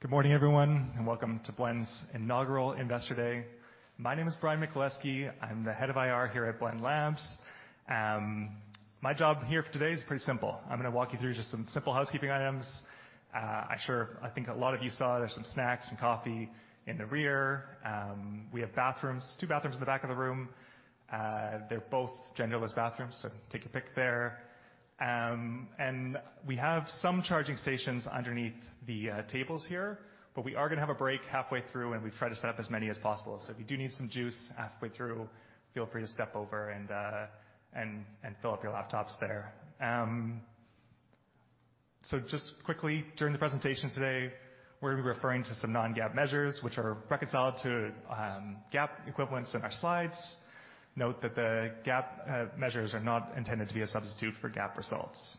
Good morning, everyone, and welcome to Blend's inaugural Investor Day. My name is Bryan Michaleski. I'm the head of IR here at Blend Labs. My job here for today is pretty simple. I'm gonna walk you through just some simple housekeeping items. I think a lot of you saw there's some snacks and coffee in the rear. We have bathrooms, two bathrooms in the back of the room. They're both genderless bathrooms, so take your pick there. And we have some charging stations underneath the tables here, but we are gonna have a break halfway through, and we've tried to set up as many as possible. So if you do need some juice halfway through, feel free to step over and fill up your laptops there. So just quickly, during the presentation today, we're gonna be referring to some non-GAAP measures, which are reconciled to GAAP equivalents in our slides. Note that the GAAP measures are not intended to be a substitute for GAAP results.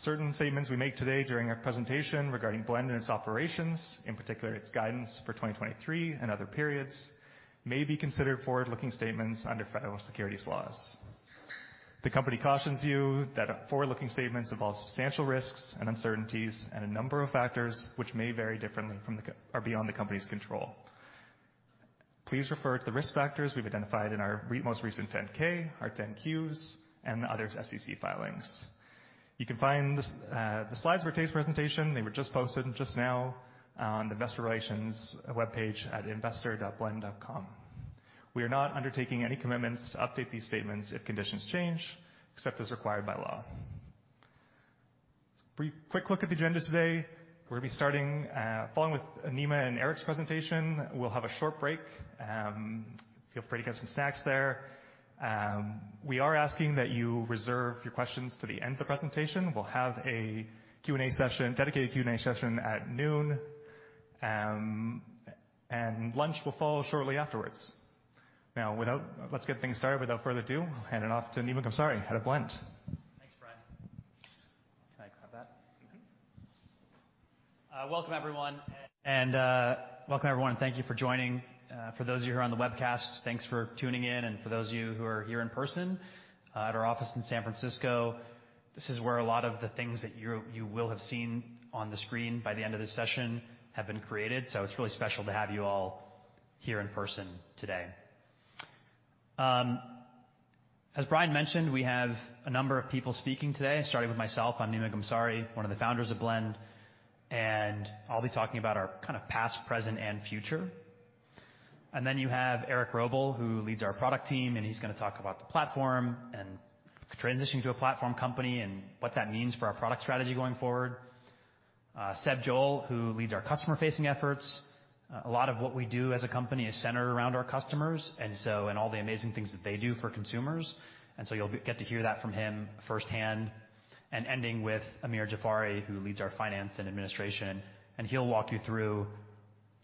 Certain statements we make today during our presentation regarding Blend and its operations, in particular, its guidance for 2023 and other periods, may be considered forward-looking statements under federal securities laws. The company cautions you that forward-looking statements involve substantial risks and uncertainties and a number of factors are beyond the company's control. Please refer to the risk factors we've identified in our most recent 10-K, our 10-Qs, and other SEC filings. You can find the slides for today's presentation. They were just posted just now on the investor relations webpage at investor.blend.com. We are not undertaking any commitments to update these statements if conditions change, except as required by law. Quick look at the agenda today. We're gonna be starting, following with Nima and Erik's presentation. We'll have a short break. Feel free to get some snacks there. We are asking that you reserve your questions to the end of the presentation. We'll have a Q&A session, dedicated Q&A session at noon, and lunch will follow shortly afterwards. Now, without further ado. Let's get things started. I'll hand it off to Nima Ghamsari, Head of Blend. Thanks, Bryan. Can I have that? Mm-hmm. Welcome, everyone, and thank you for joining. For those of you who are on the webcast, thanks for tuning in, and for those of you who are here in person, at our office in San Francisco, this is where a lot of the things that you will have seen on the screen by the end of this session have been created. So it's really special to have you all here in person today. As Bryan mentioned, we have a number of people speaking today, starting with myself. I'm Nima Ghamsari, one of the founders of Blend, and I'll be talking about our kind of past, present, and future. Then you have Erik Wrobel, who leads our product team, and he's gonna talk about the platform and transitioning to a platform company and what that means for our product strategy going forward. Seb Joll, who leads our customer-facing efforts. A lot of what we do as a company is centered around our customers, and so, and all the amazing things that they do for consumers, and so you'll get to hear that from him firsthand. Ending with Amir Jafari, who leads our finance and administration, and he'll walk you through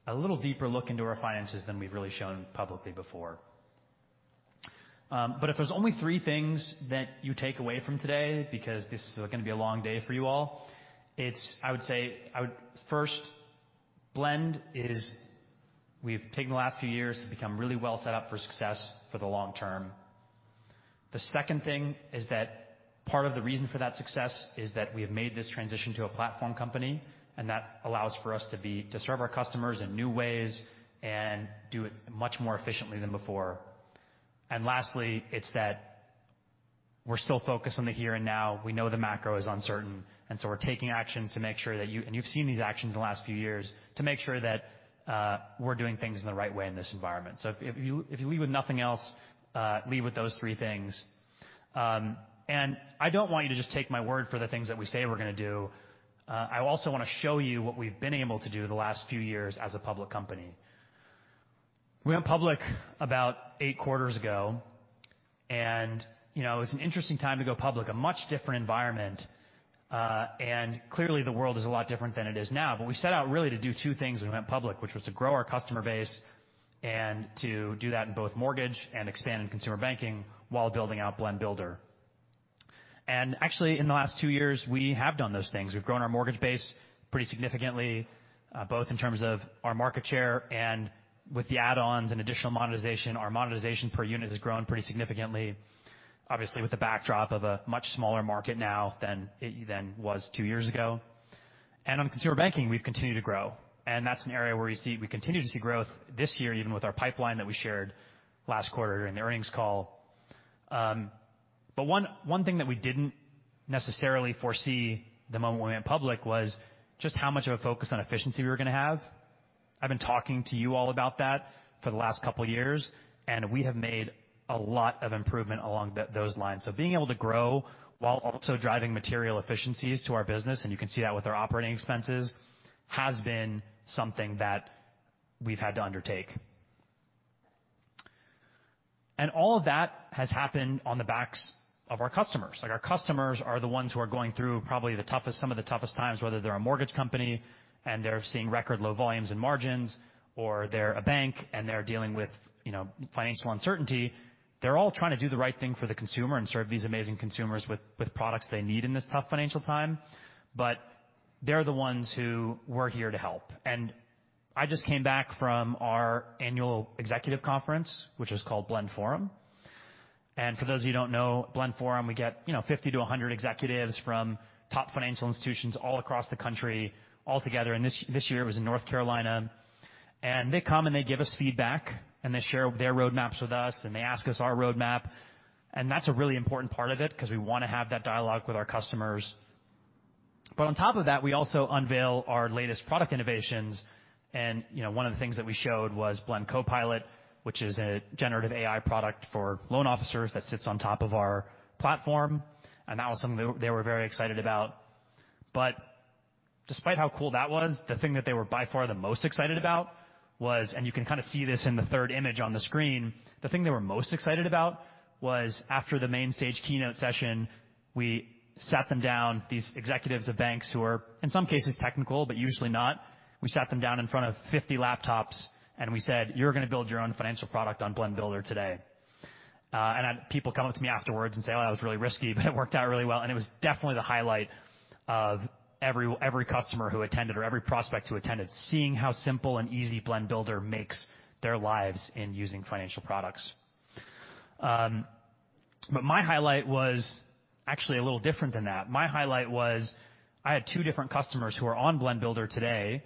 a little deeper look into our finances than we've really shown publicly before. But if there's only three things that you take away from today, because this is gonna be a long day for you all, it's... I would say, first, Blend is—we've taken the last few years to become really well set up for success for the long term. The second thing is that part of the reason for that success is that we have made this transition to a platform company, and that allows for us to be to serve our customers in new ways and do it much more efficiently than before. And lastly, it's that we're still focused on the here and now. We know the macro is uncertain, and so we're taking actions to make sure that you and you've seen these actions in the last few years, to make sure that we're doing things in the right way in this environment. So if you leave with nothing else, leave with those three things. I don't want you to just take my word for the things that we say we're gonna do. I also want to show you what we've been able to do the last few years as a public company. We went public about 8 quarters ago, and, you know, it was an interesting time to go public, a much different environment, and clearly, the world is a lot different than it is now. But we set out really to do 2 things when we went public, which was to grow our customer base and to do that in both mortgage and expand in consumer banking while building out Blend Builder. And actually, in the last 2 years, we have done those things. We've grown our mortgage base pretty significantly, both in terms of our market share and with the add-ons and additional monetization. Our monetization per unit has grown pretty significantly, obviously, with the backdrop of a much smaller market now than it was two years ago. And on consumer banking, we've continued to grow, and that's an area where we see—we continue to see growth this year, even with our pipeline that we shared last quarter in the earnings call. But one thing that we didn't necessarily foresee the moment we went public was just how much of a focus on efficiency we were gonna have. I've been talking to you all about that for the last couple of years, and we have made a lot of improvement along those lines. So being able to grow while also driving material efficiencies to our business, and you can see that with our operating expenses, has been something that we've had to undertake. All of that has happened on the backs of our customers. Like, our customers are the ones who are going through probably the toughest, some of the toughest times, whether they're a mortgage company, and they're seeing record low volumes and margins, or they're a bank, and they're dealing with, you know, financial uncertainty. They're all trying to do the right thing for the consumer and serve these amazing consumers with, with products they need in this tough financial time, but they're the ones who we're here to help. I just came back from our annual executive conference, which is called Blend Forum. For those of you who don't know Blend Forum, we get, you know, 50-100 executives from top financial institutions all across the country altogether, and this, this year it was in North Carolina. And they come, and they give us feedback, and they share their roadmaps with us, and they ask us our roadmap. And that's a really important part of it because we wanna have that dialogue with our customers. But on top of that, we also unveil our latest product innovations, and, you know, one of the things that we showed was Blend Copilot, which is a generative AI product for loan officers that sits on top of our platform, and that was something they, they were very excited about. But despite how cool that was, the thing that they were by far the most excited about was, and you can kind of see this in the third image on the screen. The thing they were most excited about was after the main stage keynote session, we sat them down, these executives of banks who are, in some cases, technical, but usually not. We sat them down in front of 50 laptops, and we said, "You're gonna build your own financial product on Blend Builder today." And people come up to me afterwards and say, "Oh, that was really risky," but it worked out really well, and it was definitely the highlight of every, every customer who attended or every prospect who attended, seeing how simple and easy Blend Builder makes their lives in using financial products. But my highlight was actually a little different than that. My highlight was I had two different customers who are on Blend Builder today,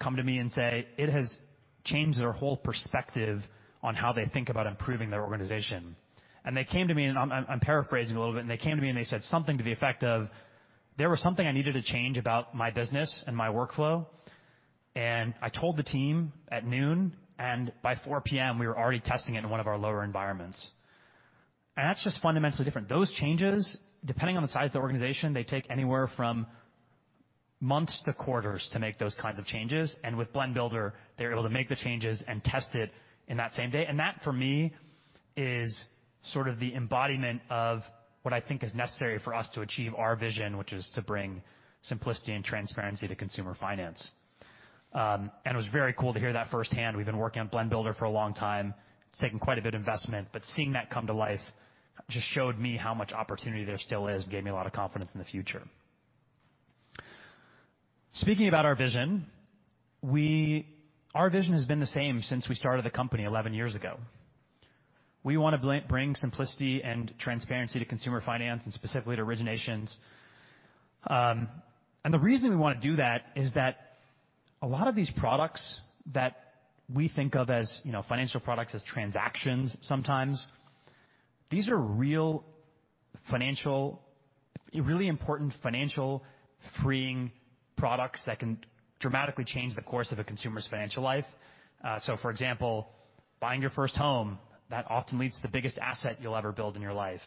come to me and say it has changed their whole perspective on how they think about improving their organization. They came to me, and I'm paraphrasing a little bit, and they came to me, and they said something to the effect of: "There was something I needed to change about my business and my workflow, and I told the team at 12:00 P.M., and by 4:00 P.M., we were already testing it in one of our lower environments." That's just fundamentally different. Those changes, depending on the size of the organization, they take anywhere from months to quarters to make those kinds of changes, and with Blend Builder, they're able to make the changes and test it in that same day. That, for me, is sort of the embodiment of what I think is necessary for us to achieve our vision, which is to bring simplicity and transparency to consumer finance. It was very cool to hear that firsthand. We've been working on Blend Builder for a long time. It's taken quite a bit of investment, but seeing that come to life just showed me how much opportunity there still is, and gave me a lot of confidence in the future. Speaking about our vision, our vision has been the same since we started the company 11 years ago. We want to bring simplicity and transparency to consumer finance and specifically to originations. And the reason we wanna do that is that a lot of these products that we think of as, you know, financial products, as transactions sometimes, these are real financial, really important financial freeing products that can dramatically change the course of a consumer's financial life. So, for example, buying your first home, that often leads to the biggest asset you'll ever build in your life,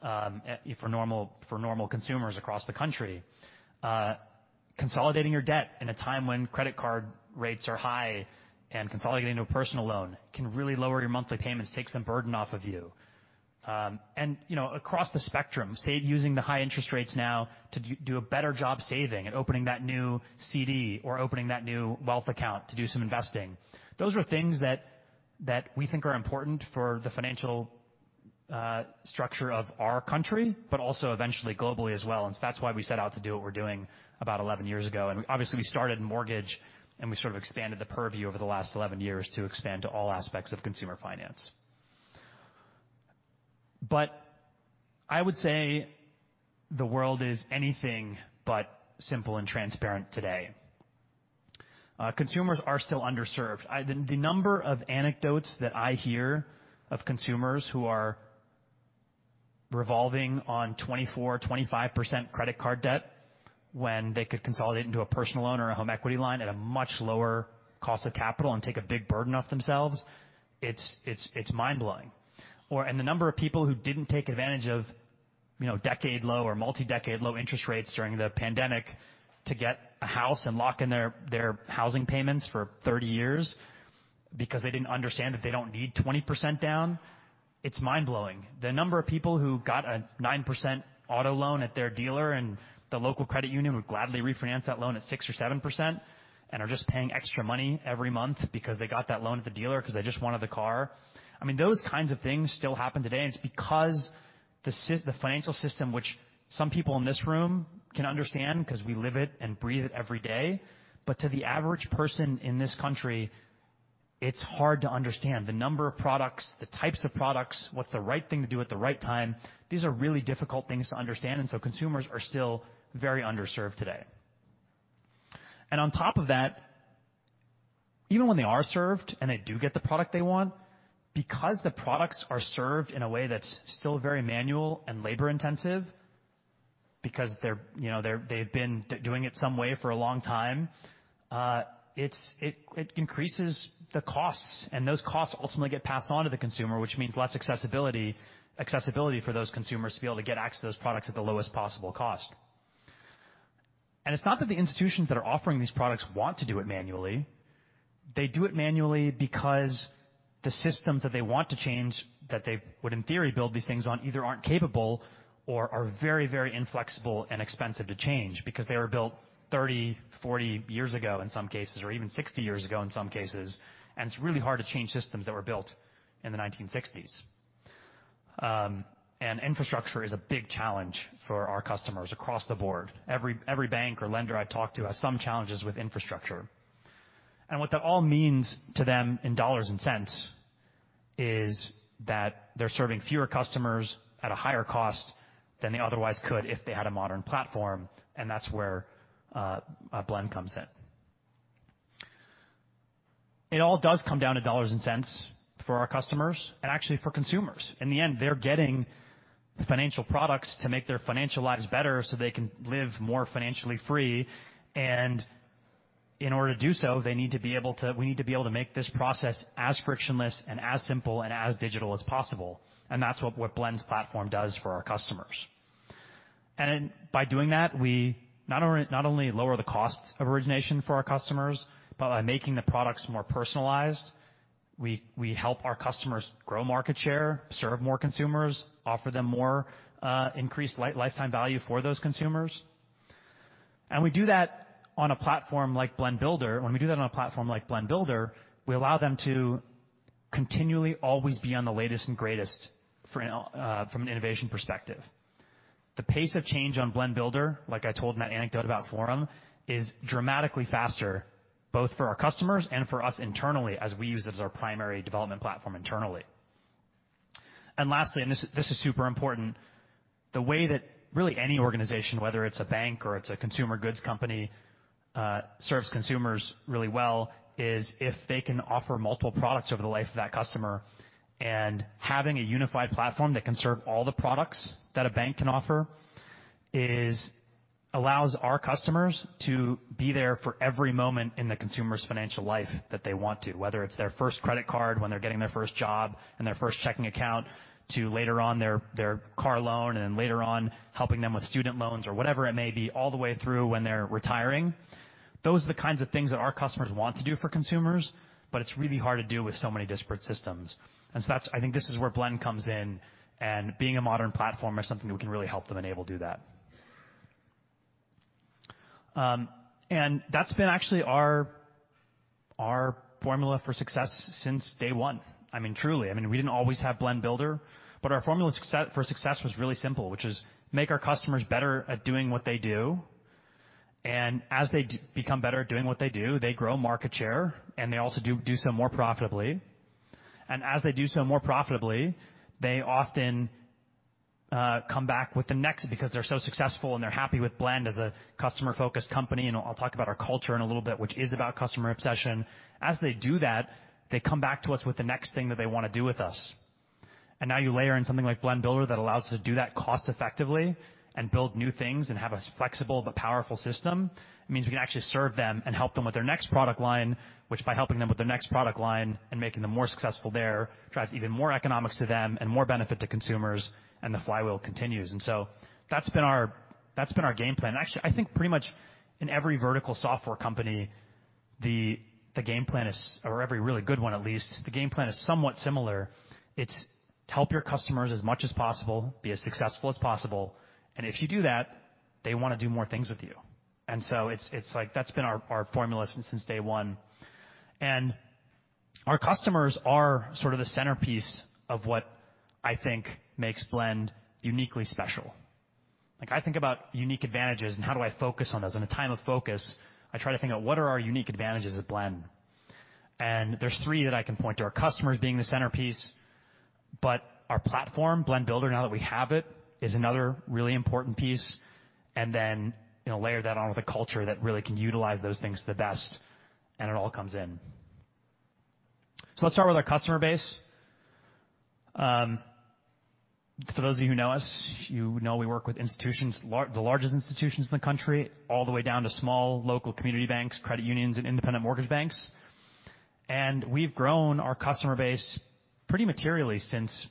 for normal, for normal consumers across the country. Consolidating your debt in a time when credit card rates are high and consolidating into a personal loan can really lower your monthly payments, take some burden off of you. And, you know, across the spectrum, say, using the high interest rates now to do a better job saving and opening that new CD or opening that new wealth account to do some investing. Those are things that we think are important for the financial structure of our country, but also eventually globally as well, and so that's why we set out to do what we're doing about 11 years ago. And obviously, we started mortgage, and we sort of expanded the purview over the last 11 years to expand to all aspects of consumer finance. But I would say the world is anything but simple and transparent today. Consumers are still underserved. The, the number of anecdotes that I hear of consumers who are revolving on 24%, 25% credit card debt when they could consolidate into a personal loan or a home equity line at a much lower cost of capital and take a big burden off themselves, it's, it's, it's mind-blowing. Or, and the number of people who didn't take advantage of, you know, decade low or multi-decade low interest rates during the pandemic to get a house and lock in their, their housing payments for 30 years because they didn't understand that they don't need 20% down, it's mind-blowing. The number of people who got a 9% auto loan at their dealer, and the local credit union would gladly refinance that loan at 6%-7% and are just paying extra money every month because they got that loan at the dealer because they just wanted the car. I mean, those kinds of things still happen today, and it's because the financial system, which some people in this room can understand because we live it and breathe it every day, but to the average person in this country, it's hard to understand. The number of products, the types of products, what's the right thing to do at the right time, these are really difficult things to understand, and so consumers are still very underserved today. And on top of that, even when they are served and they do get the product they want, because the products are served in a way that's still very manual and labor-intensive because they're, you know, they've been doing it some way for a long time, it increases the costs, and those costs ultimately get passed on to the consumer, which means less accessibility for those consumers to be able to get access to those products at the lowest possible cost. And it's not that the institutions that are offering these products want to do it manually. They do it manually because the systems that they want to change, that they would, in theory, build these things on, either aren't capable or are very, very inflexible and expensive to change because they were built 30, 40 years ago, in some cases, or even 60 years ago, in some cases, and it's really hard to change systems that were built in the 1960s. Infrastructure is a big challenge for our customers across the board. Every bank or lender I talk to has some challenges with infrastructure. What that all means to them in dollars and cents is that they're serving fewer customers at a higher cost than they otherwise could if they had a modern platform, and that's where, Blend comes in. It all does come down to dollars and cents for our customers and actually for consumers. In the end, they're getting financial products to make their financial lives better, so they can live more financially free. In order to do so, they need to be able to, we need to be able to make this process as frictionless and as simple and as digital as possible, and that's what, what Blend's platform does for our customers. By doing that, we not only, not only lower the cost of origination for our customers, but by making the products more personalized, we, we help our customers grow market share, serve more consumers, offer them more, increased lifetime value for those consumers. We do that on a platform like Blend Builder. When we do that on a platform like Blend Builder, we allow them to continually always be on the latest and greatest from, from an innovation perspective. The pace of change on Blend Builder, like I told in that anecdote about Forum, is dramatically faster, both for our customers and for us internally, as we use it as our primary development platform internally. And lastly, and this, this is super important, the way that really any organization, whether it's a bank or it's a consumer goods company, serves consumers really well, is if they can offer multiple products over the life of that customer. Having a unified platform that can serve all the products that a bank can offer allows our customers to be there for every moment in the consumer's financial life that they want to, whether it's their first credit card, when they're getting their first job and their first checking account, to later on their, their car loan, and then later on helping them with student loans or whatever it may be, all the way through when they're retiring. Those are the kinds of things that our customers want to do for consumers, but it's really hard to do with so many disparate systems. So that's. I think this is where Blend comes in, and being a modern platform is something that we can really help them enable do that. That's been actually our, our formula for success since day one. I mean, truly. I mean, we didn't always have Blend Builder, but our formula for success was really simple, which is make our customers better at doing what they do, and as they become better at doing what they do, they grow market share, and they also do so more profitably. And as they do so more profitably, they often come back with the next because they're so successful and they're happy with Blend as a customer-focused company. And I'll talk about our culture in a little bit, which is about customer obsession. As they do that, they come back to us with the next thing that they want to do with us. And now you layer in something like Blend Builder that allows us to do that cost effectively and build new things and have a flexible but powerful system. It means we can actually serve them and help them with their next product line, which by helping them with their next product line and making them more successful there, drives even more economics to them and more benefit to consumers, and the flywheel continues. And so that's been our, that's been our game plan. Actually, I think pretty much in every vertical software company, the, the game plan is... or every really good one, at least, the game plan is somewhat similar. It's help your customers as much as possible, be as successful as possible, and if you do that, they want to do more things with you. And so it's, it's like that's been our, our formula since day one. And our customers are sort of the centerpiece of what I think makes Blend uniquely special. Like, I think about unique advantages and how do I focus on those. In a time of focus, I try to think about what are our unique advantages at Blend? And there's three that I can point to, our customers being the centerpiece, but our platform, Blend Builder, now that we have it, is another really important piece. And then, you know, layer that on with a culture that really can utilize those things the best, and it all comes in. So let's start with our customer base. For those of you who know us, you know we work with institutions, the largest institutions in the country, all the way down to small, local community banks, credit unions and independent mortgage banks. And we've grown our customer base pretty materially since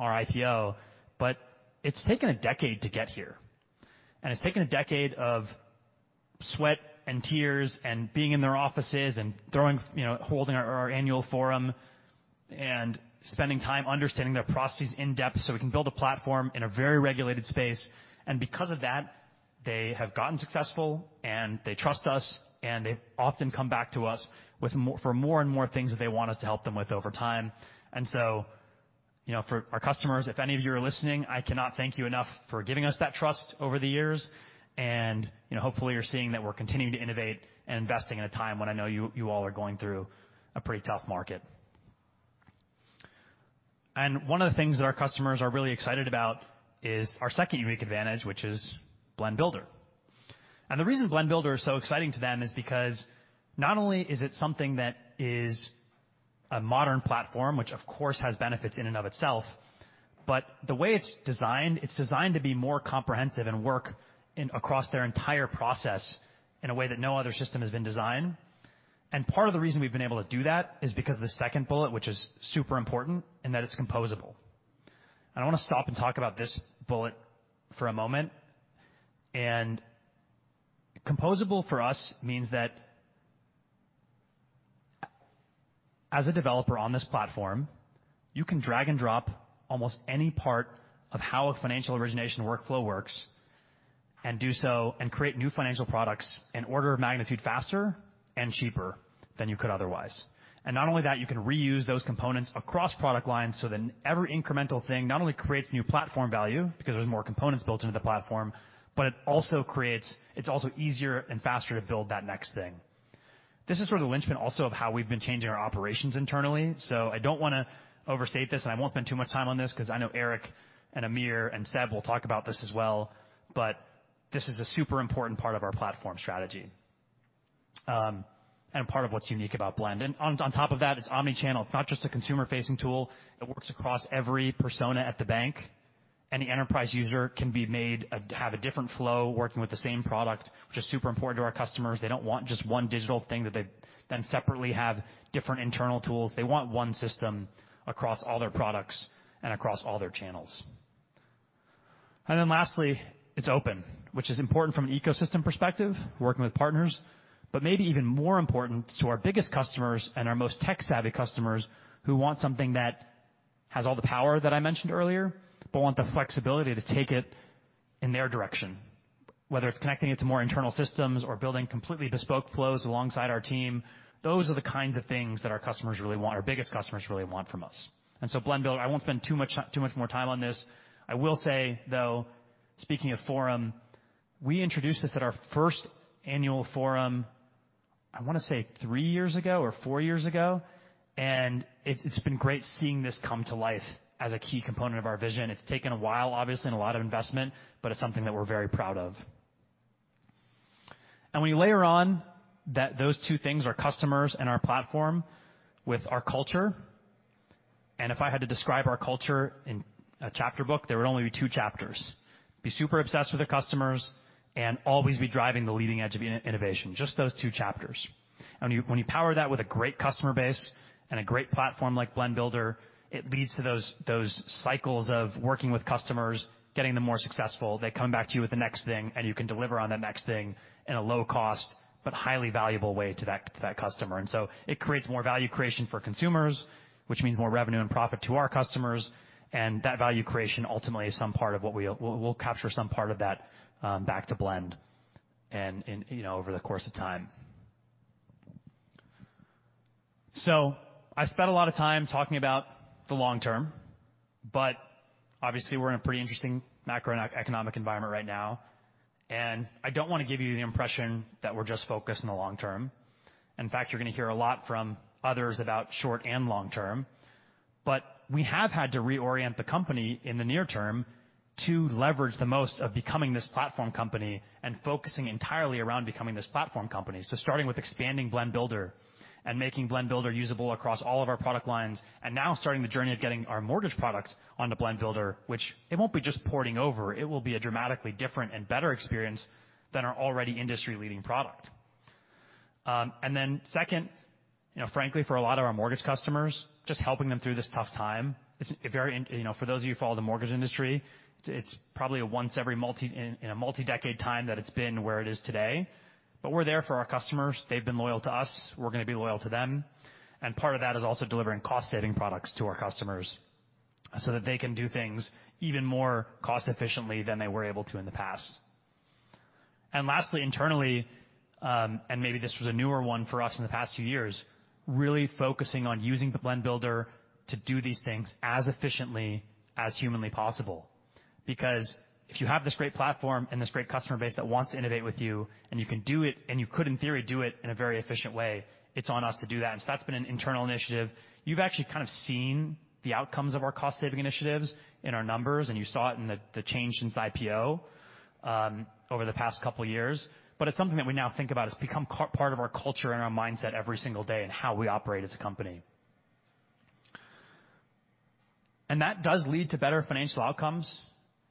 our IPO, but it's taken a decade to get here. It's taken a decade of sweat and tears and being in their offices and throwing, you know, holding our, our annual forum and spending time understanding their processes in depth so we can build a platform in a very regulated space. Because of that, they have gotten successful, and they trust us, and they often come back to us with more—for more and more things that they want us to help them with over time. So, you know, for our customers, if any of you are listening, I cannot thank you enough for giving us that trust over the years, and, you know, hopefully, you're seeing that we're continuing to innovate and investing in a time when I know you, you all are going through a pretty tough market. One of the things that our customers are really excited about is our second unique advantage, which is Blend Builder. The reason Blend Builder is so exciting to them is because not only is it something that is a modern platform, which of course has benefits in and of itself, but the way it's designed, it's designed to be more comprehensive and work across their entire process in a way that no other system has been designed. Part of the reason we've been able to do that is because of the second bullet, which is super important, and that it's composable. I want to stop and talk about this bullet for a moment. And composable for us means that as a developer on this platform, you can drag-and-drop almost any part of how a financial origination workflow works and do so and create new financial products in order of magnitude, faster and cheaper than you could otherwise. And not only that, you can reuse those components across product lines, so then every incremental thing not only creates new platform value because there's more components built into the platform, but it also creates, it's also easier and faster to build that next thing. This is where the linchpin also of how we've been changing our operations internally. So I don't want to overstate this, and I won't spend too much time on this because I know Erik and Amir and Seb will talk about this as well. But this is a super important part of our platform strategy, and part of what's unique about Blend. And on top of that, it's omni-channel. It's not just a consumer-facing tool. It works across every persona at the bank. Any enterprise user can be made have a different flow working with the same product, which is super important to our customers. They don't want just one digital thing, that they then separately have different internal tools. They want one system across all their products and across all their channels. And then lastly, it's open, which is important from an ecosystem perspective, working with partners, but maybe even more important to our biggest customers and our most tech-savvy customers, who want something that has all the power that I mentioned earlier, but want the flexibility to take it in their direction. Whether it's connecting it to more internal systems or building completely bespoke flows alongside our team, those are the kinds of things that our customers really want, our biggest customers really want from us. And so Blend Builder, I won't spend too much, too much more time on this. I will say, though, speaking of Forum, we introduced this at our first annual Forum, I want to say three years ago or four years ago, and it's, it's been great seeing this come to life as a key component of our vision. It's taken a while, obviously, and a lot of investment, but it's something that we're very proud of. And when you layer on that those two things, our customers and our platform with our culture, and if I had to describe our culture in a chapter book, there would only be two chapters: Be super obsessed with the customers and always be driving the leading edge of innovation. Just those two chapters. And when you power that with a great customer base and a great platform like Blend Builder, it leads to those cycles of working with customers, getting them more successful. They come back to you with the next thing, and you can deliver on that next thing in a low cost, but highly valuable way to that customer. And so it creates more value creation for consumers, which means more revenue and profit to our customers. And that value creation ultimately is some part of what we'll capture some part of that, you know, over the course of time. So I spent a lot of time talking about the long term, but obviously, we're in a pretty interesting macroeconomic environment right now, and I don't want to give you the impression that we're just focused on the long term. In fact, you're going to hear a lot from others about short and long term. But we have had to reorient the company in the near term to leverage the most of becoming this platform company and focusing entirely around becoming this platform company. So starting with expanding Blend Builder and making Blend Builder usable across all of our product lines, and now starting the journey of getting our mortgage products onto Blend Builder, which it won't be just porting over. It will be a dramatically different and better experience than our already industry-leading product. And then second, you know, frankly, for a lot of our mortgage customers, just helping them through this tough time. It's very... You know, for those of you who follow the mortgage industry, it's probably a once every multi-decade time that it's been where it is today, but we're there for our customers. They've been loyal to us. We're going to be loyal to them, and part of that is also delivering cost-saving products to our customers so that they can do things even more cost efficiently than they were able to in the past. And lastly, internally, and maybe this was a newer one for us in the past few years, really focusing on using the Blend Builder to do these things as efficiently as humanly possible. Because if you have this great platform and this great customer base that wants to innovate with you, and you can do it, and you could, in theory, do it in a very efficient way, it's on us to do that. And so that's been an internal initiative. You've actually kind of seen the outcomes of our cost-saving initiatives in our numbers, and you saw it in the change since IPO, over the past couple of years. But it's something that we now think about. It's become part of our culture and our mindset every single day and how we operate as a company. And that does lead to better financial outcomes,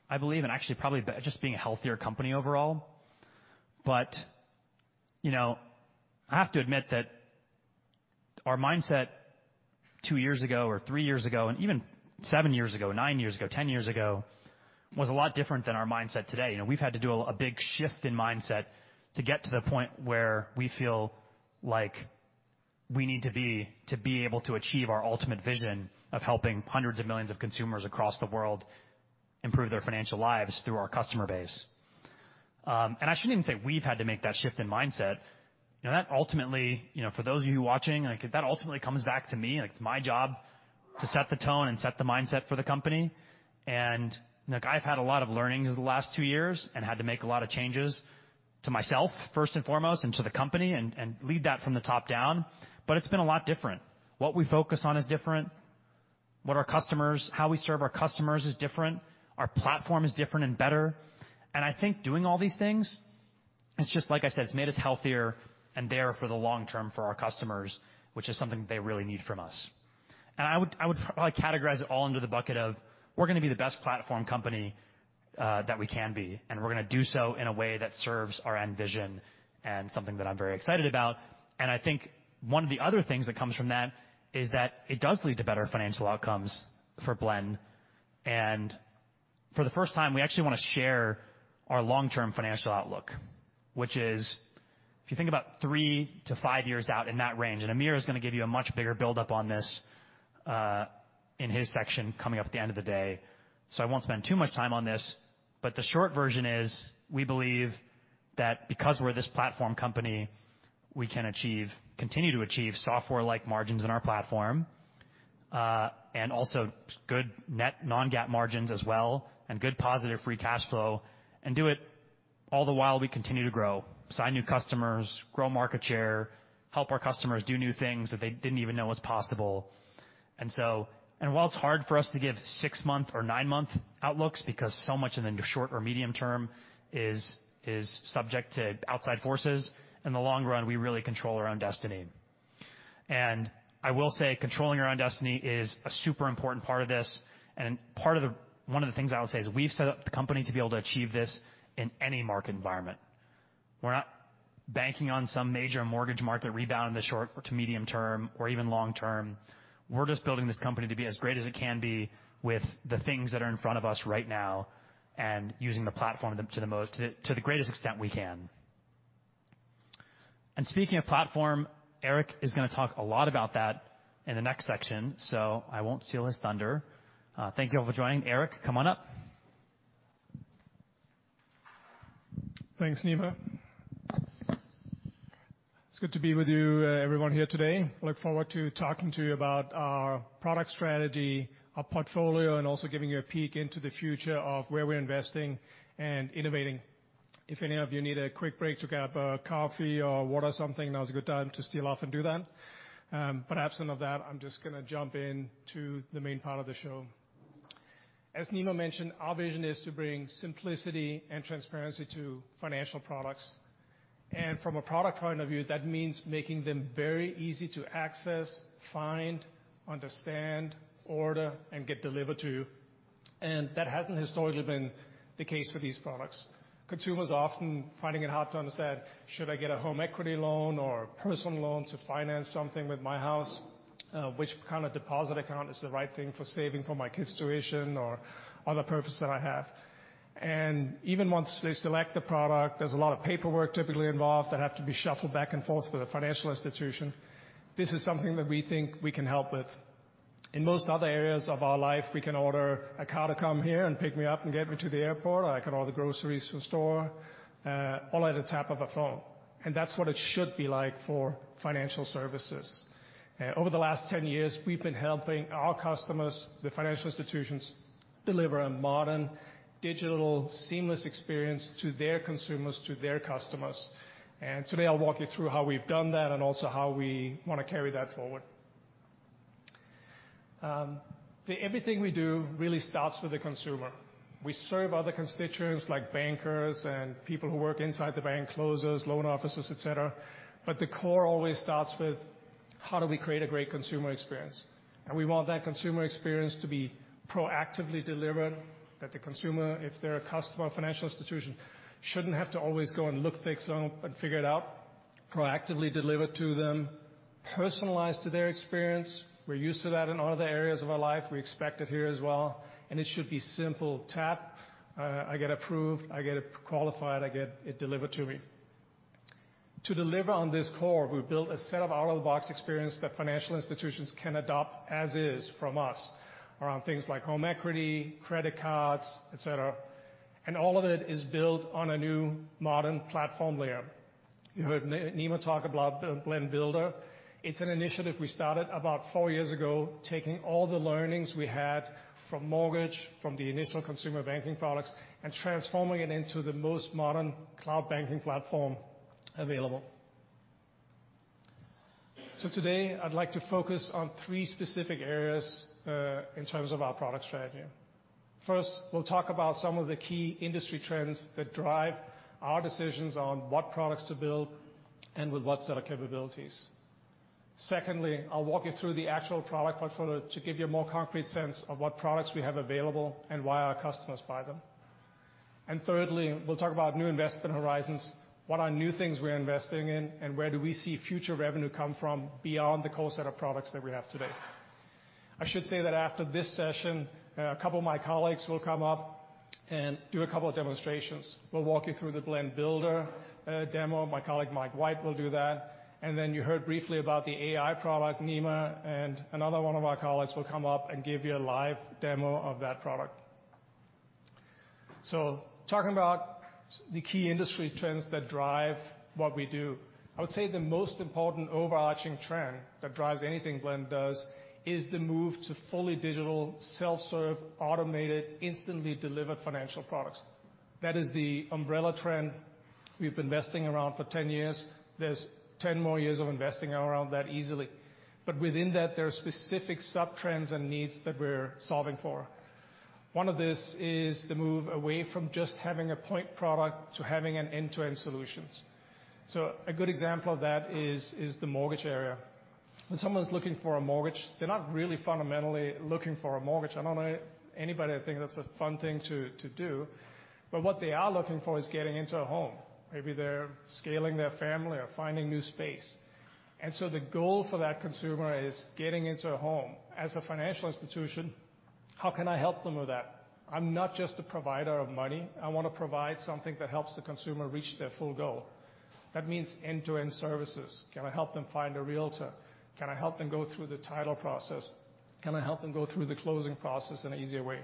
I believe, and actually probably just being a healthier company overall. But, you know, I have to admit that our mindset two years ago or three years ago, and even seven years ago, nine years ago, 10 years ago, was a lot different than our mindset today. You know, we've had to do a, a big shift in mindset to get to the point where we feel like we need to be, to be able to achieve our ultimate vision of helping hundreds of millions of consumers across the world improve their financial lives through our customer base. And I shouldn't even say we've had to make that shift in mindset. You know, that ultimately, you know, for those of you watching, like, that ultimately comes back to me, like, it's my job to set the tone and set the mindset for the company. And look, I've had a lot of learnings over the last two years and had to make a lot of changes to myself, first and foremost, and to the company, and lead that from the top down. But it's been a lot different. What we focus on is different. What our customers, how we serve our customers is different. Our platform is different and better. And I think doing all these things, it's just like I said, it's made us healthier and there for the long term for our customers, which is something they really need from us. I would, I would probably categorize it all under the bucket of we're going to be the best platform company that we can be, and we're going to do so in a way that serves our end vision and something that I'm very excited about. I think one of the other things that comes from that is that it does lead to better financial outcomes for Blend. For the first time, we actually want to share our long-term financial outlook, which is, if you think about three to five years out in that range, and Amir is going to give you a much bigger buildup on this in his section coming up at the end of the day. So I won't spend too much time on this, but the short version is, we believe that because we're this platform company, we can achieve... Continue to achieve software-like margins in our platform, and also good net non-GAAP margins as well, and good positive free cash flow, and do it all the while we continue to grow, sign new customers, grow market share, help our customers do new things that they didn't even know was possible. And so, and while it's hard for us to give six-month or nine-month outlooks, because so much in the short or medium term is subject to outside forces, in the long run, we really control our own destiny. And I will say controlling our own destiny is a super important part of this, and part of the one of the things I would say is we've set up the company to be able to achieve this in any market environment. We're not banking on some major mortgage market rebound in the short to medium term or even long term. We're just building this company to be as great as it can be with the things that are in front of us right now and using the platform to the greatest extent we can. And speaking of platform, Erik is gonna talk a lot about that in the next section, so I won't steal his thunder. Thank you all for joining. Erik, come on up. Thanks, Nima. It's good to be with you, everyone here today. I look forward to talking to you about our product strategy, our portfolio, and also giving you a peek into the future of where we're investing and innovating. If any of you need a quick break to grab a coffee or water or something, now is a good time to steal off and do that. But absent of that, I'm just gonna jump into the main part of the show. As Nima mentioned, our vision is to bring simplicity and transparency to financial products, and from a product point of view, that means making them very easy to access, find, understand, order, and get delivered to you. And that hasn't historically been the case for these products. Consumers are often finding it hard to understand, should I get a home equity loan or a personal loan to finance something with my house? Which kind of deposit account is the right thing for saving for my kids' tuition or other purpose that I have? And even once they select the product, there's a lot of paperwork typically involved that have to be shuffled back and forth with a financial institution. This is something that we think we can help with. In most other areas of our life, we can order a car to come here and pick me up and get me to the airport. I can order groceries from store, all at a tap of a phone, and that's what it should be like for financial services. Over the last 10 years, we've been helping our customers, the financial institutions, deliver a modern, digital, seamless experience to their consumers, to their customers. Today, I'll walk you through how we've done that and also how we wanna carry that forward. The everything we do really starts with the consumer. We serve other constituents like bankers and people who work inside the bank, closers, loan officers, et cetera, but the core always starts with: how do we create a great consumer experience? And we want that consumer experience to be proactively delivered, that the consumer, if they're a customer of a financial institution, shouldn't have to always go and look for itself and figure it out. Proactively delivered to them, personalized to their experience. We're used to that in all other areas of our life. We expect it here as well, and it should be simple. Tap, I get approved, I get it qualified, I get it delivered to me. To deliver on this core, we've built a set of out-of-the-box experience that financial institutions can adopt as is from us around things like home equity, credit cards, et cetera, and all of it is built on a new modern platform layer. You heard Nima talk about Blend Builder. It's an initiative we started about four years ago, taking all the learnings we had from mortgage, from the initial consumer banking products, and transforming it into the most modern cloud banking platform available. So today, I'd like to focus on three specific areas in terms of our product strategy. First, we'll talk about some of the key industry trends that drive our decisions on what products to build and with what set of capabilities. Secondly, I'll walk you through the actual product portfolio to give you a more concrete sense of what products we have available and why our customers buy them. And thirdly, we'll talk about new investment horizons, what are new things we're investing in, and where do we see future revenue come from beyond the core set of products that we have today. I should say that after this session, a couple of my colleagues will come up and do a couple of demonstrations. We'll walk you through the Blend Builder demo. My colleague, Marc White, will do that. And then you heard briefly about the AI product, Nima, and another one of our colleagues will come up and give you a live demo of that product. So talking about the key industry trends that drive what we do, I would say the most important overarching trend that drives anything Blend does is the move to fully digital, self-serve, automated, instantly delivered financial products. That is the umbrella trend we've been investing around for 10 years. There's 10 more years of investing around that easily, but within that, there are specific sub-trends and needs that we're solving for. One of this is the move away from just having a point product to having an end-to-end solutions. So a good example of that is the mortgage area. When someone's looking for a mortgage, they're not really fundamentally looking for a mortgage. I don't know anybody that think that's a fun thing to do, but what they are looking for is getting into a home. Maybe they're scaling their family or finding new space. The goal for that consumer is getting into a home. As a financial institution, how can I help them with that? I'm not just a provider of money. I wanna provide something that helps the consumer reach their full goal. That means end-to-end services. Can I help them find a Realtor? Can I help them go through the title process? Can I help them go through the closing process in an easier way?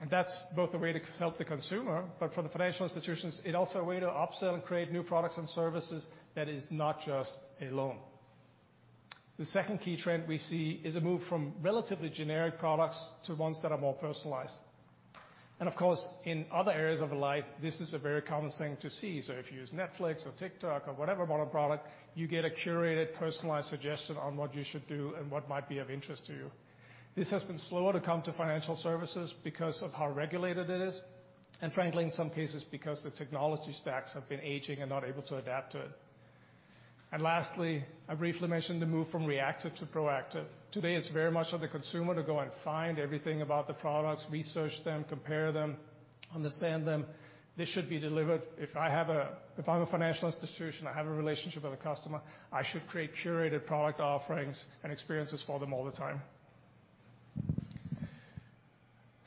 And that's both a way to help the consumer, but for the financial institutions, it's also a way to upsell and create new products and services that is not just a loan. The second key trend we see is a move from relatively generic products to ones that are more personalized. And of course, in other areas of life, this is a very common thing to see. So if you use Netflix or TikTok or whatever modern product, you get a curated, personalized suggestion on what you should do and what might be of interest to you. This has been slower to come to financial services because of how regulated it is, and frankly, in some cases, because the technology stacks have been aging and not able to adapt to it. And lastly, I briefly mentioned the move from reactive to proactive. Today, it's very much on the consumer to go and find everything about the products, research them, compare them, understand them. This should be delivered. If I have a-- If I'm a financial institution, I have a relationship with a customer, I should create curated product offerings and experiences for them all the time.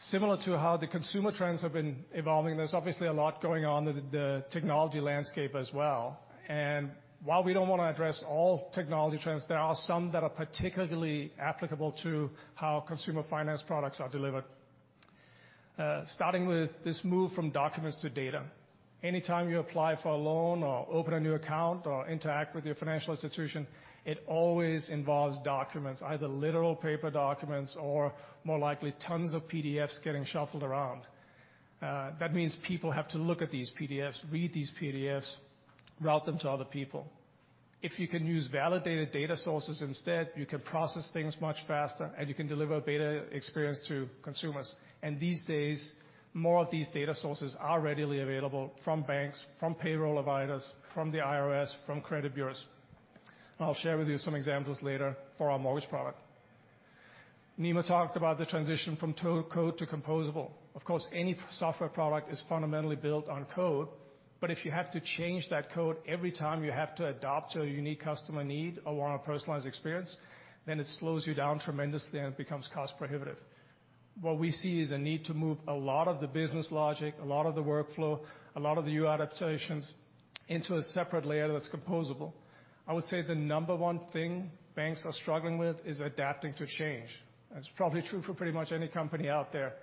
Similar to how the consumer trends have been evolving, there's obviously a lot going on with the technology landscape as well. While we don't want to address all technology trends, there are some that are particularly applicable to how consumer finance products are delivered. Starting with this move from documents to data. Anytime you apply for a loan or open a new account or interact with your financial institution, it always involves documents, either literal paper documents or more likely, tons of PDFs getting shuffled around. That means people have to look at these PDFs, read these PDFs, route them to other people. If you can use validated data sources instead, you can process things much faster, and you can deliver a better experience to consumers. These days, more of these data sources are readily available from banks, from payroll providers, from the IRS, from credit bureaus. I'll share with you some examples later for our mortgage product. Nima talked about the transition from low-code to composable. Of course, any software product is fundamentally built on code, but if you have to change that code every time you have to adapt to a unique customer need or want a personalized experience, then it slows you down tremendously, and it becomes cost prohibitive. What we see is a need to move a lot of the business logic, a lot of the workflow, a lot of the new adaptations into a separate layer that's composable. I would say the number one thing banks are struggling with is adapting to change. That's probably true for pretty much any company out there,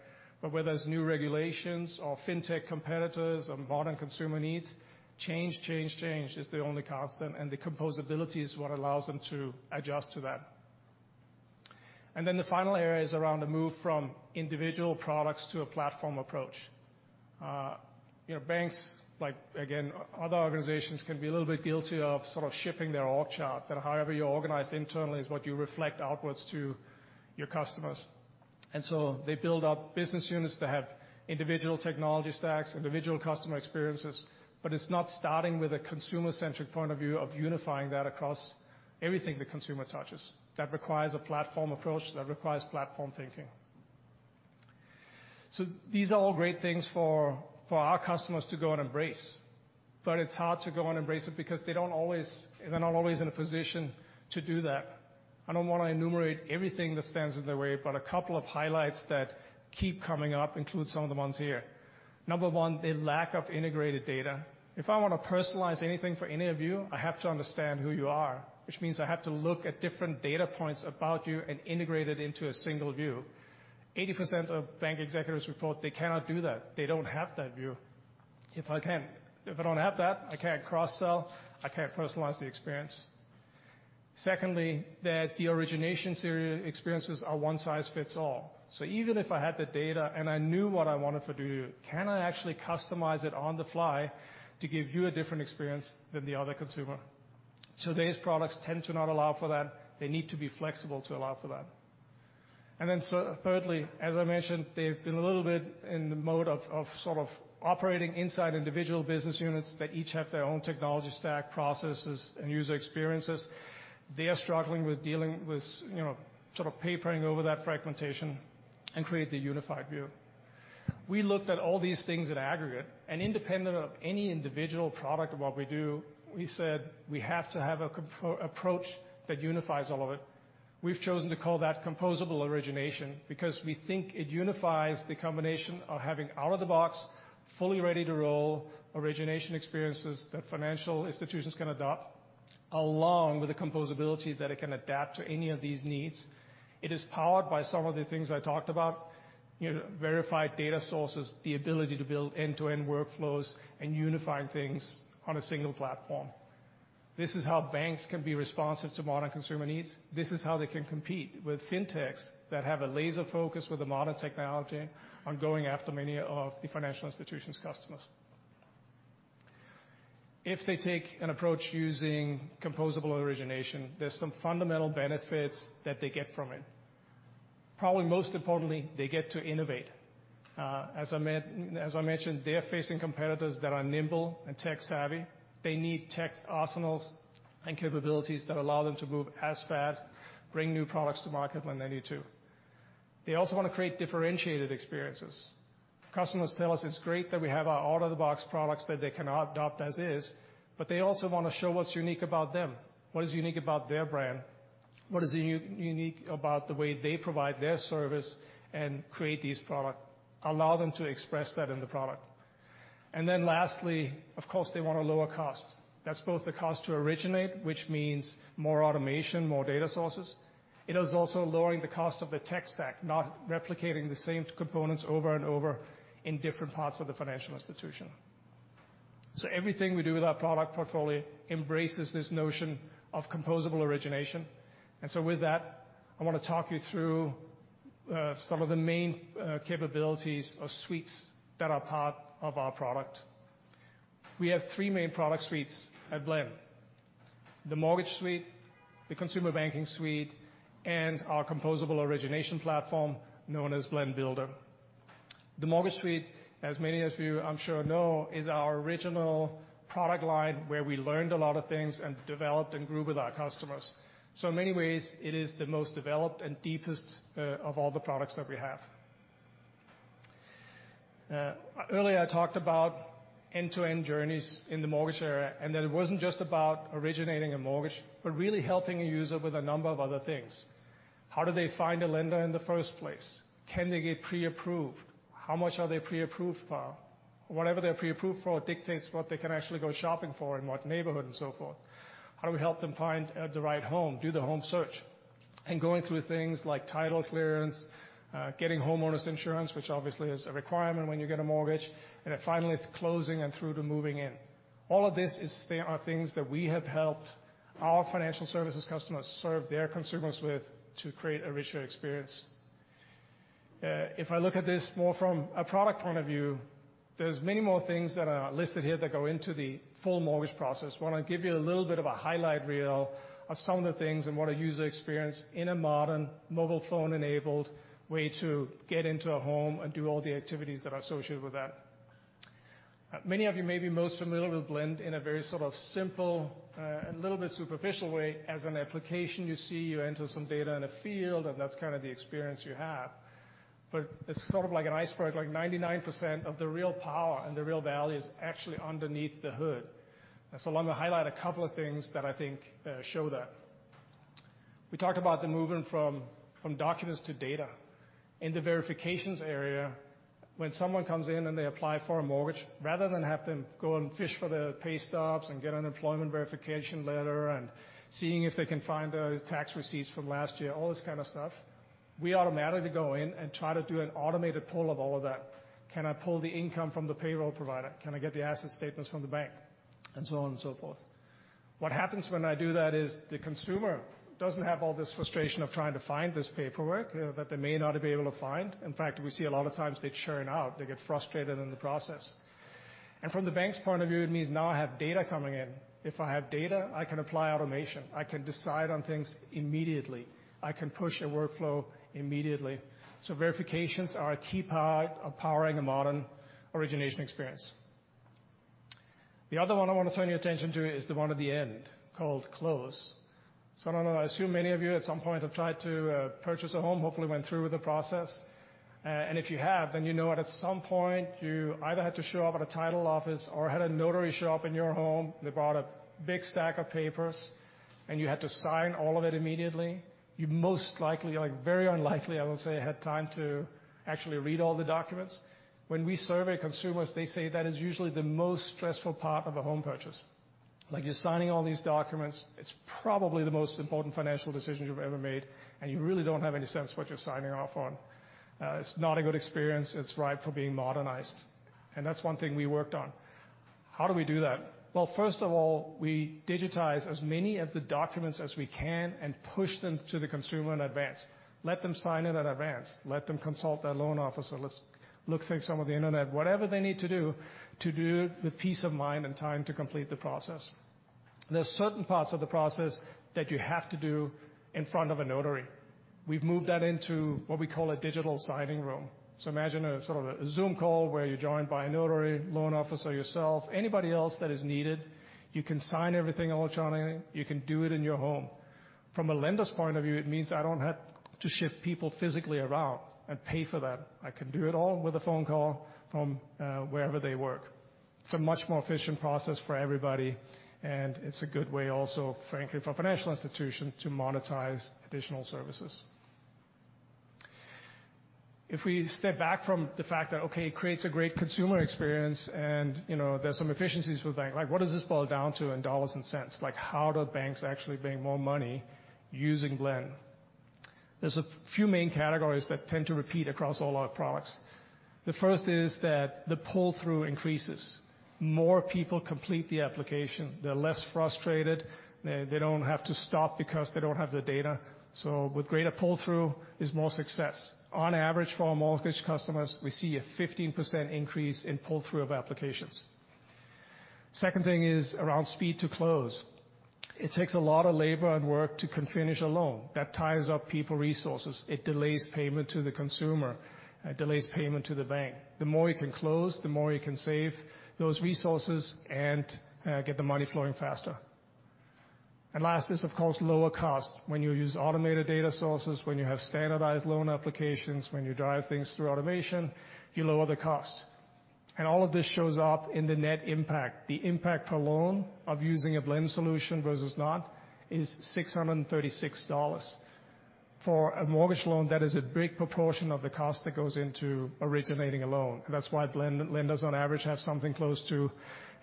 but whether it's new regulations or fintech competitors or modern consumer needs, change, change, change is the only constant, and the composability is what allows them to adjust to that. And then the final area is around the move from individual products to a platform approach. You know, banks, like, again, other organizations, can be a little bit guilty of sort of shipping their org chart, that however you're organized internally is what you reflect outwards to your customers. And so they build up business units that have individual technology stacks, individual customer experiences, but it's not starting with a consumer-centric point of view of unifying that across everything the consumer touches. That requires a platform approach, that requires platform thinking. So these are all great things for our customers to go and embrace, but it's hard to go and embrace it because they don't always... They're not always in a position to do that. I don't want to enumerate everything that stands in their way, but a couple of highlights that keep coming up include some of the ones here. Number one, the lack of integrated data. If I want to personalize anything for any of you, I have to understand who you are, which means I have to look at different data points about you and integrate it into a single view. 80% of bank executives report they cannot do that. They don't have that view. If I don't have that, I can't cross-sell, I can't personalize the experience. Secondly, that the origination experiences are one size fits all. So even if I had the data and I knew what I wanted to do, can I actually customize it on the fly to give you a different experience than the other consumer? Today's products tend to not allow for that. They need to be flexible to allow for that. Thirdly, as I mentioned, they've been a little bit in the mode of sort of operating inside individual business units that each have their own technology stack, processes, and user experiences. They are struggling with dealing with, you know, sort of papering over that fragmentation and create the unified view. We looked at all these things at aggregate, and independent of any individual product of what we do, we said, "We have to have a composable approach that unifies all of it." We've chosen to call that Composable Origination because we think it unifies the combination of having out-of-the-box, fully ready-to-roll origination experiences that financial institutions can adopt, along with the composability that it can adapt to any of these needs. It is powered by some of the things I talked about, you know, verified data sources, the ability to build end-to-end workflows, and unifying things on a single platform. This is how banks can be responsive to modern consumer needs. This is how they can compete with fintechs that have a laser focus with the modern technology on going after many of the financial institutions' customers. If they take an approach using Composable Origination, there's some fundamental benefits that they get from it. Probably most importantly, they get to innovate. As I mentioned, they are facing competitors that are nimble and tech-savvy. They need tech arsenals and capabilities that allow them to move as fast, bring new products to market when they need to. They also want to create differentiated experiences. Customers tell us it's great that we have our out-of-the-box products that they can adopt as is, but they also want to show what's unique about them, what is unique about their brand, what is unique about the way they provide their service and create these products, allow them to express that in the product. And then lastly, of course, they want a lower cost. That's both the cost to originate, which means more automation, more data sources. It is also lowering the cost of the tech stack, not replicating the same components over and over in different parts of the financial institution. So everything we do with our product portfolio embraces this notion of Composable Origination. And so with that, I want to talk you through some of the main capabilities or suites that are part of our product. We have three main product suites at Blend: the Mortgage Suite, the Consumer Banking Suite, and our Composable Origination Platform, known as Blend Builder. The Mortgage Suite, as many of you I'm sure know, is our original product line, where we learned a lot of things and developed and grew with our customers. In many ways, it is the most developed and deepest of all the products that we have. Earlier, I talked about end-to-end journeys in the mortgage area, and that it wasn't just about originating a mortgage, but really helping a user with a number of other things. How do they find a lender in the first place? Can they get pre-approved? How much are they pre-approved for? Whatever they're pre-approved for dictates what they can actually go shopping for, in what neighborhood, and so forth. How do we help them find the right home, do the home search, and going through things like title clearance, getting homeowners insurance, which obviously is a requirement when you get a mortgage, and then finally closing and through to moving in. All of this is there are things that we have helped our financial services customers serve their consumers with to create a richer experience. If I look at this more from a product point of view, there's many more things that are listed here that go into the full mortgage process. Want to give you a little bit of a highlight reel of some of the things and what a user experience in a modern, mobile phone-enabled way to get into a home and do all the activities that are associated with that. Many of you may be most familiar with Blend in a very sort of simple, and little bit superficial way. As an application, you see, you enter some data in a field, and that's kind of the experience you have. But it's sort of like an iceberg, like 99% of the real power and the real value is actually underneath the hood. And so I want to highlight a couple of things that I think show that. We talked about the movement from documents to data. In the verifications area, when someone comes in, and they apply for a mortgage, rather than have them go and fish for their pay stubs and get an employment verification letter and seeing if they can find, tax receipts from last year, all this kind of stuff, we automatically go in and try to do an automated pull of all of that. Can I pull the income from the payroll provider? Can I get the asset statements from the bank? And so on and so forth. What happens when I do that is the consumer doesn't have all this frustration of trying to find this paperwork, that they may not be able to find. In fact, we see a lot of times they churn out, they get frustrated in the process. And from the bank's point of view, it means now I have data coming in. If I have data, I can apply automation, I can decide on things immediately, I can push a workflow immediately. So verifications are a key part of powering a modern origination experience. The other one I want to turn your attention to is the one at the end, called Close. So I don't know, I assume many of you at some point have tried to purchase a home, hopefully went through with the process. And if you have, then you know that at some point, you either had to show up at a title office or had a notary show up in your home, they brought a big stack of papers, and you had to sign all of it immediately. You most likely, like, very unlikely, I will say, had time to actually read all the documents. When we survey consumers, they say that is usually the most stressful part of a home purchase. Like, you're signing all these documents, it's probably the most important financial decision you've ever made, and you really don't have any sense what you're signing off on. It's not a good experience. It's ripe for being modernized, and that's one thing we worked on. How do we do that? Well, first of all, we digitize as many of the documents as we can and push them to the consumer in advance. Let them sign it in advance, let them consult their loan officer, let's look through some of the Internet, whatever they need to do, to do with peace of mind and time to complete the process. There are certain parts of the process that you have to do in front of a notary. We've moved that into what we call a digital signing room. So imagine a, sort of a Zoom call, where you're joined by a notary, loan officer, yourself, anybody else that is needed. You can sign everything electronically. You can do it in your home. From a lender's point of view, it means I don't have to ship people physically around and pay for that. I can do it all with a phone call from wherever they work. It's a much more efficient process for everybody, and it's a good way also, frankly, for financial institutions to monetize additional services. If we step back from the fact that, okay, it creates a great consumer experience and, you know, there's some efficiencies for the bank. Like, what does this boil down to in dollars and cents? Like, how do banks actually make more money using Blend? There's a few main categories that tend to repeat across all our products. The first is that the pull-through increases. More people complete the application. They're less frustrated. They don't have to stop because they don't have the data. So with greater pull-through is more success. On average, for our mortgage customers, we see a 15% increase in pull-through of applications. Second thing is around speed to close. It takes a lot of labor and work to finish a loan. That ties up people, resources. It delays payment to the consumer. It delays payment to the bank. The more you can close, the more you can save those resources and get the money flowing faster. And last is, of course, lower cost. When you use automated data sources, when you have standardized loan applications, when you drive things through automation, you lower the cost. All of this shows up in the net impact. The impact per loan of using a Blend solution versus not is $636 for a mortgage loan, that is a big proportion of the cost that goes into originating a loan. And that's why Blend, lenders on average, have something close to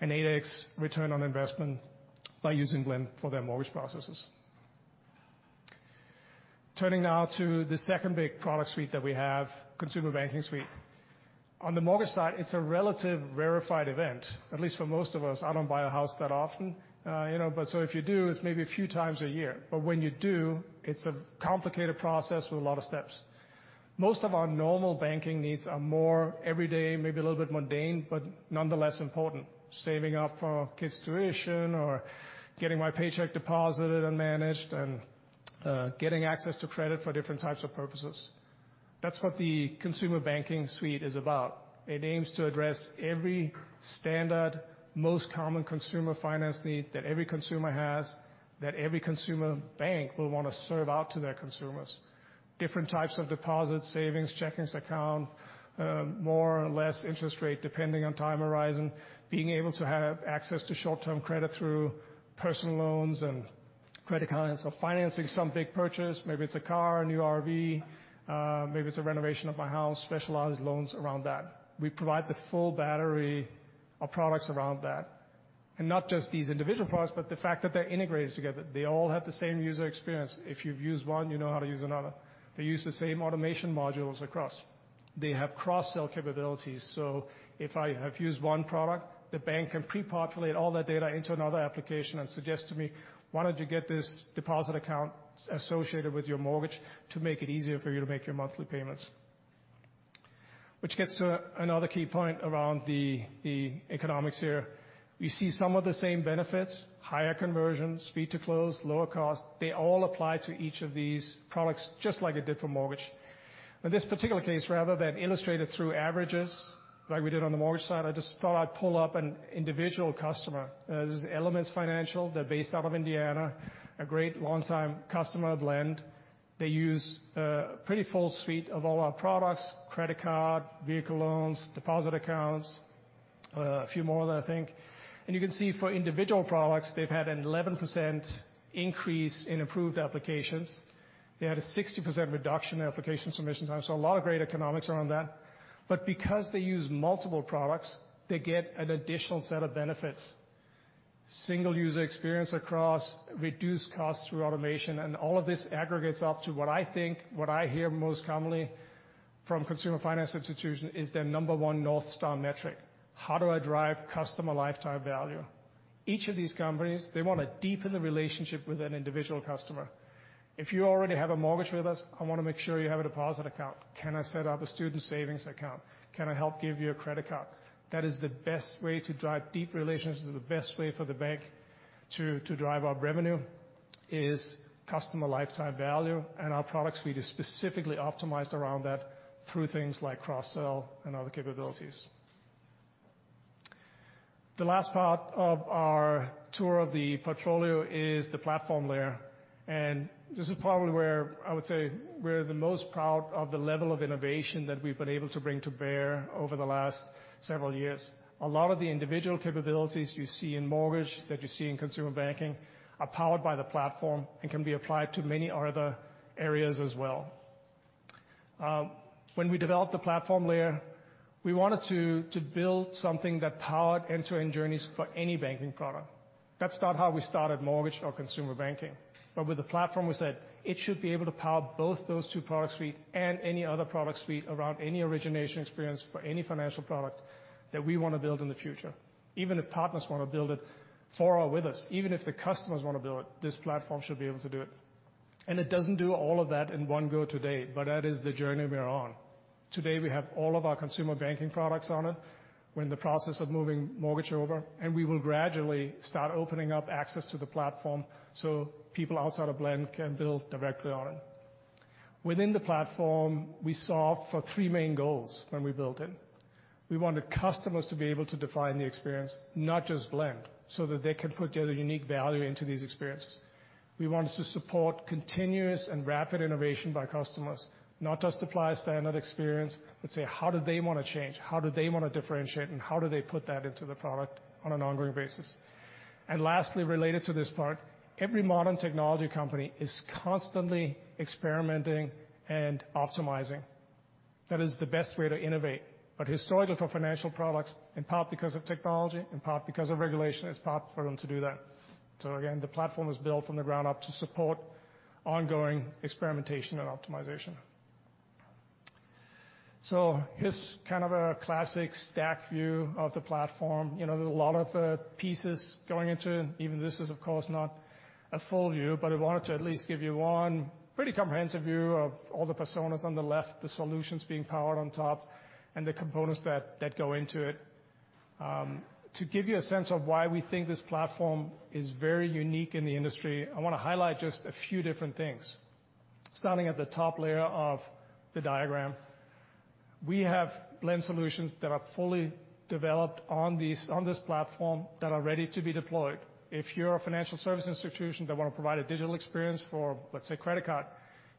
an 8x return on investment by using Blend for their mortgage processes. Turning now to the second big product suite that we have, Consumer Banking Suite. On the mortgage side, it's a relatively rarefied event, at least for most of us. I don't buy a house that often, you know, but so if you do, it's maybe a few times a year. But when you do, it's a complicated process with a lot of steps. Most of our normal banking needs are more everyday, maybe a little bit mundane, but nonetheless important. Saving up for our kids' tuition or getting my paycheck deposited and managed, and getting access to credit for different types of purposes. That's what the Consumer Banking Suite is about. It aims to address every standard, most common consumer finance need that every consumer has, that every consumer bank will want to serve out to their consumers. Different types of deposits, savings, checking account, more or less interest rate, depending on time horizon, being able to have access to short-term credit through personal loans and credit cards, or financing some big purchase. Maybe it's a car, a new RV, maybe it's a renovation of my house, specialized loans around that. We provide the full battery of products around that. And not just these individual products, but the fact that they're integrated together. They all have the same user experience. If you've used one, you know how to use another. They use the same automation modules across. They have cross-sell capabilities, so if I have used one product, the bank can pre-populate all that data into another application and suggest to me, "Why don't you get this deposit account associated with your mortgage to make it easier for you to make your monthly payments?" Which gets to another key point around the economics here. We see some of the same benefits, higher conversion, speed to close, lower cost. They all apply to each of these products, just like it did for mortgage. In this particular case, rather than illustrate it through averages like we did on the mortgage side, I just thought I'd pull up an individual customer. This is Elements Financial. They're based out of Indiana, a great long-time customer of Blend. They use a pretty full suite of all our products, credit card, vehicle loans, deposit accounts, a few more that I think. You can see for individual products, they've had an 11% increase in approved applications. They had a 60% reduction in application submission time, so a lot of great economics around that. But because they use multiple products, they get an additional set of benefits. Single user experience across, reduced costs through automation, and all of this aggregates up to what I think, what I hear most commonly from consumer finance institution, is their number one North Star metric: How do I drive customer lifetime value? Each of these companies, they want to deepen the relationship with an individual customer. If you already have a mortgage with us, I want to make sure you have a deposit account. Can I set up a student savings account? Can I help give you a credit card? That is the best way to drive deep relationships, and the best way for the bank to drive up revenue, is customer lifetime value, and our product suite is specifically optimized around that through things like cross-sell and other capabilities. The last part of our tour of the portfolio is the platform layer, and this is probably where I would say we're the most proud of the level of innovation that we've been able to bring to bear over the last several years. A lot of the individual capabilities you see in mortgage, that you see in consumer banking, are powered by the platform and can be applied to many other areas as well. When we developed the platform layer, we wanted to build something that powered end-to-end journeys for any banking product. That's not how we started mortgage or consumer banking, but with the platform, we said it should be able to power both those two product suite and any other product suite around any origination experience for any financial product that we want to build in the future. Even if partners want to build it for or with us, even if the customers want to build it, this platform should be able to do it. And it doesn't do all of that in one go today, but that is the journey we are on. Today, we have all of our consumer banking products on it. We're in the process of moving mortgage over, and we will gradually start opening up access to the platform so people outside of Blend can build directly on it. Within the platform, we solved for three main goals when we built it. We wanted customers to be able to define the experience, not just Blend, so that they can put their unique value into these experiences. We wanted to support continuous and rapid innovation by customers, not just apply a standard experience, but say, how do they want to change? How do they want to differentiate, and how do they put that into the product on an ongoing basis? Lastly, related to this part, every modern technology company is constantly experimenting and optimizing. That is the best way to innovate. But historically, for financial products, in part because of technology, in part because of regulation, it's hard for them to do that. So again, the platform is built from the ground up to support ongoing experimentation and optimization. So here's kind of a classic stack view of the platform. You know, there's a lot of pieces going into it. Even this is, of course, not a full view, but I wanted to at least give you one pretty comprehensive view of all the personas on the left, the solutions being powered on top, and the components that go into it. To give you a sense of why we think this platform is very unique in the industry, I want to highlight just a few different things. Starting at the top layer of the diagram, we have Blend Solutions that are fully developed on this platform that are ready to be deployed. If you're a financial service institution that want to provide a digital experience for, let's say, credit card,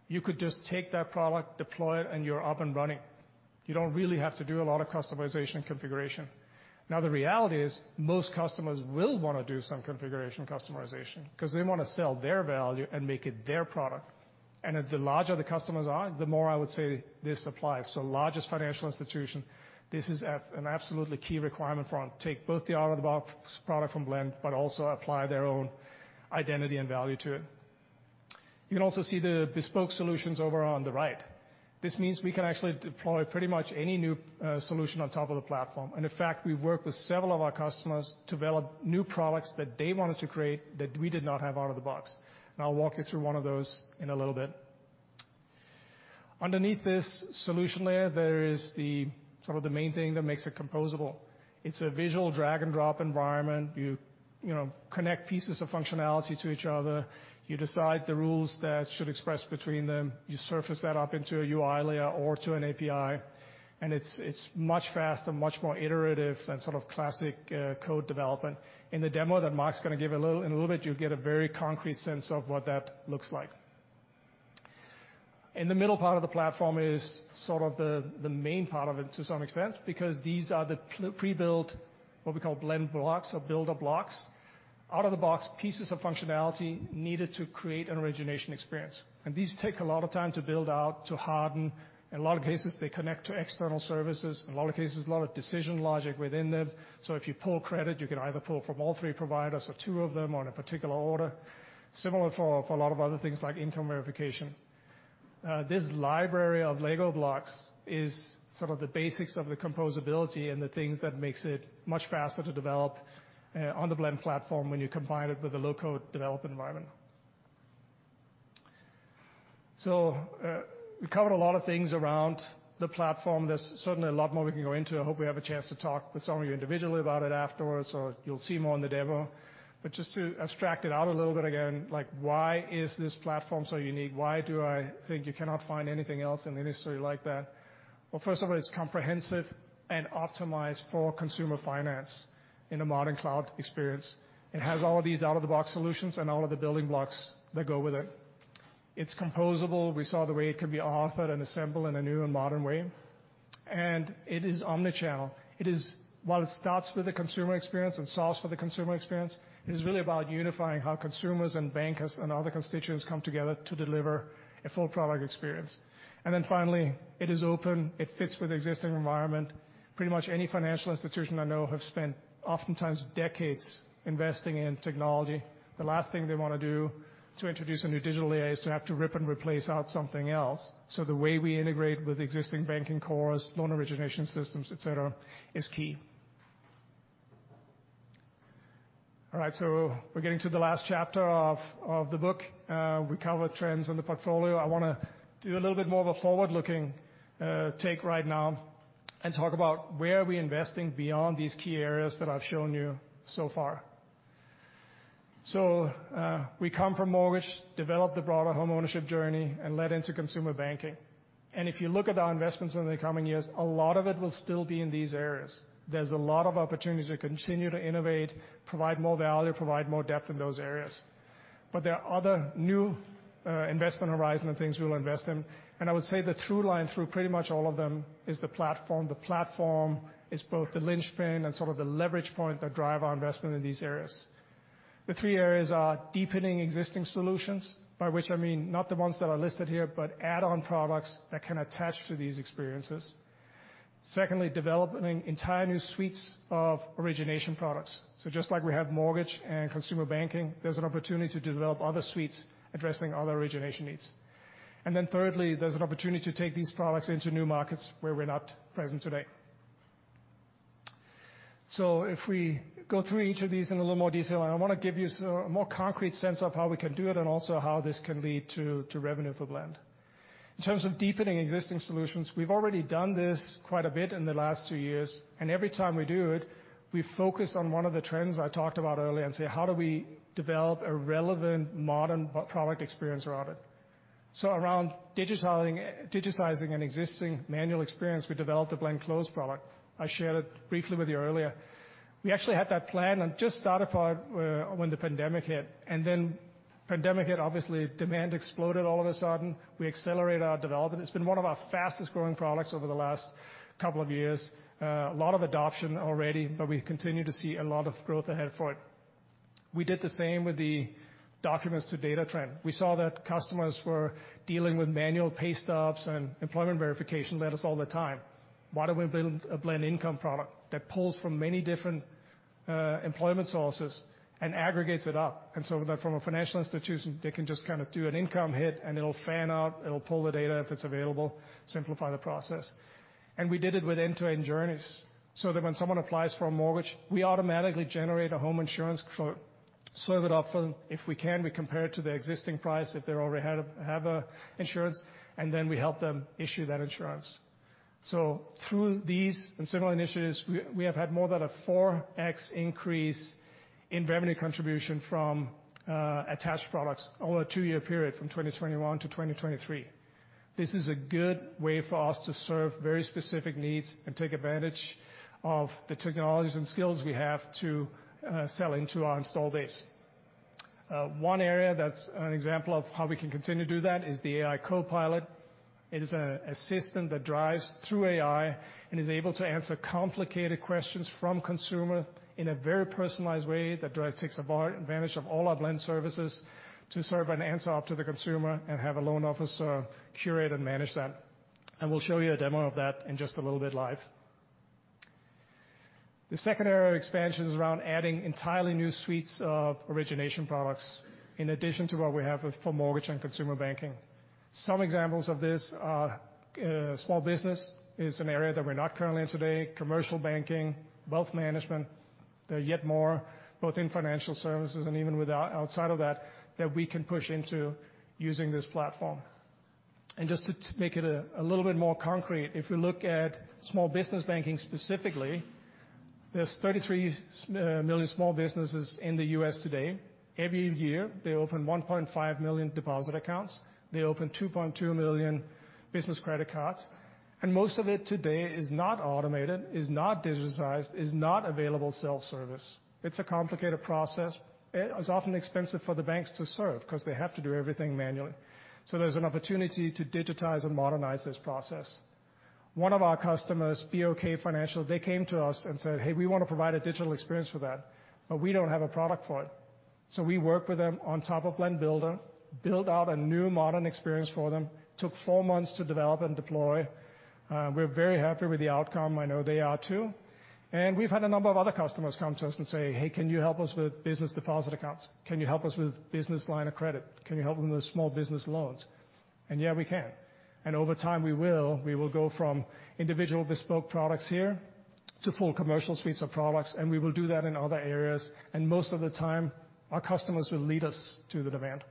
you could just take that product, deploy it, and you're up and running... You don't really have to do a lot of customization and configuration. Now, the reality is, most customers will wanna do some configuration and customization, 'cause they wanna sell their value and make it their product. And the larger the customers are, the more I would say this applies. So largest financial institution, this is at an absolutely key requirement for take both the out-of-the-box product from Blend, but also apply their own identity and value to it. You can also see the bespoke solutions over on the right. This means we can actually deploy pretty much any new solution on top of the platform. In fact, we've worked with several of our customers to develop new products that they wanted to create that we did not have out of the box, and I'll walk you through one of those in a little bit. Underneath this solution layer, there is sort of the main thing that makes it composable. It's a visual drag-and-drop environment. You, you know, connect pieces of functionality to each other. You decide the rules that should express between them. You surface that up into a UI layer or to an API, and it's much faster, much more iterative than sort of classic code development. In the demo that Marc's gonna give in a little bit, you'll get a very concrete sense of what that looks like. In the middle part of the platform is sort of the, the main part of it to some extent, because these are the pre-built, what we call Blend Blocks or Builder Blocks, out-of-the-box pieces of functionality needed to create an origination experience. These take a lot of time to build out, to harden, in a lot of cases, they connect to external services, in a lot of cases, a lot of decision logic within them. So if you pull credit, you can either pull from all three providers or two of them on a particular order. Similar for, for a lot of other things, like income verification. This library of Lego blocks is some of the basics of the composability and the things that makes it much faster to develop on the Blend platform when you combine it with a low-code development environment. So, we've covered a lot of things around the platform. There's certainly a lot more we can go into. I hope we have a chance to talk with some of you individually about it afterwards, or you'll see more in the demo. But just to abstract it out a little bit again, like, why is this platform so unique? Why do I think you cannot find anything else in the industry like that? Well, first of all, it's comprehensive and optimized for consumer finance in a modern cloud experience. It has all of these out-of-the-box solutions and all of the building blocks that go with it. It's composable. We saw the way it can be authored and assembled in a new and modern way, and it is omnichannel. It is... While it starts with the consumer experience and solves for the consumer experience, it is really about unifying how consumers and bankers and other constituents come together to deliver a full product experience. And then finally, it is open. It fits with the existing environment. Pretty much any financial institution I know have spent oftentimes decades investing in technology. The last thing they wanna do to introduce a new digital layer is to have to rip and replace out something else. So the way we integrate with existing banking cores, loan origination systems, et cetera, is key. All right, so we're getting to the last chapter of the book. We covered trends in the portfolio. I wanna do a little bit more of a forward-looking take right now and talk about where are we investing beyond these key areas that I've shown you so far. So, we come from mortgage, developed the broader homeownership journey, and led into consumer banking. And if you look at our investments in the coming years, a lot of it will still be in these areas. There's a lot of opportunities to continue to innovate, provide more value, provide more depth in those areas. But there are other new, investment horizon and things we will invest in. And I would say the through line through pretty much all of them is the platform. The platform is both the linchpin and sort of the leverage point that drive our investment in these areas. The three areas are deepening existing solutions, by which I mean not the ones that are listed here, but add-on products that can attach to these experiences. Secondly, developing entire new suites of origination products. So just like we have mortgage and consumer banking, there's an opportunity to develop other suites addressing other origination needs. And then thirdly, there's an opportunity to take these products into new markets where we're not present today. So if we go through each of these in a little more detail, and I wanna give you a sort of more concrete sense of how we can do it, and also how this can lead to, to revenue for Blend. In terms of deepening existing solutions, we've already done this quite a bit in the last two years, and every time we do it, we focus on one of the trends I talked about earlier and say: How do we develop a relevant modern product experience around it? So around digitizing, digitizing an existing manual experience, we developed a Blend Close product. I shared it briefly with you earlier. We actually had that plan and just started part when the pandemic hit, obviously, demand exploded all of a sudden. We accelerated our development. It's been one of our fastest-growing products over the last couple of years. A lot of adoption already, but we continue to see a lot of growth ahead for it. We did the same with the documents to data trend. We saw that customers were dealing with manual pay stubs and employment verification letters all the time. Why don't we build a Blend Income product that pulls from many different employment sources and aggregates it up, and so that from a financial institution, they can just kind of do an income hit, and it'll fan out, it'll pull the data if it's available, simplify the process. We did it with end-to-end journeys, so that when someone applies for a mortgage, we automatically generate a home insurance quote, serve it up for them. If we can, we compare it to their existing price, if they already had a-- have a insurance, and then we help them issue that insurance. So through these and similar initiatives, we have had more than a 4x increase in revenue contribution from attached products over a two-year period, from 2021 to 2023. This is a good way for us to serve very specific needs and take advantage of the technologies and skills we have to sell into our install base. One area that's an example of how we can continue to do that is the AI Copilot. It is a system that drives through AI and is able to answer complicated questions from consumer in a very personalized way that drive takes advantage of all our Blend services to serve an answer up to the consumer and have a loan officer curate and manage that. And we'll show you a demo of that in just a little bit live. The second area of expansion is around adding entirely new suites of origination products, in addition to what we have with for mortgage and consumer banking. Some examples of this are small business is an area that we're not currently in today, commercial banking, wealth management. There are yet more, both in financial services and even without outside of that, that we can push into using this platform. Just to make it a little bit more concrete, if we look at small business banking specifically, there's 33 million small businesses in the U.S. today. Every year, they open 1.5 million deposit accounts, they open 2.2 million business credit cards, and most of it today is not automated, is not digitized, is not available self-service. It's a complicated process. It is often expensive for the banks to serve because they have to do everything manually. So there's an opportunity to digitize and modernize this process. One of our customers, BOK Financial, they came to us and said, "Hey, we wanna provide a digital experience for that, but we don't have a product for it." So we work with them on top of Blend Builder, build out a new modern experience for them. Took four months to develop and deploy. We're very happy with the outcome. I know they are too. We've had a number of other customers come to us and say, "Hey, can you help us with business deposit accounts? Can you help us with business line of credit? Can you help them with small business loans?" Yeah, we can. Over time, we will. We will go from individual bespoke products here to full commercial suites of products, and we will do that in other areas, and most of the time, our customers will lead us to the demand.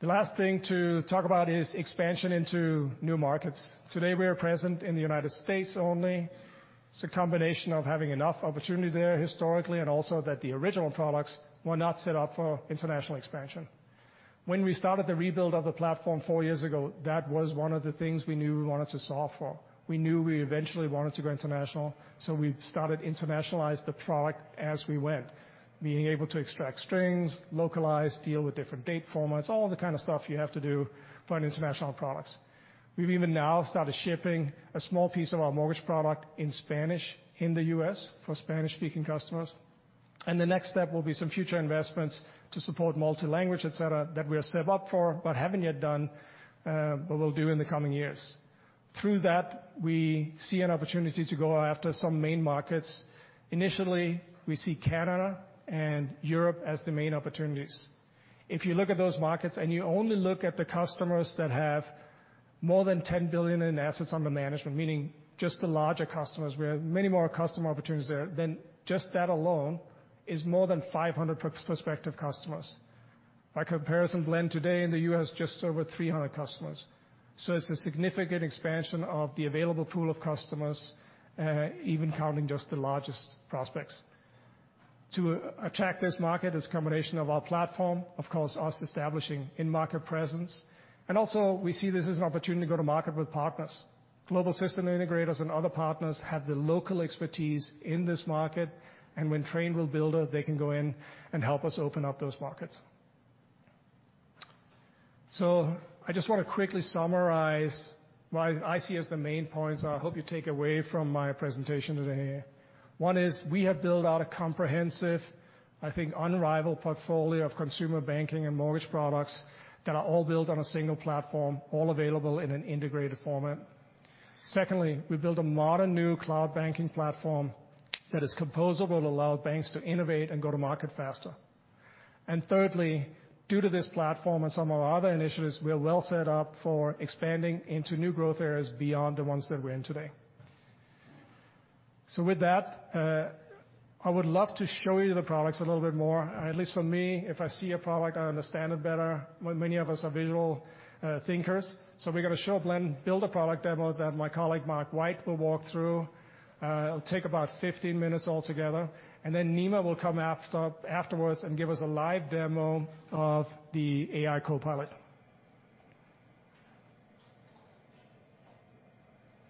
The last thing to talk about is expansion into new markets. Today, we are present in the United States only. It's a combination of having enough opportunity there historically, and also that the original products were not set up for international expansion. When we started the rebuild of the platform four years ago, that was one of the things we knew we wanted to solve for. We knew we eventually wanted to go international, so we started internationalizing the product as we went. Being able to extract strings, localize, deal with different date formats, all the kind of stuff you have to do for an international products. We've even now started shipping a small piece of our mortgage product in Spanish in the U.S. for Spanish-speaking customers, and the next step will be some future investments to support multi-language, et cetera, that we are set up for, but haven't yet done, but we'll do in the coming years. Through that, we see an opportunity to go after some main markets. Initially, we see Canada and Europe as the main opportunities. If you look at those markets and you only look at the customers that have more than $10 billion in assets under management, meaning just the larger customers, we have many more customer opportunities there, then just that alone is more than 500 prospective customers. By comparison, Blend today in the U.S., just over 300 customers. So it's a significant expansion of the available pool of customers, even counting just the largest prospects. To attract this market, it's a combination of our platform, of course, us establishing in-market presence, and also we see this as an opportunity to go to market with partners. Global system integrators and other partners have the local expertise in this market, and when trained with Builder, they can go in and help us open up those markets. So I just want to quickly summarize what I see as the main points I hope you take away from my presentation today. One is we have built out a comprehensive, I think, unrivaled portfolio of consumer banking and mortgage products that are all built on a single platform, all available in an integrated format. Secondly, we built a modern new cloud banking platform that is composable to allow banks to innovate and go to market faster. And thirdly, due to this platform and some of our other initiatives, we are well set up for expanding into new growth areas beyond the ones that we're in today. So with that, I would love to show you the products a little bit more. At least for me, if I see a product, I understand it better. Well, many of us are visual thinkers, so we're gonna show Blend Builder product demo that my colleague, Marc White, will walk through. It'll take about 15 minutes altogether, and then Nima will come after, afterwards and give us a live demo of the Blend Copilot.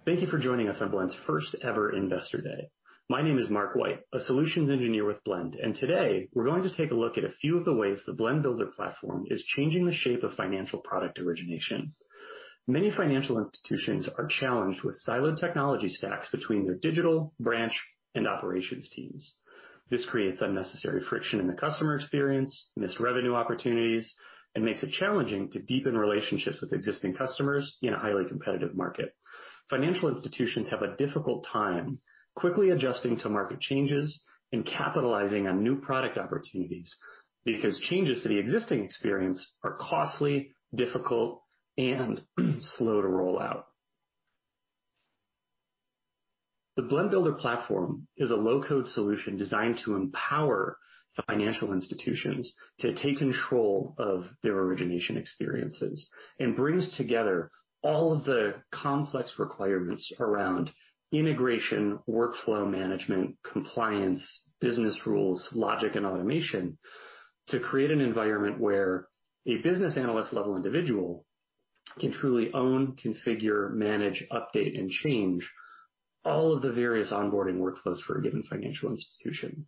Thank you for joining us on Blend's first-ever Investor Day. My name is Marc White, a solutions engineer with Blend, and today we're going to take a look at a few of the ways the Blend Builder platform is changing the shape of financial product origination. Many financial institutions are challenged with siloed technology stacks between their digital, branch, and operations teams. This creates unnecessary friction in the customer experience, missed revenue opportunities, and makes it challenging to deepen relationships with existing customers in a highly competitive market. Financial institutions have a difficult time quickly adjusting to market changes and capitalizing on new product opportunities, because changes to the existing experience are costly, difficult, and slow to roll out. The Blend Builder platform is a low-code solution designed to empower financial institutions to take control of their origination experiences, and brings together all of the complex requirements around integration, workflow management, compliance, business rules, logic, and automation to create an environment where a business analyst-level individual can truly own, configure, manage, update, and change all of the various onboarding workflows for a given financial institution.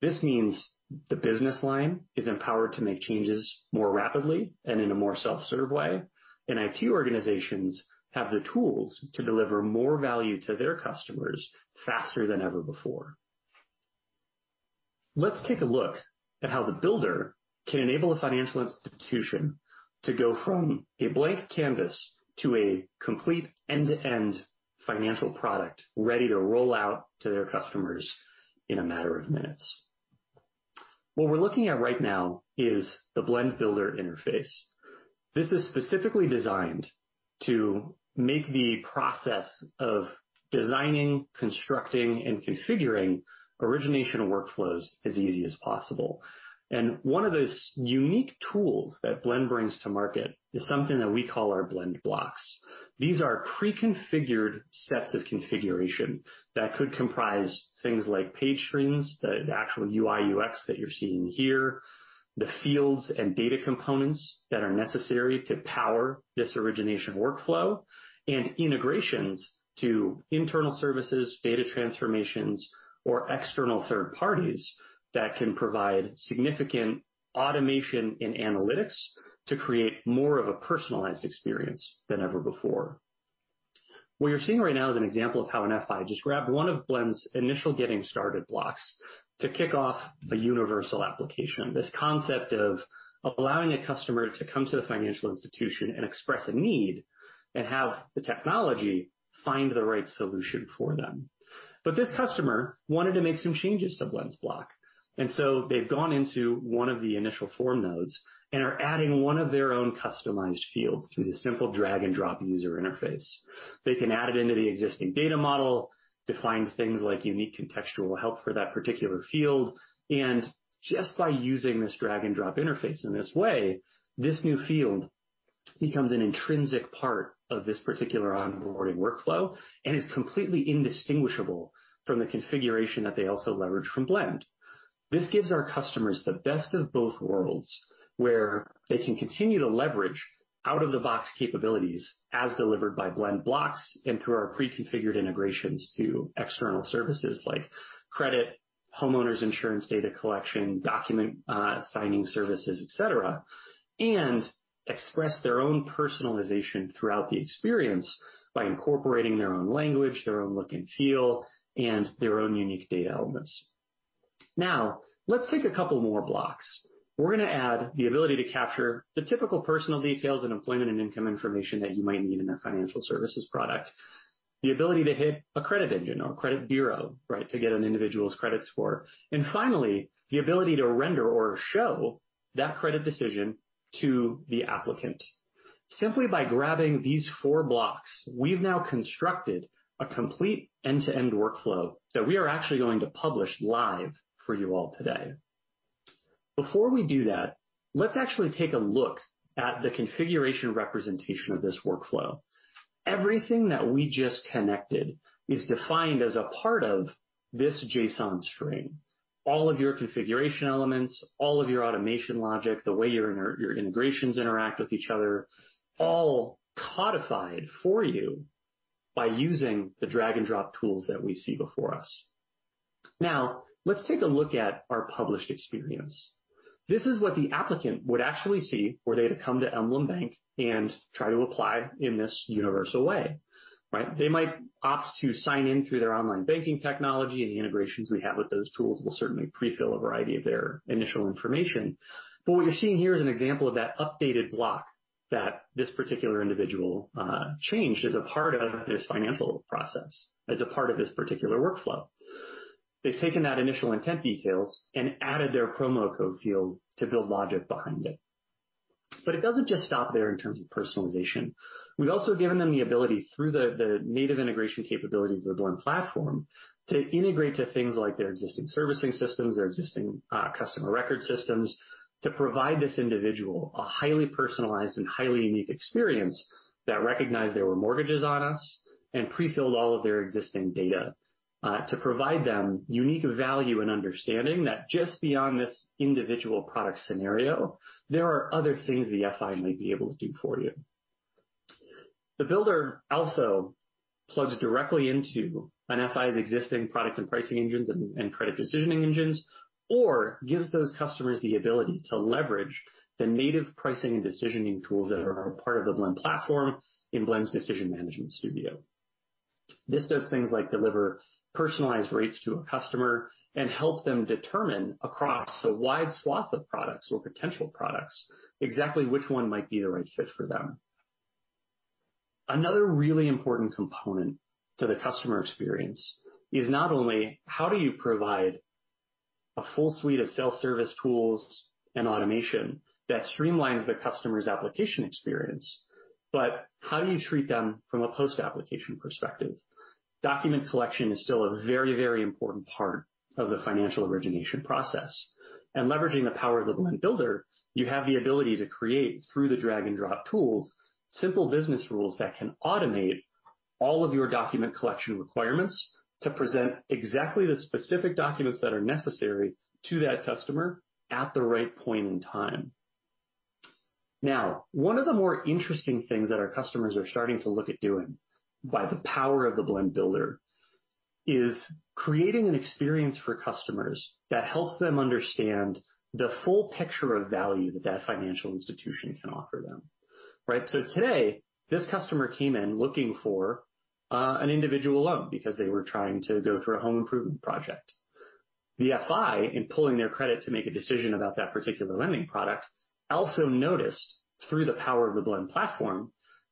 This means the business line is empowered to make changes more rapidly and in a more self-serve way, and IT organizations have the tools to deliver more value to their customers faster than ever before. Let's take a look at how the Builder can enable a financial institution to go from a blank canvas to a complete end-to-end financial product, ready to roll out to their customers in a matter of minutes. What we're looking at right now is the Blend Builder interface. This is specifically designed to make the process of designing, constructing, and configuring origination workflows as easy as possible. One of the unique tools that Blend brings to market is something that we call our Blend Blocks. These are pre-configured sets of configuration that could comprise things like page screens, the actual UI/UX that you're seeing here, the fields and data components that are necessary to power this origination workflow, and integrations to internal services, data transformations, or external third parties that can provide significant automation and analytics to create more of a personalized experience than ever before. What you're seeing right now is an example of how an FI just grabbed one of Blend's initial getting started blocks to kick off a universal application. This concept of allowing a customer to come to the financial institution and express a need, and have the technology find the right solution for them. But this customer wanted to make some changes to Blend's block, and so they've gone into one of the initial form nodes and are adding one of their own customized fields through the simple drag-and-drop user interface. They can add it into the existing data model, define things like unique contextual help for that particular field, and just by using this drag-and-drop interface in this way, this new field becomes an intrinsic part of this particular onboarding workflow and is completely indistinguishable from the configuration that they also leverage from Blend. This gives our customers the best of both worlds, where they can continue to leverage out-of-the-box capabilities as delivered by Blend Blocks and through our pre-configured integrations to external services like credit, homeowners insurance, data collection, document signing services, et cetera, and express their own personalization throughout the experience by incorporating their own language, their own look and feel, and their own unique data elements. Now, let's take a couple more blocks. We're gonna add the ability to capture the typical personal details and employment and income information that you might need in a financial services product, the ability to hit a credit engine or a credit bureau, right? To get an individual's credit score, and finally, the ability to render or show that credit decision to the applicant. Simply by grabbing these four blocks, we've now constructed a complete end-to-end workflow that we are actually going to publish live for you all today. Before we do that, let's actually take a look at the configuration representation of this workflow. Everything that we just connected is defined as a part of this JSON string. All of your configuration elements, all of your automation logic, the way your integrations interact with each other, all codified for you by using the drag-and-drop tools that we see before us. Now, let's take a look at our published experience. This is what the applicant would actually see were they to come to Emblem Bank and try to apply in this universal way, right? They might opt to sign in through their online banking technology, and the integrations we have with those tools will certainly pre-fill a variety of their initial information. But what you're seeing here is an example of that updated block that this particular individual changed as a part of this financial process, as a part of this particular workflow. They've taken that initial intent details and added their promo code field to build logic behind it. But it doesn't just stop there in terms of personalization. We've also given them the ability, through the native integration capabilities of the Blend Platform, to integrate to things like their existing servicing systems, their existing customer record systems, to provide this individual a highly personalized and highly unique experience that recognized there were mortgages on us and pre-filled all of their existing data, to provide them unique value and understanding that just beyond this individual product scenario, there are other things the FI might be able to do for you. The Builder also plugs directly into an FI's existing product and pricing engines and credit decisioning engines, or gives those customers the ability to leverage the native pricing and decisioning tools that are a part of the Blend Platform in Blend's Decision Management Studio. This does things like deliver personalized rates to a customer and help them determine across a wide swath of products or potential products, exactly which one might be the right fit for them. Another really important component to the customer experience is not only how do you provide a full suite of self-service tools and automation that streamlines the customer's application experience, but how do you treat them from a post-application perspective? Document collection is still a very, very important part of the financial origination process. Leveraging the power of the Blend Builder, you have the ability to create, through the drag-and-drop tools, simple business rules that can automate all of your document collection requirements to present exactly the specific documents that are necessary to that customer at the right point in time. Now, one of the more interesting things that our customers are starting to look at doing by the power of the Blend Builder, is creating an experience for customers that helps them understand the full picture of value that that financial institution can offer them, right? So today, this customer came in looking for an individual loan because they were trying to go through a home improvement project. The FI, in pulling their credit to make a decision about that particular lending product, also noticed, through the power of the Blend Platform,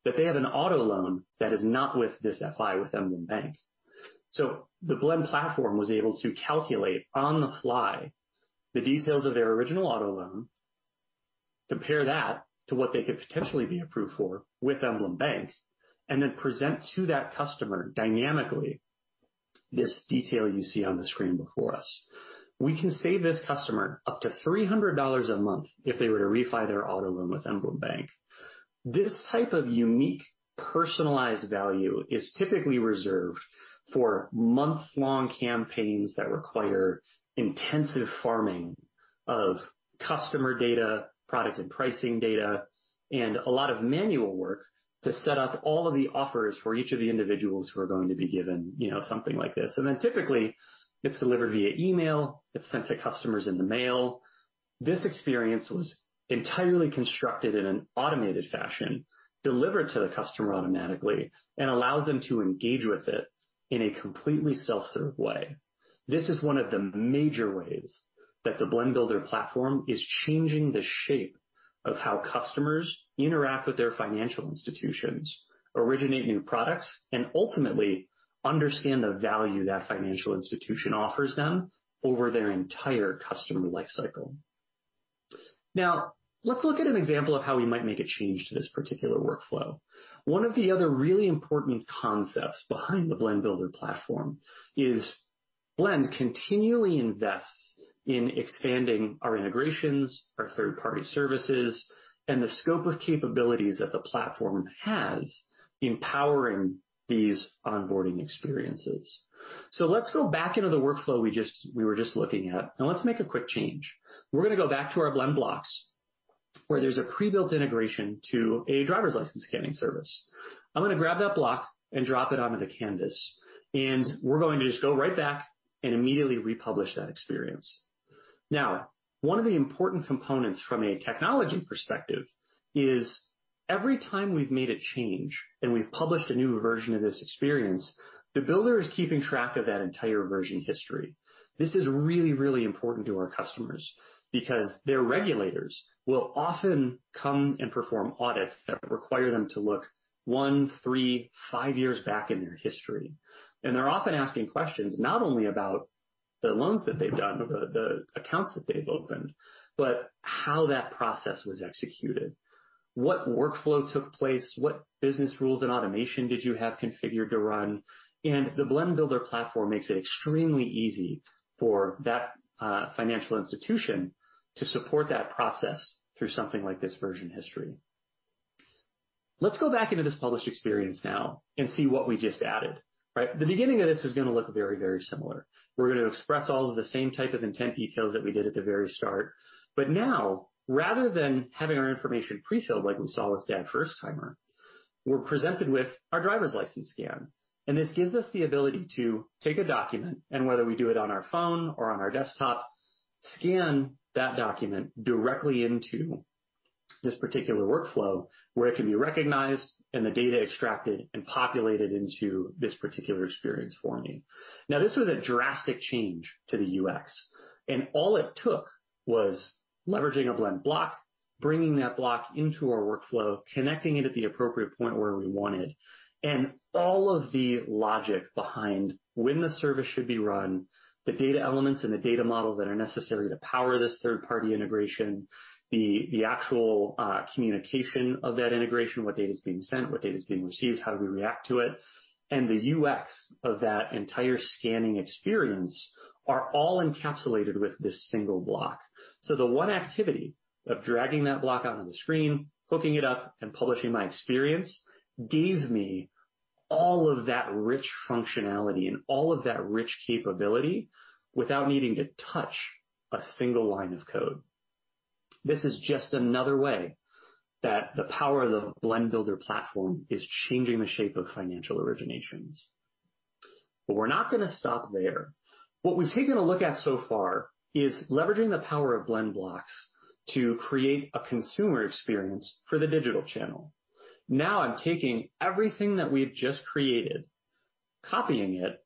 that they have an auto loan that is not with this FI, with Emblem Bank. So the Blend Platform was able to calculate on the fly the details of their original auto loan, compare that to what they could potentially be approved for with Emblem Bank, and then present to that customer dynamically this detail you see on the screen before us. We can save this customer up to $300 a month if they were to refi their auto loan with Emblem Bank. This type of unique, personalized value is typically reserved for month-long campaigns that require intensive farming of customer data, product and pricing data, and a lot of manual work to set up all of the offers for each of the individuals who are going to be given, you know, something like this. And then typically, it's delivered via email. It's sent to customers in the mail. This experience was entirely constructed in an automated fashion, delivered to the customer automatically, and allows them to engage with it in a completely self-serve way. This is one of the major ways that the Blend Builder platform is changing the shape of how customers interact with their financial institutions, originate new products, and ultimately understand the value that financial institution offers them over their entire customer life cycle. Now, let's look at an example of how we might make a change to this particular workflow. One of the other really important concepts behind the Blend Builder platform is Blend continually invests in expanding our integrations, our third-party services, and the scope of capabilities that the platform has in powering these onboarding experiences. So let's go back into the workflow we were just looking at, and let's make a quick change. We're gonna go back to our Blend Blocks, where there's a pre-built integration to a driver's license scanning service. I'm gonna grab that block and drop it onto the canvas, and we're going to just go right back and immediately republish that experience. Now, one of the important components from a technology perspective is every time we've made a change and we've published a new version of this experience, the Builder is keeping track of that entire version history. This is really, really important to our customers because their regulators will often come and perform audits that require them to look one, three, five years back in their history. And they're often asking questions not only about the loans that they've done or the, the accounts that they've opened, but how that process was executed, what workflow took place, what business rules and automation did you have configured to run? And the Blend Builder platform makes it extremely easy for that financial institution to support that process through something like this version history. Let's go back into this published experience now and see what we just added, right? The beginning of this is gonna look very, very similar. We're gonna express all of the same type of intent details that we did at the very start, but now, rather than having our information pre-filled, like we saw with Dan First-Timer, we're presented with our driver's license scan. This gives us the ability to take a document, and whether we do it on our phone or on our desktop, scan that document directly into this particular workflow, where it can be recognized and the data extracted and populated into this particular experience for me. Now, this was a drastic change to the UX, and all it took was leveraging a Blend Block, bringing that block into our workflow, connecting it at the appropriate point where we wanted, and all of the logic behind when the service should be run, the data elements and the data model that are necessary to power this third-party integration, the actual communication of that integration, what data is being sent, what data is being received, how do we react to it, and the UX of that entire scanning experience are all encapsulated with this single block. So the one activity of dragging that block out on the screen, hooking it up, and publishing my experience, gave me all of that rich functionality and all of that rich capability without needing to touch a single line of code. This is just another way that the power of the Blend Builder platform is changing the shape of financial originations. But we're not gonna stop there. What we've taken a look at so far is leveraging the power of Blend Blocks to create a consumer experience for the digital channel. Now I'm taking everything that we've just created, copying it,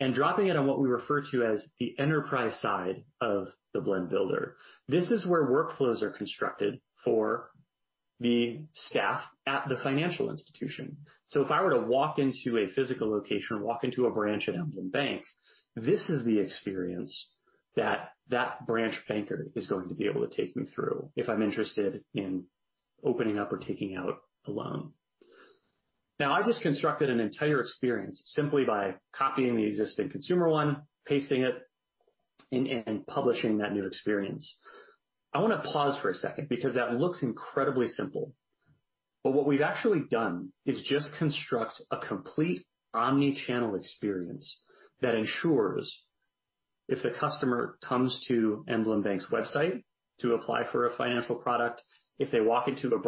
and dropping it on what we refer to as the enterprise side of the Blend Builder. This is where workflows are constructed for the staff at the financial institution. So if I were to walk into a physical location or walk into a branch at Emblem Bank, this is the experience that that branch banker is going to be able to take me through if I'm interested in opening up or taking out a loan. Now, I've just constructed an entire experience simply by copying the existing consumer one, pasting it and publishing that new experience. I want to pause for a second because that looks incredibly simple, but what we've actually done is just construct a complete omni-channel experience that ensures if the customer comes to Emblem Bank's website to apply for a financial product, if they walk into a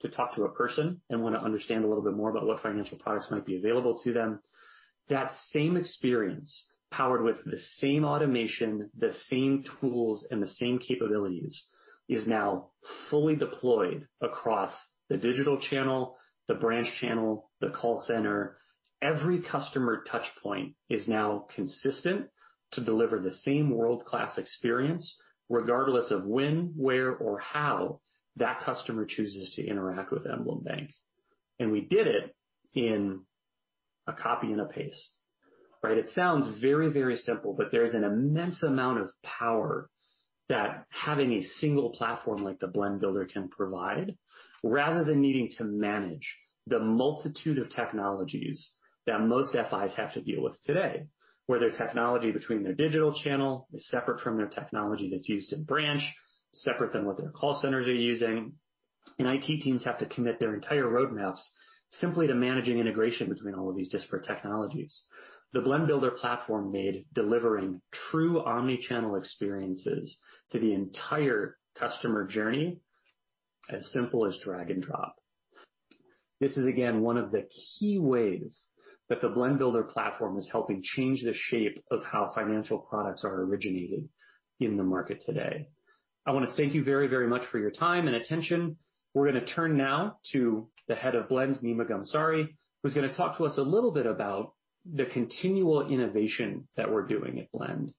branch to talk to a person and want to understand a little bit more about what financial products might be available to them, that same experience, powered with the same automation, the same tools, and the same capabilities, is now fully deployed across the digital channel, the branch channel, the call center. Every customer touchpoint is now consistent to deliver the same world-class experience, regardless of when, where, or how that customer chooses to interact with Emblem Bank. We did it in a copy and a paste, right? It sounds very, very simple, but there's an immense amount of power that having a single platform like the Blend Builder can provide, rather than needing to manage the multitude of technologies that most FIs have to deal with today, where their technology between their digital channel is separate from their technology that's used in branch, separate than what their call centers are using. IT teams have to commit their entire roadmaps simply to managing integration between all of these disparate technologies. The Blend Builder platform made delivering true omni-channel experiences to the entire customer journey as simple as drag-and-drop. This is, again, one of the key ways that the Blend Builder platform is helping change the shape of how financial products are originated in the market today. I want to thank you very, very much for your time and attention. We're going to turn now to the head of Blend, Nima Ghamsari, who's going to talk to us a little bit about the continual innovation that we're doing at Blend,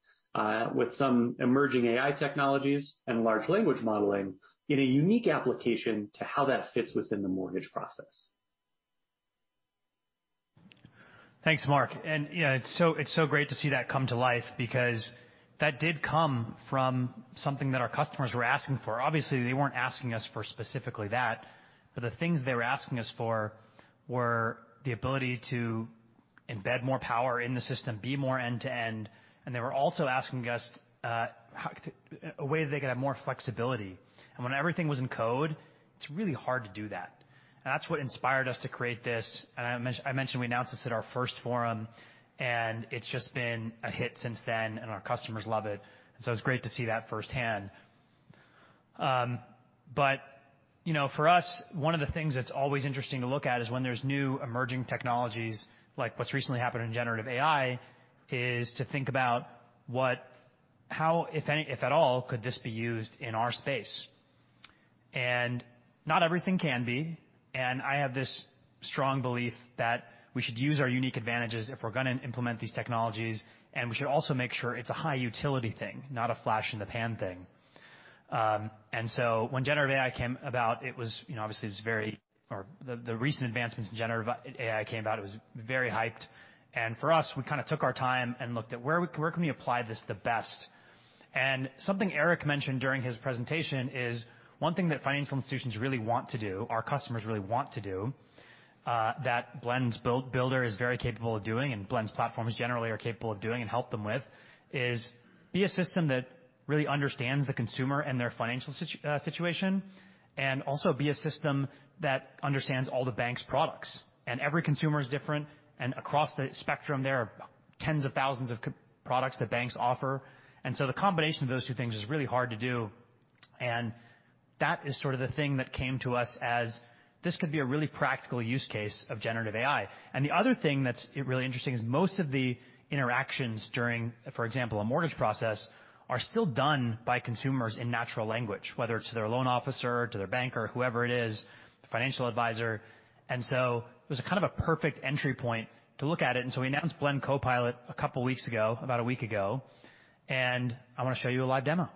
with some emerging AI technologies and large language modeling in a unique application to how that fits within the mortgage process. Thanks, Marc. And, yeah, it's so, it's so great to see that come to life because that did come from something that our customers were asking for. Obviously, they weren't asking us for specifically that, but the things they were asking us for were the ability to embed more power in the system, be more end to end. And they were also asking us a way they could have more flexibility. And when everything was in code, it's really hard to do that. And that's what inspired us to create this. And I mentioned, we announced this at our first forum, and it's just been a hit since then, and our customers love it. So it's great to see that firsthand. But, you know, for us, one of the things that's always interesting to look at is when there's new emerging technologies, like what's recently happened in generative AI, to think about how, if any, if at all, could this be used in our space? Not everything can be. I have this strong belief that we should use our unique advantages if we're gonna implement these technologies, and we should also make sure it's a high utility thing, not a flash in the pan thing. And so when generative AI came about, or the recent advancements in generative AI came about, it was very hyped. For us, we kind of took our time and looked at where we can apply this the best? Something Erik mentioned during his presentation is one thing that financial institutions really want to do, our customers really want to do, that Blend's Builder is very capable of doing, and Blend's platforms generally are capable of doing and help them with, is be a system that really understands the consumer and their financial situation, and also be a system that understands all the bank's products. Every consumer is different, and across the spectrum, there are tens of thousands of products that banks offer. So the combination of those two things is really hard to do, and that is sort of the thing that came to us as this could be a really practical use case of generative AI. And the other thing that's really interesting is most of the interactions during, for example, a mortgage process, are still done by consumers in natural language, whether it's to their loan officer, to their banker, whoever it is, financial advisor. And so it was a kind of a perfect entry point to look at it. And so we announced Blend Copilot a couple weeks ago, about a week ago, and I want to show you a live demo.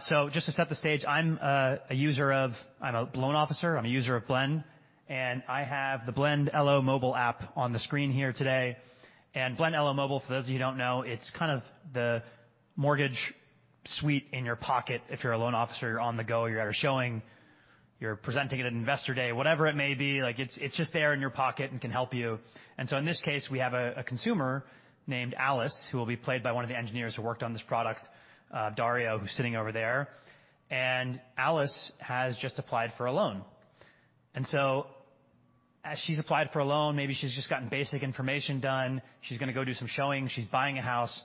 So just to set the stage, I'm a user of. I'm a loan officer. I'm a user of Blend, and I have the Blend LO Mobile app on the screen here today. And Blend LO Mobile, for those of you who don't know, it's kind of the Mortgage Suite in your pocket. If you're a loan officer, you're on the go, you're at a showing, you're presenting at an investor day, whatever it may be, like, it's, it's just there in your pocket and can help you. And so in this case, we have a, a consumer named Alice, who will be played by one of the engineers who worked on this product, Dario, who's sitting over there. And Alice has just applied for a loan. And so as she's applied for a loan, maybe she's just gotten basic information done. She's gonna go do some showings. She's buying a house,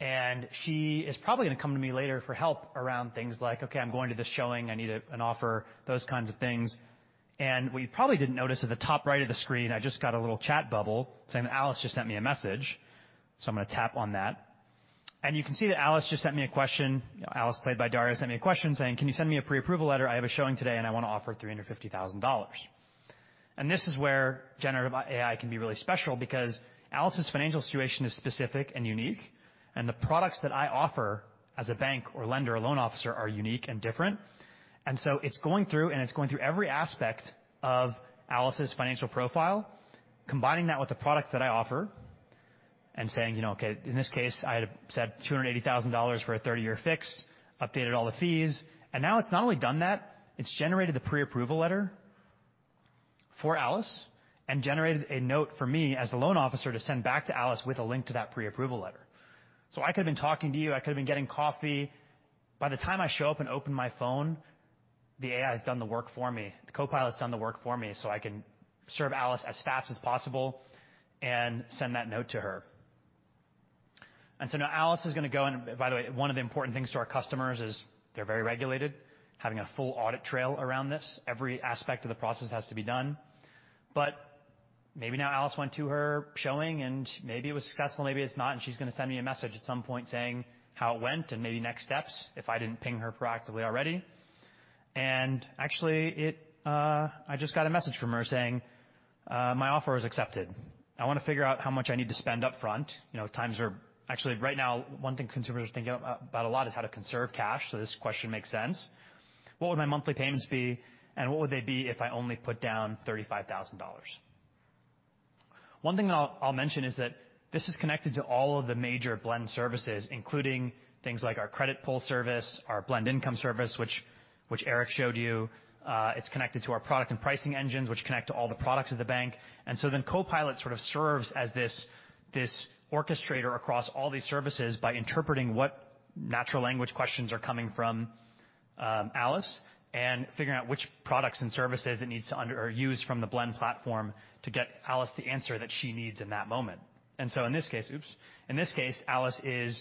and she is probably gonna come to me later for help around things like, "Okay, I'm going to this showing. I need an offer," those kinds of things. And what you probably didn't notice at the top right of the screen, I just got a little chat bubble saying Alice just sent me a message, so I'm gonna tap on that. And you can see that Alice just sent me a question. Alice, played by Dario, sent me a question saying: "Can you send me a pre-approval letter? I have a showing today, and I want to offer $350,000." And this is where generative AI can be really special because Alice's financial situation is specific and unique, and the products that I offer as a bank or lender or loan officer are unique and different. So it's going through, and it's going through every aspect of Alice's financial profile, combining that with the product that I offer and saying, you know, okay, in this case, I had set $280,000 for a 30-year fixed, updated all the fees, and now it's not only done that, it's generated the pre-approval letter for Alice, and generated a note for me as the loan officer to send back to Alice with a link to that pre-approval letter. So I could have been talking to you, I could have been getting coffee. By the time I show up and open my phone, the AI has done the work for me. The Copilot's done the work for me, so I can serve Alice as fast as possible and send that note to her. So now Alice is going to go in, and by the way, one of the important things to our customers is they're very regulated, having a full audit trail around this. Every aspect of the process has to be done. But maybe now Alice went to her showing, and maybe it was successful, maybe it's not, and she's going to send me a message at some point saying how it went and maybe next steps if I didn't ping her proactively already. And actually, it, I just got a message from her saying, "My offer is accepted. I want to figure out how much I need to spend up front." You know, times are, actually, right now, one thing consumers are thinking about a lot is how to conserve cash, so this question makes sense. What would my monthly payments be, and what would they be if I only put down $35,000?" One thing I'll, I'll mention is that this is connected to all of the major Blend services, including things like our credit pull service, our Blend Income service, which, which Erik showed you. It's connected to our product and pricing engines, which connect to all the products of the bank. And so then Copilot sort of serves as this, this orchestrator across all these services by interpreting what natural language questions are coming from Alice and figuring out which products and services it needs to or use from the Blend platform to get Alice the answer that she needs in that moment. And so in this case. Oops. In this case, Alice is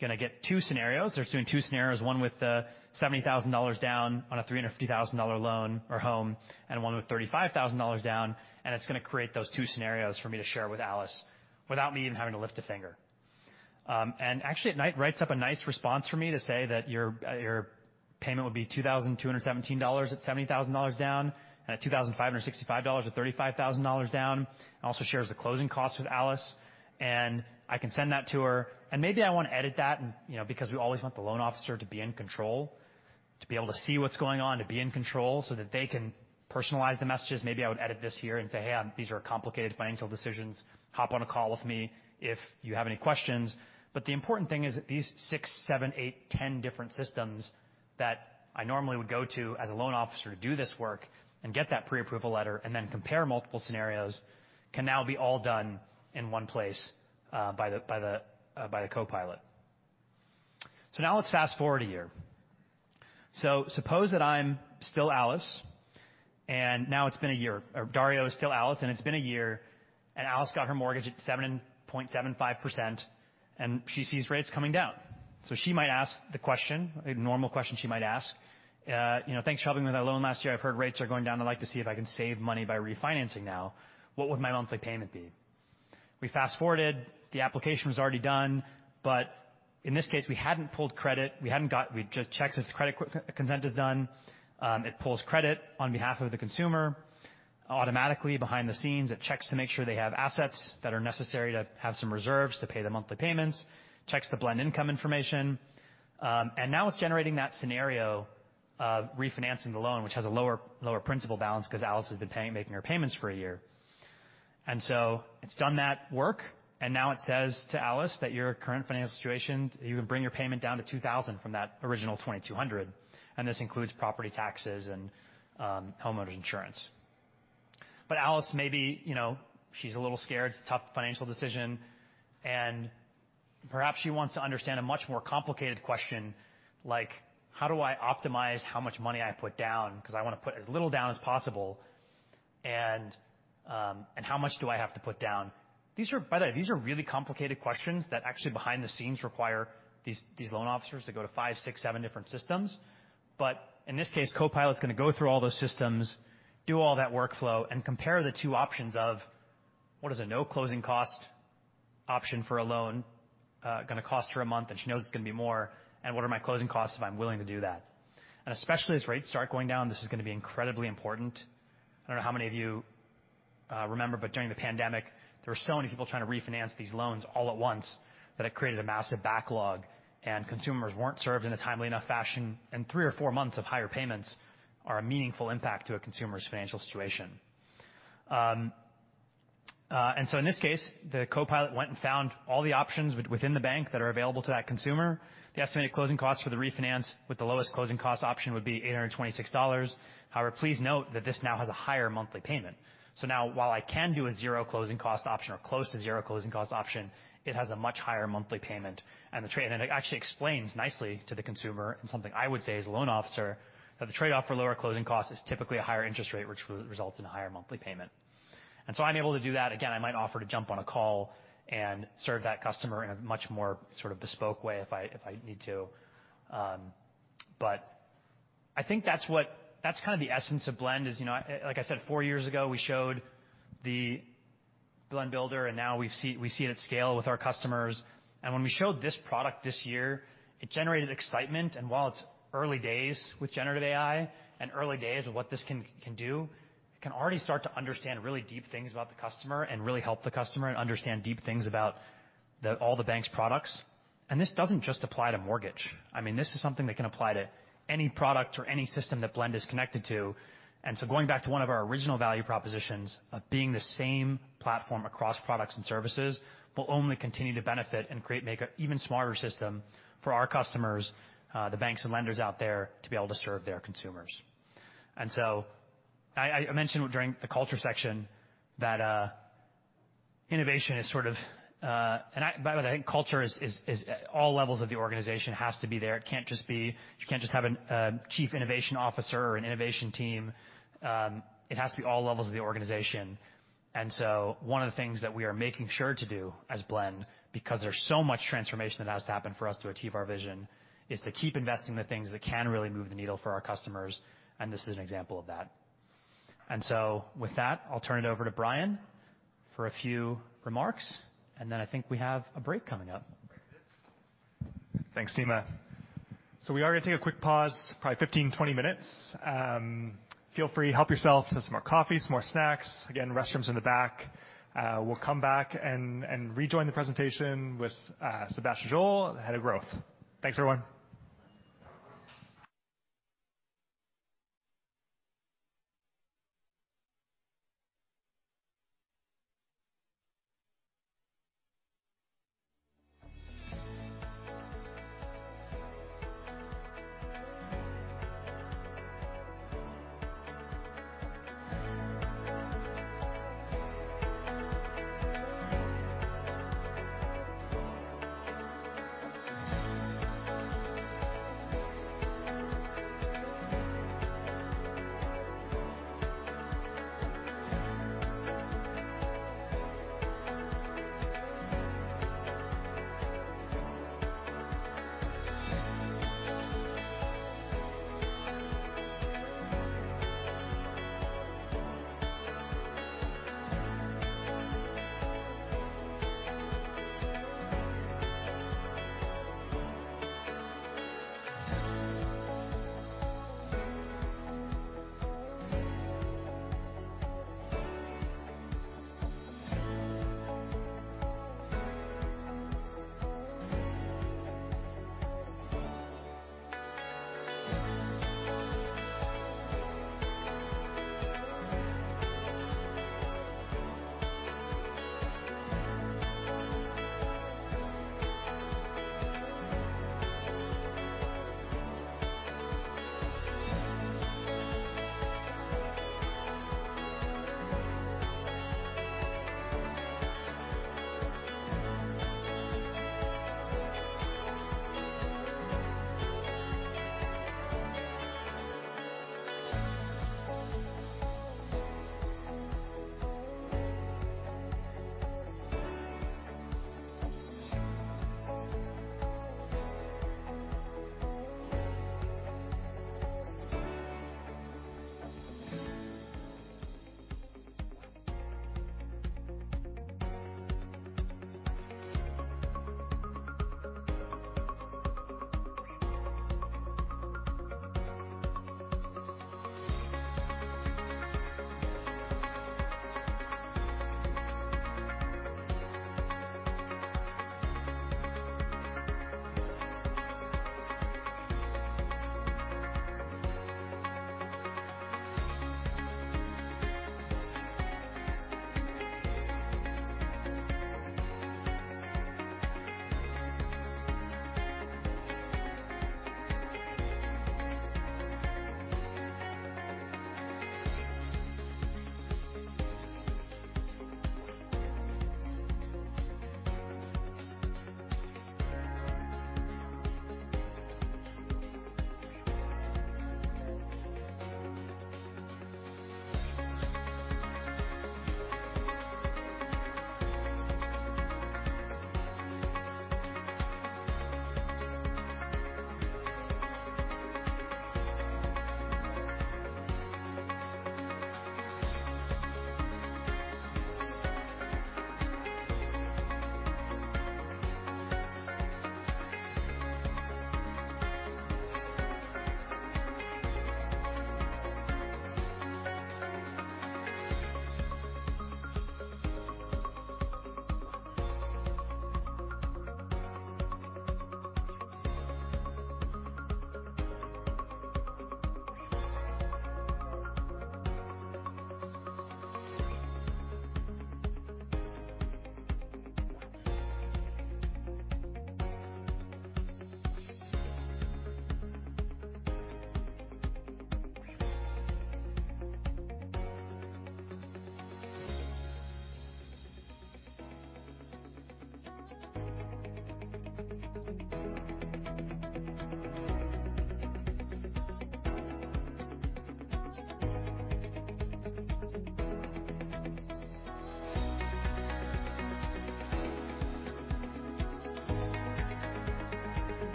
going to get two scenarios. They're doing two scenarios, one with the $70,000 down on a $350,000 loan or home, and one with $35,000 down, and it's going to create those two scenarios for me to share with Alice without me even having to lift a finger. Actually, it writes up a nice response for me to say that your payment would be $2,217 at $70,000 down, and $2,565 at $35,000 down. It also shares the closing costs with Alice, and I can send that to her. And maybe I want to edit that, and, you know, because we always want the loan officer to be in control, to be able to see what's going on, to be in control, so that they can personalize the messages. Maybe I would edit this here and say, "Hey, these are complicated financial decisions. Hop on a call with me if you have any questions." But the important thing is that these six, seven, eight, 10 different systems that I normally would go to as a loan officer to do this work and get that pre-approval letter, and then compare multiple scenarios, can now be all done in one place, by the Copilot. So now let's fast-forward a year. So suppose that I'm still Alice, and now it's been a year, or Dario is still Alice, and it's been a year, and Alice got her mortgage at 7.75%, and she sees rates coming down. So she might ask the question, a normal question she might ask, you know, "Thanks for helping me with that loan last year. I've heard rates are going down. I'd like to see if I can save money by refinancing now. What would my monthly payment be?" We fast-forwarded. The application was already done, but in this case, we hadn't pulled credit. We just checked if the credit consent is done. It pulls credit on behalf of the consumer. Automatically, behind the scenes, it checks to make sure they have assets that are necessary to have some reserves to pay the monthly payments, checks the Blend Income information, and now it's generating that scenario of refinancing the loan, which has a lower, lower principal balance because Alice has been paying, making her payments for a year. So it's done that work, and now it says to Alice that your current financial situation, you can bring your payment down to $2,000 from that original $2,200, and this includes property taxes and, homeowner insurance. But Alice, maybe, you know, she's a little scared. It's a tough financial decision, and perhaps she wants to understand a much more complicated question like: How do I optimize how much money I put down? Because I want to put as little down as possible. And how much do I have to put down? These are by the way, these are really complicated questions that actually, behind the scenes, require these, these loan officers to go to 5, 6, 7 different systems. But in this case, Copilot's going to go through all those systems, do all that workflow, and compare the 2 options of what is a no-closing cost option for a loan going to cost her a month, and she knows it's going to be more, and what are my closing costs if I'm willing to do that? And especially as rates start going down, this is going to be incredibly important. I don't know how many of you remember, but during the pandemic, there were so many people trying to refinance these loans all at once that it created a massive backlog, and consumers weren't served in a timely enough fashion. Three or four months of higher payments are a meaningful impact to a consumer's financial situation. So in this case, the Copilot went and found all the options within the bank that are available to that consumer. The estimated closing costs for the refinance with the lowest closing cost option would be $826. However, please note that this now has a higher monthly payment. So now, while I can do a zero closing cost option or close to zero closing cost option, it has a much higher monthly payment, and the trade... It actually explains nicely to the consumer, and something I would say as a loan officer, that the trade-off for lower closing costs is typically a higher interest rate, which results in a higher monthly payment. So I'm able to do that. Again, I might offer to jump on a call and serve that customer in a much more sort of bespoke way if I, if I need to. But I think that's what, that's kind of the essence of Blend is, you know... Like I said, four years ago, we showed the Blend Builder, and now we see it at scale with our customers. And when we showed this product this year, it generated excitement, and while it's early days with generative AI and early days of what this can do, it can already start to understand really deep things about the customer and really help the customer and understand deep things about all the bank's products. And this doesn't just apply to mortgage. I mean, this is something that can apply to any product or any system that Blend is connected to. And so going back to one of our original value propositions of being the same platform across products and services, will only continue to benefit and create, make an even smarter system for our customers, the banks and lenders out there, to be able to serve their consumers. I mentioned during the culture section that innovation is sort of, and by the way, I think culture is at all levels of the organization and has to be there. It can't just be; you can't just have a chief innovation officer or an innovation team. It has to be all levels of the organization. And so one of the things that we are making sure to do as Blend, because there's so much transformation that has to happen for us to achieve our vision, is to keep investing in the things that can really move the needle for our customers, and this is an example of that. And so with that, I'll turn it over to Bryan for a few remarks, and then I think we have a break coming up. Thanks, Nima. So we are going to take a quick pause, probably 15, 20 minutes. Feel free, help yourself to some more coffee, some more snacks. Again, restrooms in the back. We'll come back and rejoin the presentation with Sebastian Joll, the head of growth. Thanks, everyone.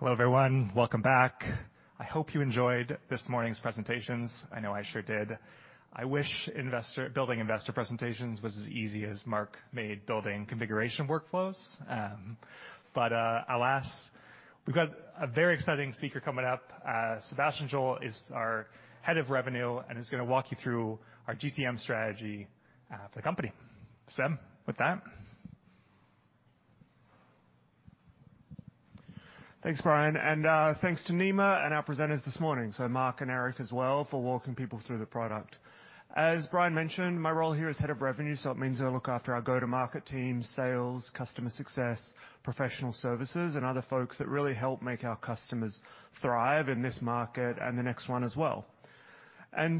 Hello, everyone. Welcome back. I hope you enjoyed this morning's presentations. I know I sure did. I wish investor... Building investor presentations was as easy as Marc made building configuration workflows, but, alas. We've got a very exciting speaker coming up. Sebastian Joll is our Head of Revenue and is gonna walk you through our GTM strategy for the company. Seb, with that. Thanks, Bryan, and thanks to Nima and our presenters this morning, so Marc and Erik as well, for walking people through the product. As Bryan mentioned, my role here is Head of Revenue, so it means I look after our go-to-market team, sales, customer success, professional services, and other folks that really help make our customers thrive in this market and the next one as well.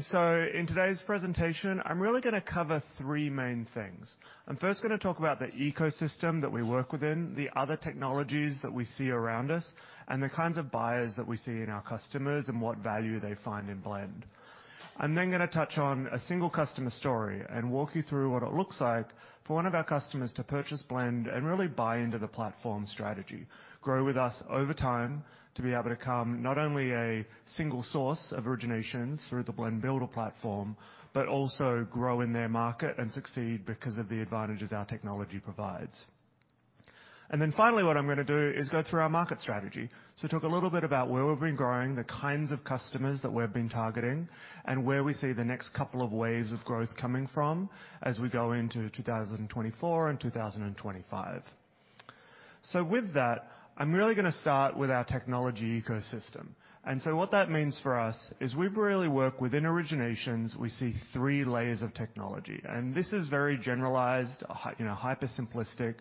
So in today's presentation, I'm really gonna cover three main things. I'm first gonna talk about the ecosystem that we work within, the other technologies that we see around us, and the kinds of buyers that we see in our customers and what value they find in Blend. I'm then gonna touch on a single customer story and walk you through what it looks like for one of our customers to purchase Blend and really buy into the platform strategy, grow with us over time, to be able to become not only a single source of originations through the Blend Builder platform, but also grow in their market and succeed because of the advantages our technology provides. And then finally, what I'm gonna do, is go through our market strategy. So talk a little bit about where we've been growing, the kinds of customers that we've been targeting, and where we see the next couple of waves of growth coming from as we go into 2024 and 2025. So with that, I'm really gonna start with our technology ecosystem. What that means for us is we really work within originations, we see three layers of technology. This is very generalized, you know, hyper simplistic.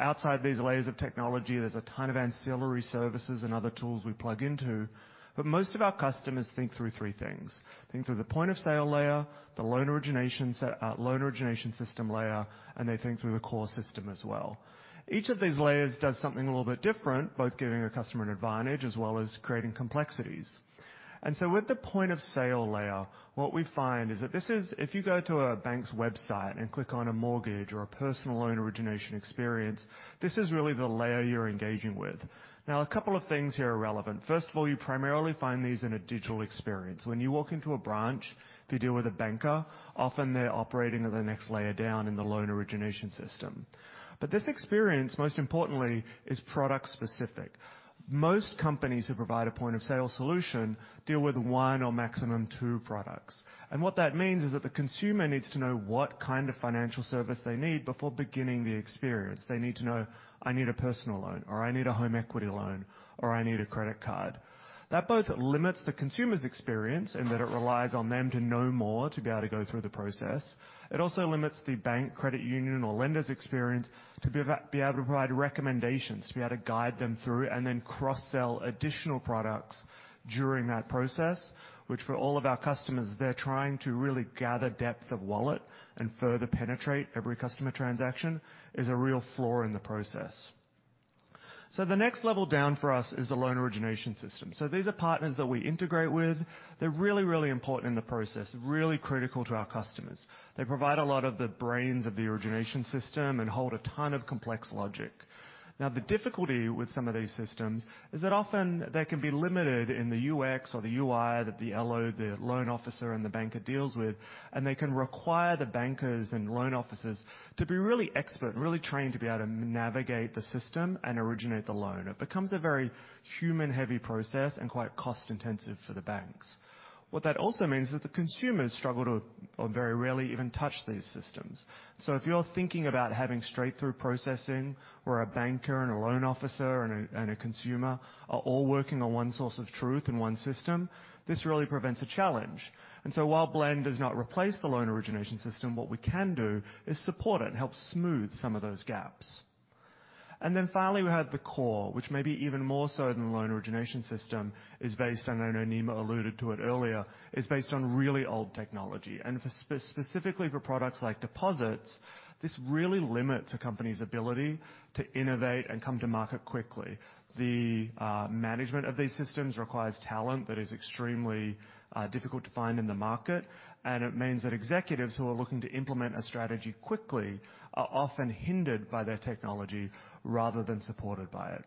Outside these layers of technology, there's a ton of ancillary services and other tools we plug into, but most of our customers think through three things: the point of sale layer, the loan origination system layer, and the core system as well. Each of these layers does something a little bit different, both giving a customer an advantage as well as creating complexities. With the point of sale layer, what we find is that this is. If you go to a bank's website and click on a mortgage or a personal loan origination experience, this is really the layer you're engaging with. Now, a couple of things here are relevant. First of all, you primarily find these in a digital experience. When you walk into a branch to deal with a banker, often they're operating at the next layer down in the loan origination system. But this experience, most importantly, is product specific. Most companies who provide a point-of-sale solution deal with one or maximum two products. And what that means is that the consumer needs to know what kind of financial service they need before beginning the experience. They need to know, "I need a personal loan," or, "I need a home equity loan," or, "I need a credit card." That both limits the consumer's experience, and that it relies on them to know more to be able to go through the process. It also limits the bank, credit union, or lender's experience to be able to provide recommendations, to be able to guide them through and then cross-sell additional products during that process, which for all of our customers, they're trying to really gather depth of wallet and further penetrate every customer transaction, is a real flaw in the process. So the next level down for us is the loan origination system. So these are partners that we integrate with. They're really, really important in the process, really critical to our customers. They provide a lot of the brains of the origination system and hold a ton of complex logic. Now, the difficulty with some of these systems is that often they can be limited in the UX or the UI that the LO, the loan officer, and the banker deals with, and they can require the bankers and loan officers to be really expert and really trained to be able to navigate the system and originate the loan. It becomes a very human-heavy process and quite cost-intensive for the banks. What that also means is that the consumers struggle to or very rarely even touch these systems. So if you're thinking about having straight-through processing, where a banker and a loan officer and a consumer are all working on one source of truth in one system, this really presents a challenge. And so while Blend does not replace the loan origination system, what we can do is support it and help smooth some of those gaps. And then finally, we have the core, which may be even more so than the loan origination system, is based on, I know Nima alluded to it earlier, is based on really old technology, and for specifically for products like deposits, this really limits a company's ability to innovate and come to market quickly. The management of these systems requires talent that is extremely difficult to find in the market, and it means that executives who are looking to implement a strategy quickly are often hindered by their technology rather than supported by it.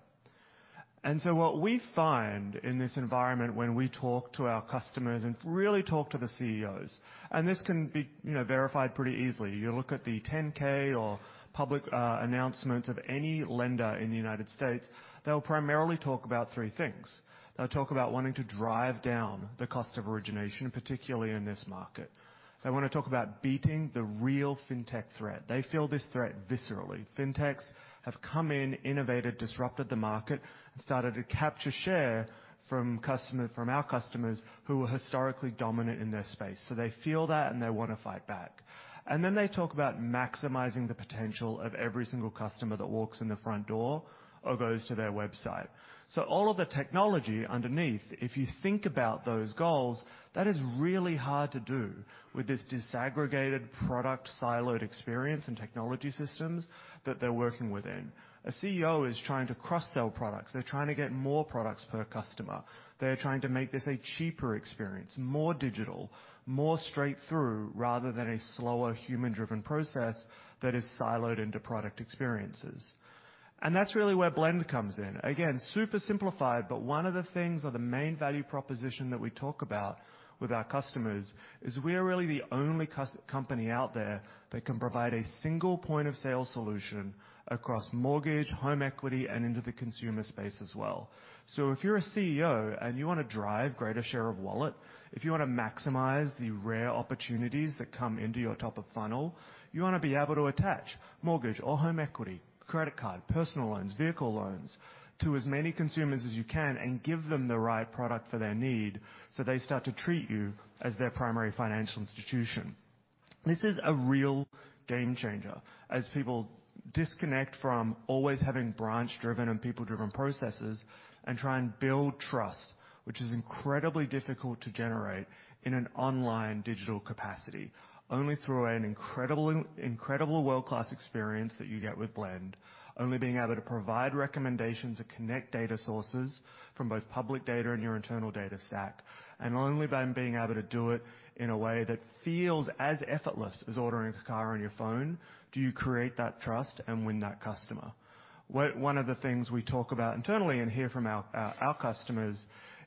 And so what we find in this environment when we talk to our customers and really talk to the CEOs, and this can be, you know, verified pretty easily. You look at the 10-K or public announcements of any lender in the United States, they'll primarily talk about three things. They'll talk about wanting to drive down the cost of origination, particularly in this market. They wanna talk about beating the real fintech threat. They feel this threat viscerally. Fintechs have come in, innovated, disrupted the market, and started to capture share from customer. from our customers, who were historically dominant in their space. So they feel that, and they want to fight back. And then they talk about maximizing the potential of every single customer that walks in the front door or goes to their website. So all of the technology underneath, if you think about those goals, that is really hard to do with this disaggregated product, siloed experience and technology systems that they're working within. A CEO is trying to cross-sell products. They're trying to get more products per customer. They're trying to make this a cheaper experience, more digital, more straight through, rather than a slower, human-driven process that is siloed into product experiences. And that's really where Blend comes in. Again, super simplified, but one of the things or the main value proposition that we talk about with our customers is we are really the only company out there that can provide a single point of sale solution across mortgage, home equity, and into the consumer space as well. So if you're a CEO and you wanna drive greater share of wallet, if you wanna maximize the rare opportunities that come into your top of funnel, you wanna be able to attach mortgage or home equity, credit card, personal loans, vehicle loans, to as many consumers as you can and give them the right product for their need, so they start to treat you as their primary financial institution. This is a real game changer, as people disconnect from always having branch-driven and people-driven processes and try and build trust, which is incredibly difficult to generate in an online digital capacity. Only through an incredible, incredible world-class experience that you get with Blend, only being able to provide recommendations to connect data sources from both public data and your internal data stack, and only by being able to do it in a way that feels as effortless as ordering a car on your phone, do you create that trust and win that customer. One of the things we talk about internally and hear from our customers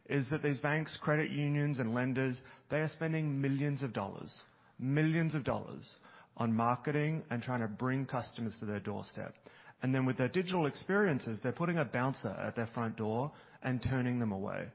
is that these banks, credit unions, and lenders, they are spending millions of dollars, millions of dollars on marketing and trying to bring customers to their doorstep. And then with their digital experiences, they're putting a bouncer at their front door and turning them away.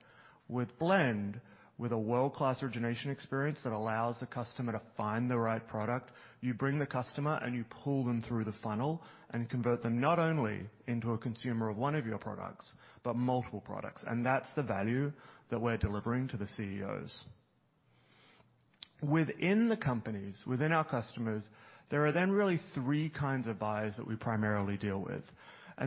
With Blend, with a world-class origination experience that allows the customer to find the right product, you bring the customer, and you pull them through the funnel and convert them not only into a consumer of one of your products, but multiple products. That's the value that we're delivering to the CEOs. Within the companies, within our customers, there are then really three kinds of buyers that we primarily deal with.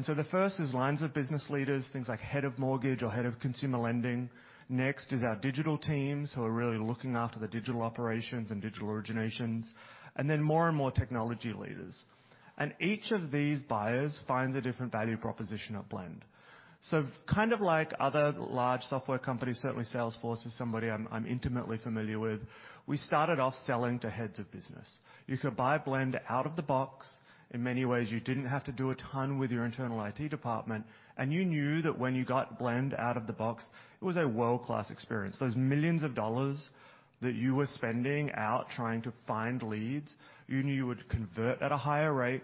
So the first is lines of business leaders, things like head of mortgage or head of consumer lending. Next is our digital teams, who are really looking after the digital operations and digital originations, and then more and more technology leaders. Each of these buyers finds a different value proposition at Blend. So kind of like other large software companies, certainly Salesforce is somebody I'm, I'm intimately familiar with. We started off selling to heads of business. You could buy Blend out of the box. In many ways, you didn't have to do a ton with your internal IT department, and you knew that when you got Blend out of the box, it was a world-class experience. Those millions dollars that you were spending out, trying to find leads, you knew you would convert at a higher rate,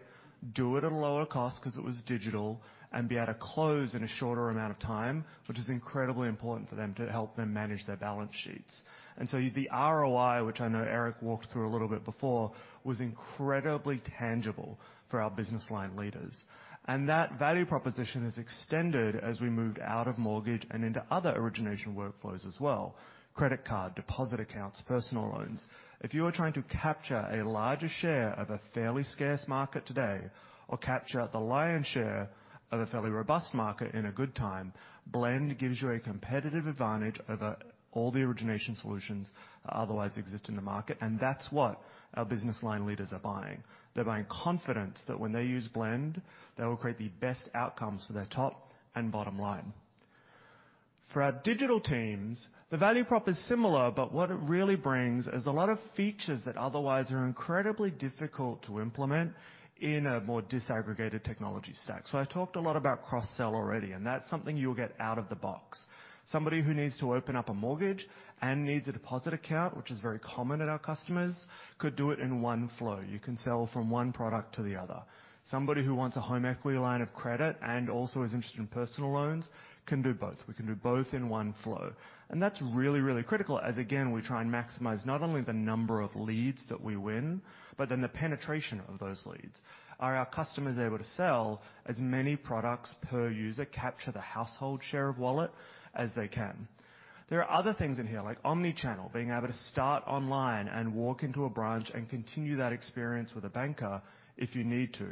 do it at a lower cost because it was digital, and be able to close in a shorter amount of time, which is incredibly important for them to help them manage their balance sheets. And so the ROI, which I know Erik walked through a little bit before, was incredibly tangible for our business line leaders. That value proposition is extended as we moved out of mortgage and into other origination workflows as well, credit card, deposit accounts, personal loans. If you are trying to capture a larger share of a fairly scarce market today or capture the lion's share of a fairly robust market in a good time, Blend gives you a competitive advantage over all the origination solutions that otherwise exist in the market, and that's what our business line leaders are buying. They're buying confidence that when they use Blend, they will create the best outcomes for their top and bottom line. For our digital teams, the value prop is similar, but what it really brings is a lot of features that otherwise are incredibly difficult to implement in a more disaggregated technology stack. So I talked a lot about cross-sell already, and that's something you'll get out of the box. Somebody who needs to open up a mortgage and needs a deposit account, which is very common in our customers, could do it in one flow. You can sell from one product to the other. Somebody who wants a home equity line of credit and also is interested in personal loans, can do both. We can do both in one flow, and that's really, really critical as, again, we try and maximize not only the number of leads that we win, but then the penetration of those leads. Are our customers able to sell as many products per user, capture the household share of wallet as they can? There are other things in here, like omni-channel, being able to start online and walk into a branch and continue that experience with a banker if you need to.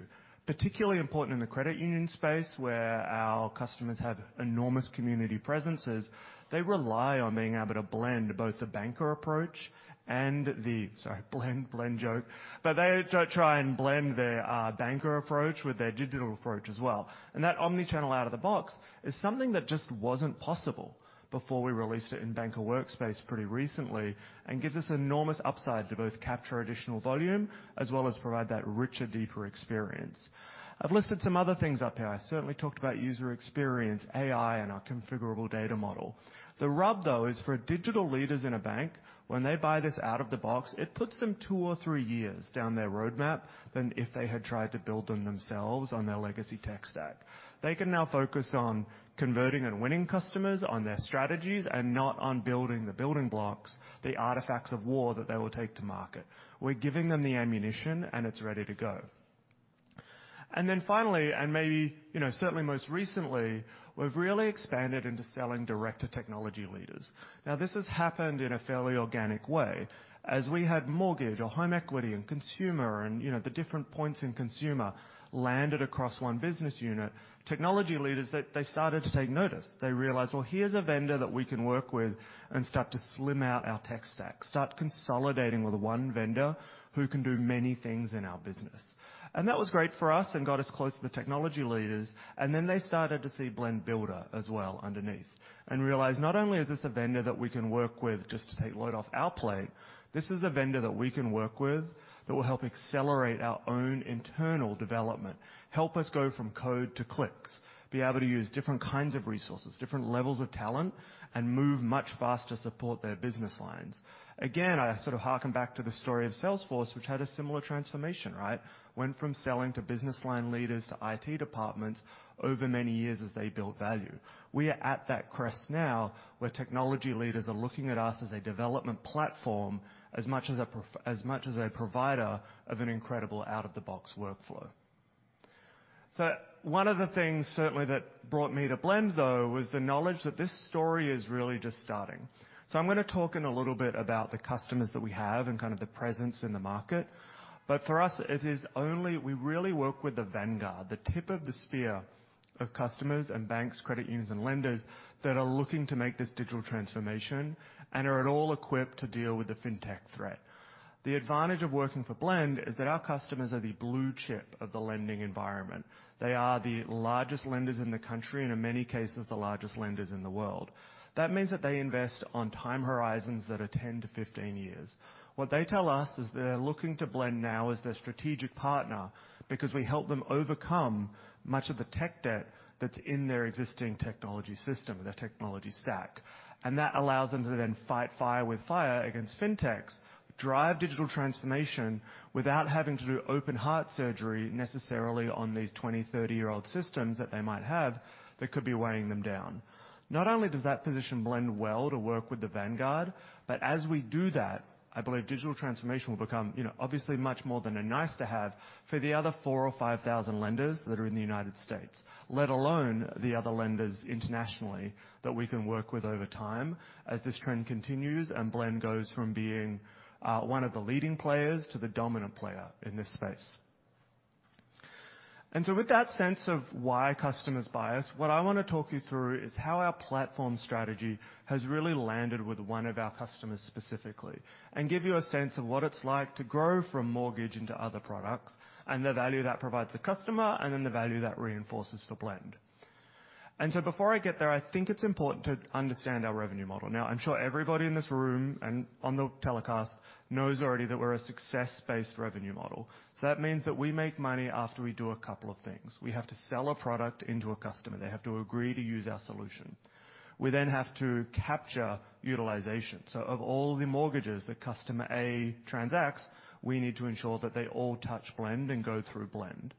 Particularly important in the credit union space, where our customers have enormous community presences, they rely on being able to blend both the banker approach and the. Sorry, Blend, Blend joke. But they try, try and blend their banker approach with their digital approach as well. And that omni-channel out of the box is something that just wasn't possible before we released it in Banker Workspace pretty recently, and gives us enormous upside to both capture additional volume as well as provide that richer, deeper experience. I've listed some other things up here. I certainly talked about user experience, AI, and our configurable data model. The rub, though, is for digital leaders in a bank, when they buy this out of the box, it puts them two or three years down their roadmap than if they had tried to build them themselves on their legacy tech stack. They can now focus on converting and winning customers on their strategies and not on building the building blocks, the artifacts of war that they will take to market. We're giving them the ammunition, and it's ready to go. Then finally, and maybe, you know, certainly most recently, we've really expanded into selling direct to technology leaders. Now, this has happened in a fairly organic way. As we had mortgage or home equity and consumer and, you know, the different points in consumer landed across one business unit, technology leaders, they, they started to take notice. They realized, "Well, here's a vendor that we can work with and start to slim out our tech stack. “Start consolidating with one vendor who can do many things in our business.” That was great for us and got us close to the technology leaders, and then they started to see Blend Builder as well underneath. And realized not only is this a vendor that we can work with just to take a load off our plate, this is a vendor that we can work with that will help accelerate our own internal development, help us go from code to clicks, be able to use different kinds of resources, different levels of talent, and move much faster to support their business lines. Again, I sort of hearken back to the story of Salesforce, which had a similar transformation, right? Went from selling to business line leaders, to IT departments over many years as they built value. We are at that crest now, where technology leaders are looking at us as a development platform, as much as a provider of an incredible out-of-the-box workflow. So one of the things, certainly, that brought me to Blend, though, was the knowledge that this story is really just starting. So I'm going to talk in a little bit about the customers that we have and kind of the presence in the market. But for us, it is only... We really work with the vanguard, the tip of the spear of customers and banks, credit unions, and lenders that are looking to make this digital transformation and are at all equipped to deal with the fintech threat. The advantage of working for Blend is that our customers are the blue chip of the lending environment. They are the largest lenders in the country and in many cases, the largest lenders in the world. That means that they invest on time horizons that are 10-15 years. What they tell us is they're looking to Blend now as their strategic partner because we help them overcome much of the tech debt that's in their existing technology system, their technology stack. That allows them to then fight fire with fire against fintechs, drive digital transformation without having to do open heart surgery necessarily on these 20- or 30-year-old systems that they might have that could be weighing them down. Not only does that position Blend well to work with the vanguard, but as we do that, I believe digital transformation will become, you know, obviously much more than a nice to have for the other 4,000 or 5,000 lenders that are in the United States, let alone the other lenders internationally, that we can work with over time as this trend continues and Blend goes from being one of the leading players to the dominant player in this space. So with that sense of why customers buy us, what I want to talk you through is how our platform strategy has really landed with one of our customers specifically, and give you a sense of what it's like to grow from mortgage into other products, and the value that provides the customer, and then the value that reinforces for Blend. And so before I get there, I think it's important to understand our revenue model. Now, I'm sure everybody in this room and on the telecast knows already that we're a success-based revenue model. So that means that we make money after we do a couple of things. We have to sell a product into a customer. They have to agree to use our solution. We then have to capture utilization. So of all the mortgages that customer A transacts, we need to ensure that they all touch Blend and go through Blend.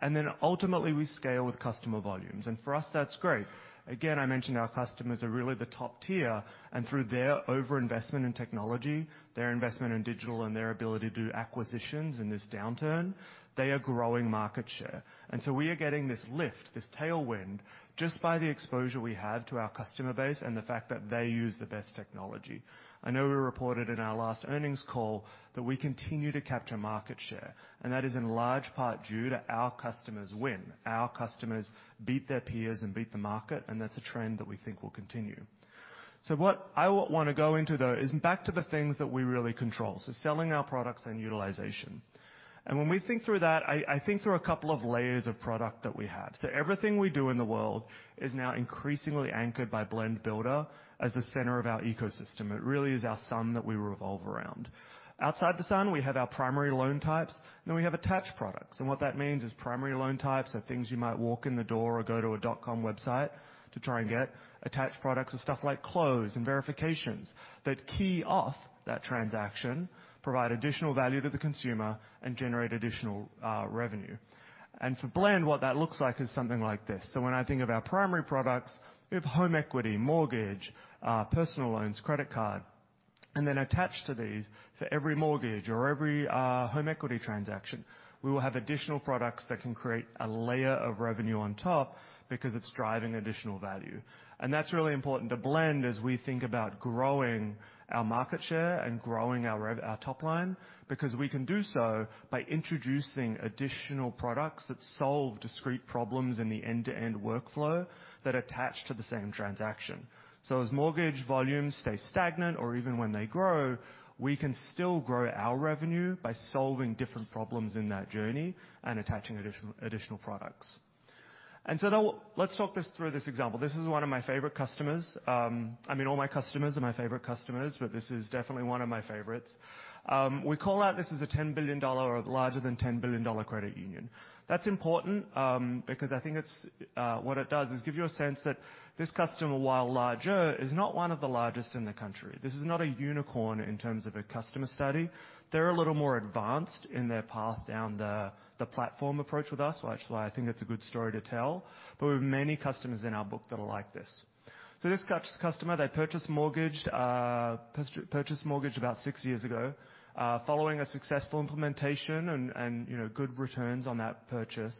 And then ultimately, we scale with customer volumes, and for us, that's great. Again, I mentioned our customers are really the top tier, and through their overinvestment in technology, their investment in digital, and their ability to do acquisitions in this downturn, they are growing market share. And so we are getting this lift, this tailwind, just by the exposure we have to our customer base and the fact that they use the best technology. I know we reported in our last earnings call that we continue to capture market share, and that is in large part due to our customers' win. Our customers beat their peers and beat the market, and that's a trend that we think will continue. So what I want to go into, though, is back to the things that we really control, so selling our products and utilization. And when we think through that, I think through a couple of layers of product that we have. So everything we do in the world is now increasingly anchored by Blend Builder as the center of our ecosystem. It really is our sun that we revolve around. of the box, we have our primary loan types, then we have attached products. And what that means is primary loan types are things you might walk in the door or go to a dot com website to try and get. Attached products are stuff like closes and verifications that key off that transaction, provide additional value to the consumer, and generate additional revenue. And for Blend, what that looks like is something like this. So when I think of our primary products, we have home equity, mortgage, personal loans, credit card, and then attached to these, for every mortgage or every home equity transaction, we will have additional products that can create a layer of revenue on top because it's driving additional value. And that's really important to Blend as we think about growing our market share and growing our rev-- our top line, because we can do so by introducing additional products that solve discrete problems in the end-to-end workflow that attach to the same transaction. So as mortgage volumes stay stagnant or even when they grow, we can still grow our revenue by solving different problems in that journey and attaching additional products. And so now, let's talk through this example. This is one of my favorite customers. I mean, all my customers are my favorite customers, but this is definitely one of my favorites. We call out this as a $10 billion, or larger than $10 billion credit union. That's important, because I think it's... What it does is give you a sense that this customer, while larger, is not one of the largest in the country. This is not a unicorn in terms of a customer study. They're a little more advanced in their path down the platform approach with us, which is why I think it's a good story to tell, but we have many customers in our book that are like this. So this customer, they purchased mortgage about six years ago. Following a successful implementation and, you know, good returns on that purchase,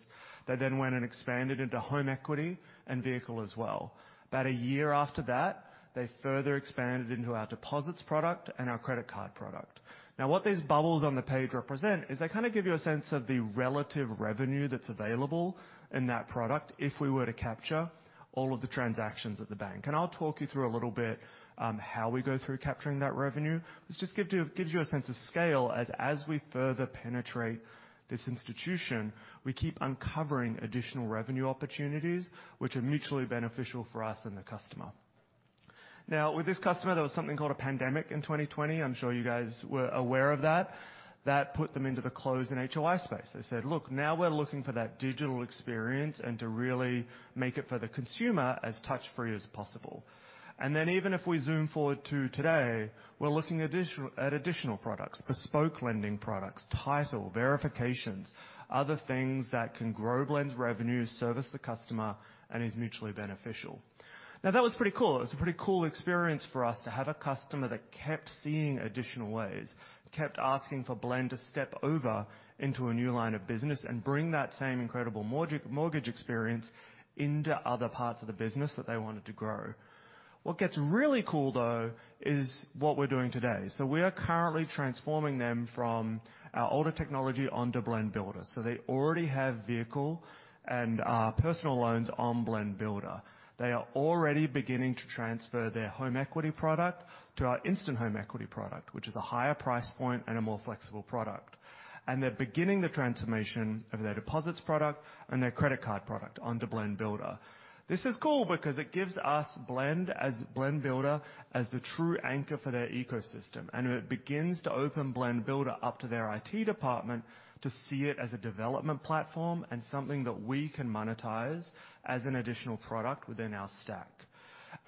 they then went and expanded into home equity and vehicle as well. About a year after that, they further expanded into our deposits product and our credit card product. Now, what these bubbles on the page represent is they kinda give you a sense of the relative revenue that's available in that product if we were to capture all of the transactions at the bank. And I'll talk you through a little bit, how we go through capturing that revenue. Gives you a sense of scale as we further penetrate this institution, we keep uncovering additional revenue opportunities, which are mutually beneficial for us and the customer. Now, with this customer, there was something called a pandemic in 2020. I'm sure you guys were aware of that. That put them into the Close and HOI space. They said, "Look, now we're looking for that digital experience and to really make it for the consumer as touch-free as possible." And then, even if we zoom forward to today, we're looking at additional products, bespoke lending products, title, verifications, other things that can grow Blend's revenue, service the customer, and is mutually beneficial. Now, that was pretty cool. It was a pretty cool experience for us to have a customer that kept seeing additional ways, kept asking for Blend to step over into a new line of business and bring that same incredible mortgage experience into other parts of the business that they wanted to grow. What gets really cool, though, is what we're doing today. So we are currently transforming them from our older technology onto Blend Builder. So they already have vehicle and personal loans on Blend Builder. They are already beginning to transfer their home equity product to our Instant Home Equity product, which is a higher price point and a more flexible product. And they're beginning the transformation of their deposits product and their credit card product onto Blend Builder. This is cool because it gives us Blend Builder as the true anchor for their ecosystem, and it begins to open Blend Builder up to their IT department to see it as a development platform and something that we can monetize as an additional product within our stack.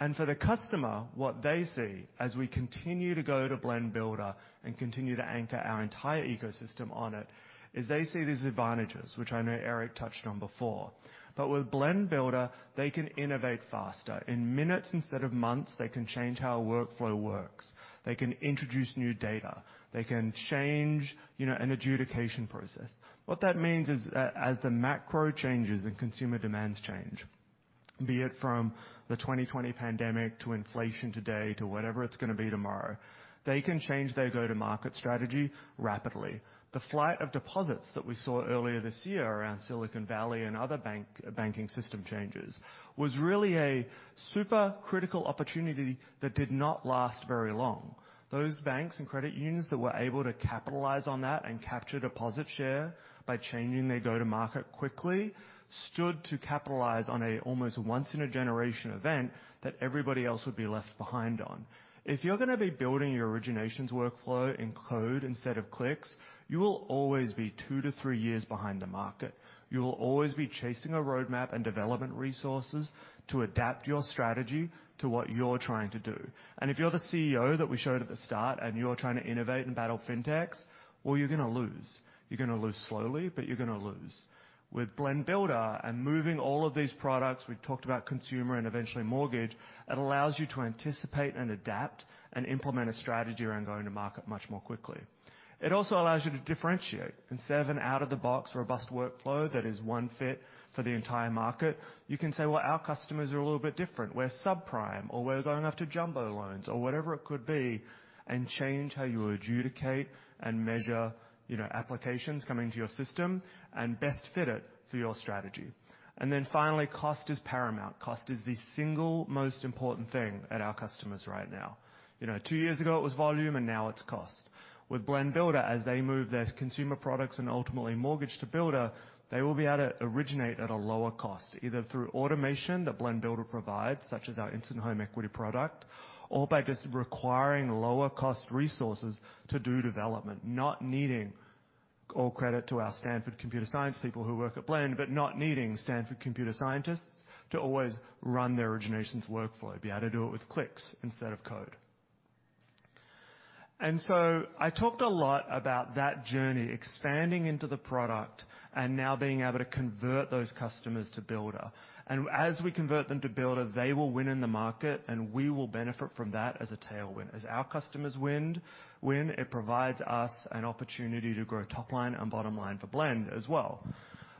And for the customer, what they see, as we continue to go to Blend Builder and continue to anchor our entire ecosystem on it, is they see these advantages, which I know Erik touched on before. But with Blend Builder, they can innovate faster. In minutes instead of months, they can change how a workflow works. They can introduce new data. They can change, you know, an adjudication process. What that means is, as the macro changes and consumer demands change, be it from the 2020 pandemic to inflation today, to whatever it's gonna be tomorrow, they can change their go-to-market strategy rapidly. The flight of deposits that we saw earlier this year around Silicon Valley and other banking system changes, was really a super critical opportunity that did not last very long. Those banks and credit unions that were able to capitalize on that and capture deposit share by changing their go-to-market quickly, stood to capitalize on an almost once-in-a-generation event that everybody else would be left behind on. If you're gonna be building your originations workflow in code instead of clicks, you will always be 2-3 years behind the market. You will always be chasing a roadmap and development resources to adapt your strategy to what you're trying to do. And if you're the CEO that we showed at the start, and you're trying to innovate and battle fintechs, well, you're gonna lose. You're gonna lose slowly, but you're gonna lose. With Blend Builder and moving all of these products, we've talked about consumer and eventually mortgage, it allows you to anticipate and adapt and implement a strategy around going to market much more quickly. It also allows you to differentiate. Instead of an out-of-the-box, robust workflow that is one fit for the entire market, you can say, "Well, our customers are a little bit different. We're subprime," or, "We're going after jumbo loans," or whatever it could be, and change how you adjudicate and measure, you know, applications coming to your system and best fit it for your strategy. Then finally, cost is paramount. Cost is the single most important thing at our customers right now. You know, two years ago, it was volume, and now it's cost. With Blend Builder, as they move their consumer products and ultimately mortgage to Builder, they will be able to originate at a lower cost, either through automation that Blend Builder provides, such as our Instant Home Equity product, or by just requiring lower-cost resources to do development, not needing. All credit to our Stanford computer science people who work at Blend, but not needing Stanford computer scientists to always run their originations workflow, be able to do it with clicks instead of code. So I talked a lot about that journey, expanding into the product and now being able to convert those customers to Builder. And as we convert them to Builder, they will win in the market, and we will benefit from that as a tailwind. As our customers win, it provides us an opportunity to grow top line and bottom line for Blend as well.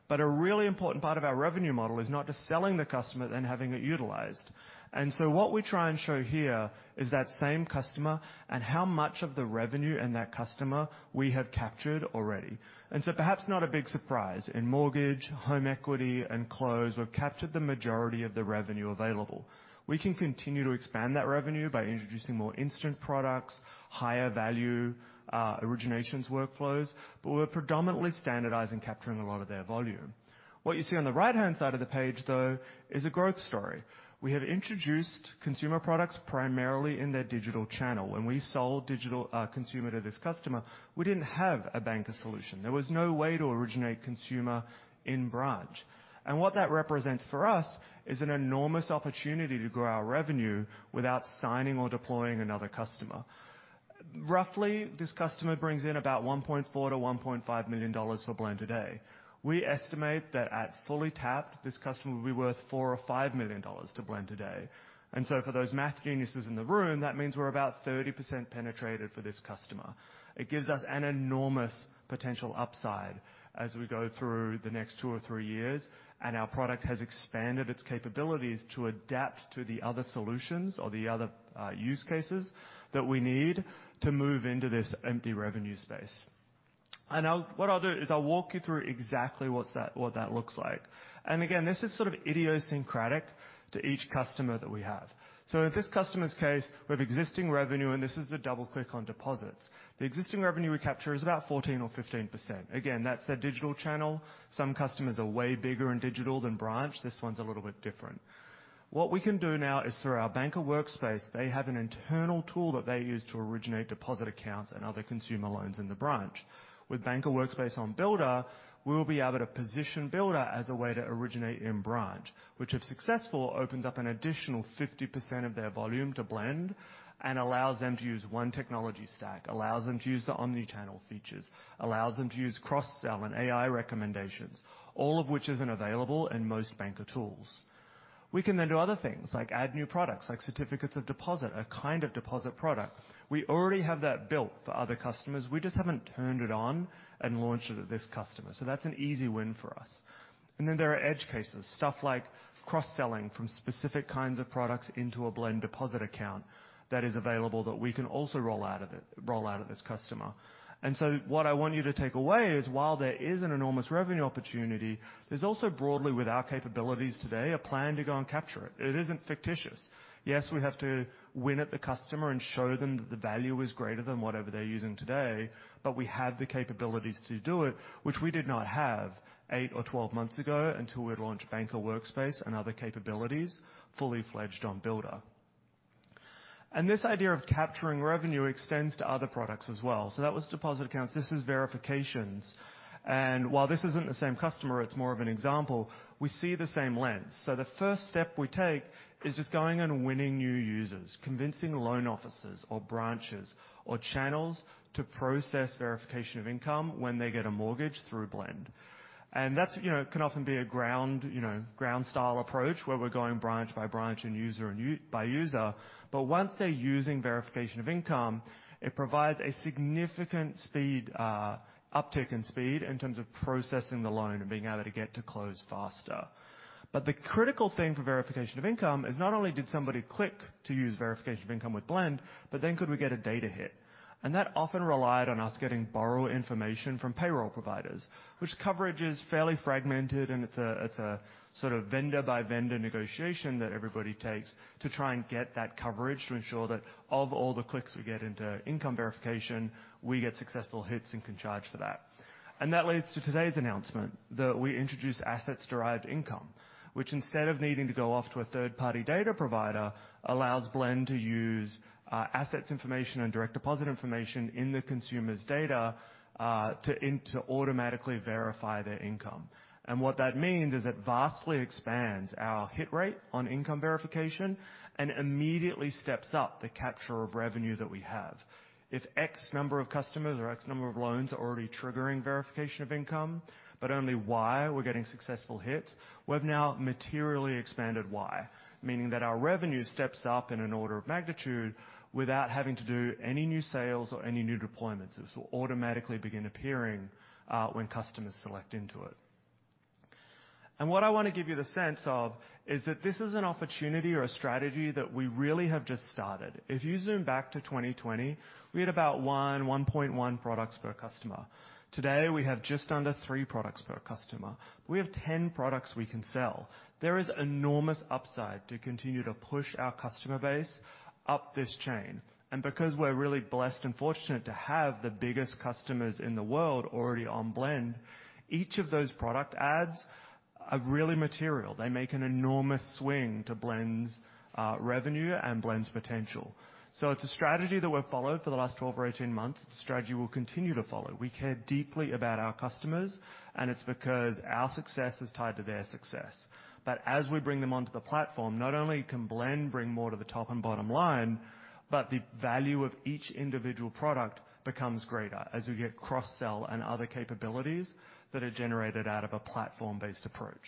But a really important part of our revenue model is not just selling the customer then having it utilized. And so what we try and show here is that same customer and how much of the revenue and that customer we have captured already. And so perhaps not a big surprise. In mortgage, home equity, and Close, we've captured the majority of the revenue available. We can continue to expand that revenue by introducing more instant products, higher value, originations, workflows, but we're predominantly standardizing, capturing a lot of their volume. What you see on the right-hand side of the page, though, is a growth story. We have introduced consumer products primarily in their digital channel. When we sold digital, consumer to this customer, we didn't have a banker solution. There was no way to originate consumer in branch. And what that represents for us is an enormous opportunity to grow our revenue without signing or deploying another customer. Roughly, this customer brings in about $1.4 million-$1.5 million for Blend today. We estimate that at fully tapped, this customer will be worth $4 million or $5 million to Blend today. And so for those math geniuses in the room, that means we're about 30% penetrated for this customer. It gives us an enormous potential upside as we go through the next two or three years, and our product has expanded its capabilities to adapt to the other solutions or the other use cases that we need to move into this empty revenue space. And I'll... What I'll do is I'll walk you through exactly what's that, what that looks like. And again, this is sort of idiosyncratic to each customer that we have. So in this customer's case, we have existing revenue, and this is the double click on deposits. The existing revenue we capture is about 14 or 15%. Again, that's their digital channel. Some customers are way bigger in digital than branch. This one's a little bit different. What we can do now is through our Banker Workspace, they have an internal tool that they use to originate deposit accounts and other consumer loans in the branch. With Banker Workspace on Builder, we will be able to position Builder as a way to originate in branch, which, if successful, opens up an additional 50% of their volume to Blend and allows them to use one technology stack, allows them to use the omni-channel features, allows them to use cross-sell and AI recommendations, all of which isn't available in most banker tools. We can then do other things, like add new products, like certificates of deposit, a kind of deposit product. We already have that built for other customers. We just haven't turned it on and launched it at this customer. So that's an easy win for us. And then there are edge cases, stuff like cross-selling from specific kinds of products into a Blend deposit account that is available, that we can also roll out of it, roll out of this customer. And so what I want you to take away is, while there is an enormous revenue opportunity, there's also broadly, with our capabilities today, a plan to go and capture it. It isn't fictitious. Yes, we have to win at the customer and show them that the value is greater than whatever they're using today, but we have the capabilities to do it, which we did not have 8 or 12 months ago until we'd launched Banker Workspace and other capabilities, fully fledged on Builder. And this idea of capturing revenue extends to other products as well. So that was deposit accounts. This is verifications. While this isn't the same customer, it's more of an example, we see the same lens. So the first step we take is just going and winning new users, convincing loan officers or branches or channels to process verification of income when they get a mortgage through Blend. And that's, you know, can often be a ground, you know, ground-style approach, where we're going branch by branch and user by user. But once they're using verification of income, it provides a significant speed uptick in speed in terms of processing the loan and being able to get to close faster. But the critical thing for verification of income is not only did somebody click to use verification of income with Blend, but then could we get a data hit? And that often relied on us getting borrower information from payroll providers, which coverage is fairly fragmented, and it's a sort of vendor-by-vendor negotiation that everybody takes to try and get that coverage to ensure that of all the clicks we get into income verification, we get successful hits and can charge for that. And that leads to today's announcement, that we introduce Asset-Derived Income, which, instead of needing to go off to a third-party data provider, allows Blend to use assets information and direct deposit information in the consumer's data to automatically verify their income. And what that means is it vastly expands our hit rate on income verification and immediately steps up the capture of revenue that we have. If X number of customers or X number of loans are already triggering verification of income, but only Y we're getting successful hits, we've now materially expanded Y, meaning that our revenue steps up in an order of magnitude without having to do any new sales or any new deployments. This will automatically begin appearing when customers select into it. What I wanna give you the sense of is that this is an opportunity or a strategy that we really have just started. If you zoom back to 2020, we had about 1.1 products per customer. Today, we have just under 3 products per customer. We have 10 products we can sell. There is enormous upside to continue to push our customer base up this chain. Because we're really blessed and fortunate to have the biggest customers in the world already on Blend, each of those product adds are really material. They make an enormous swing to Blend's revenue and Blend's potential. So it's a strategy that we've followed for the last 12 or 18 months, the strategy we'll continue to follow. We care deeply about our customers, and it's because our success is tied to their success. But as we bring them onto the platform, not only can Blend bring more to the top and bottom line, but the value of each individual product becomes greater as we get cross-sell and other capabilities that are generated out of a platform-based approach.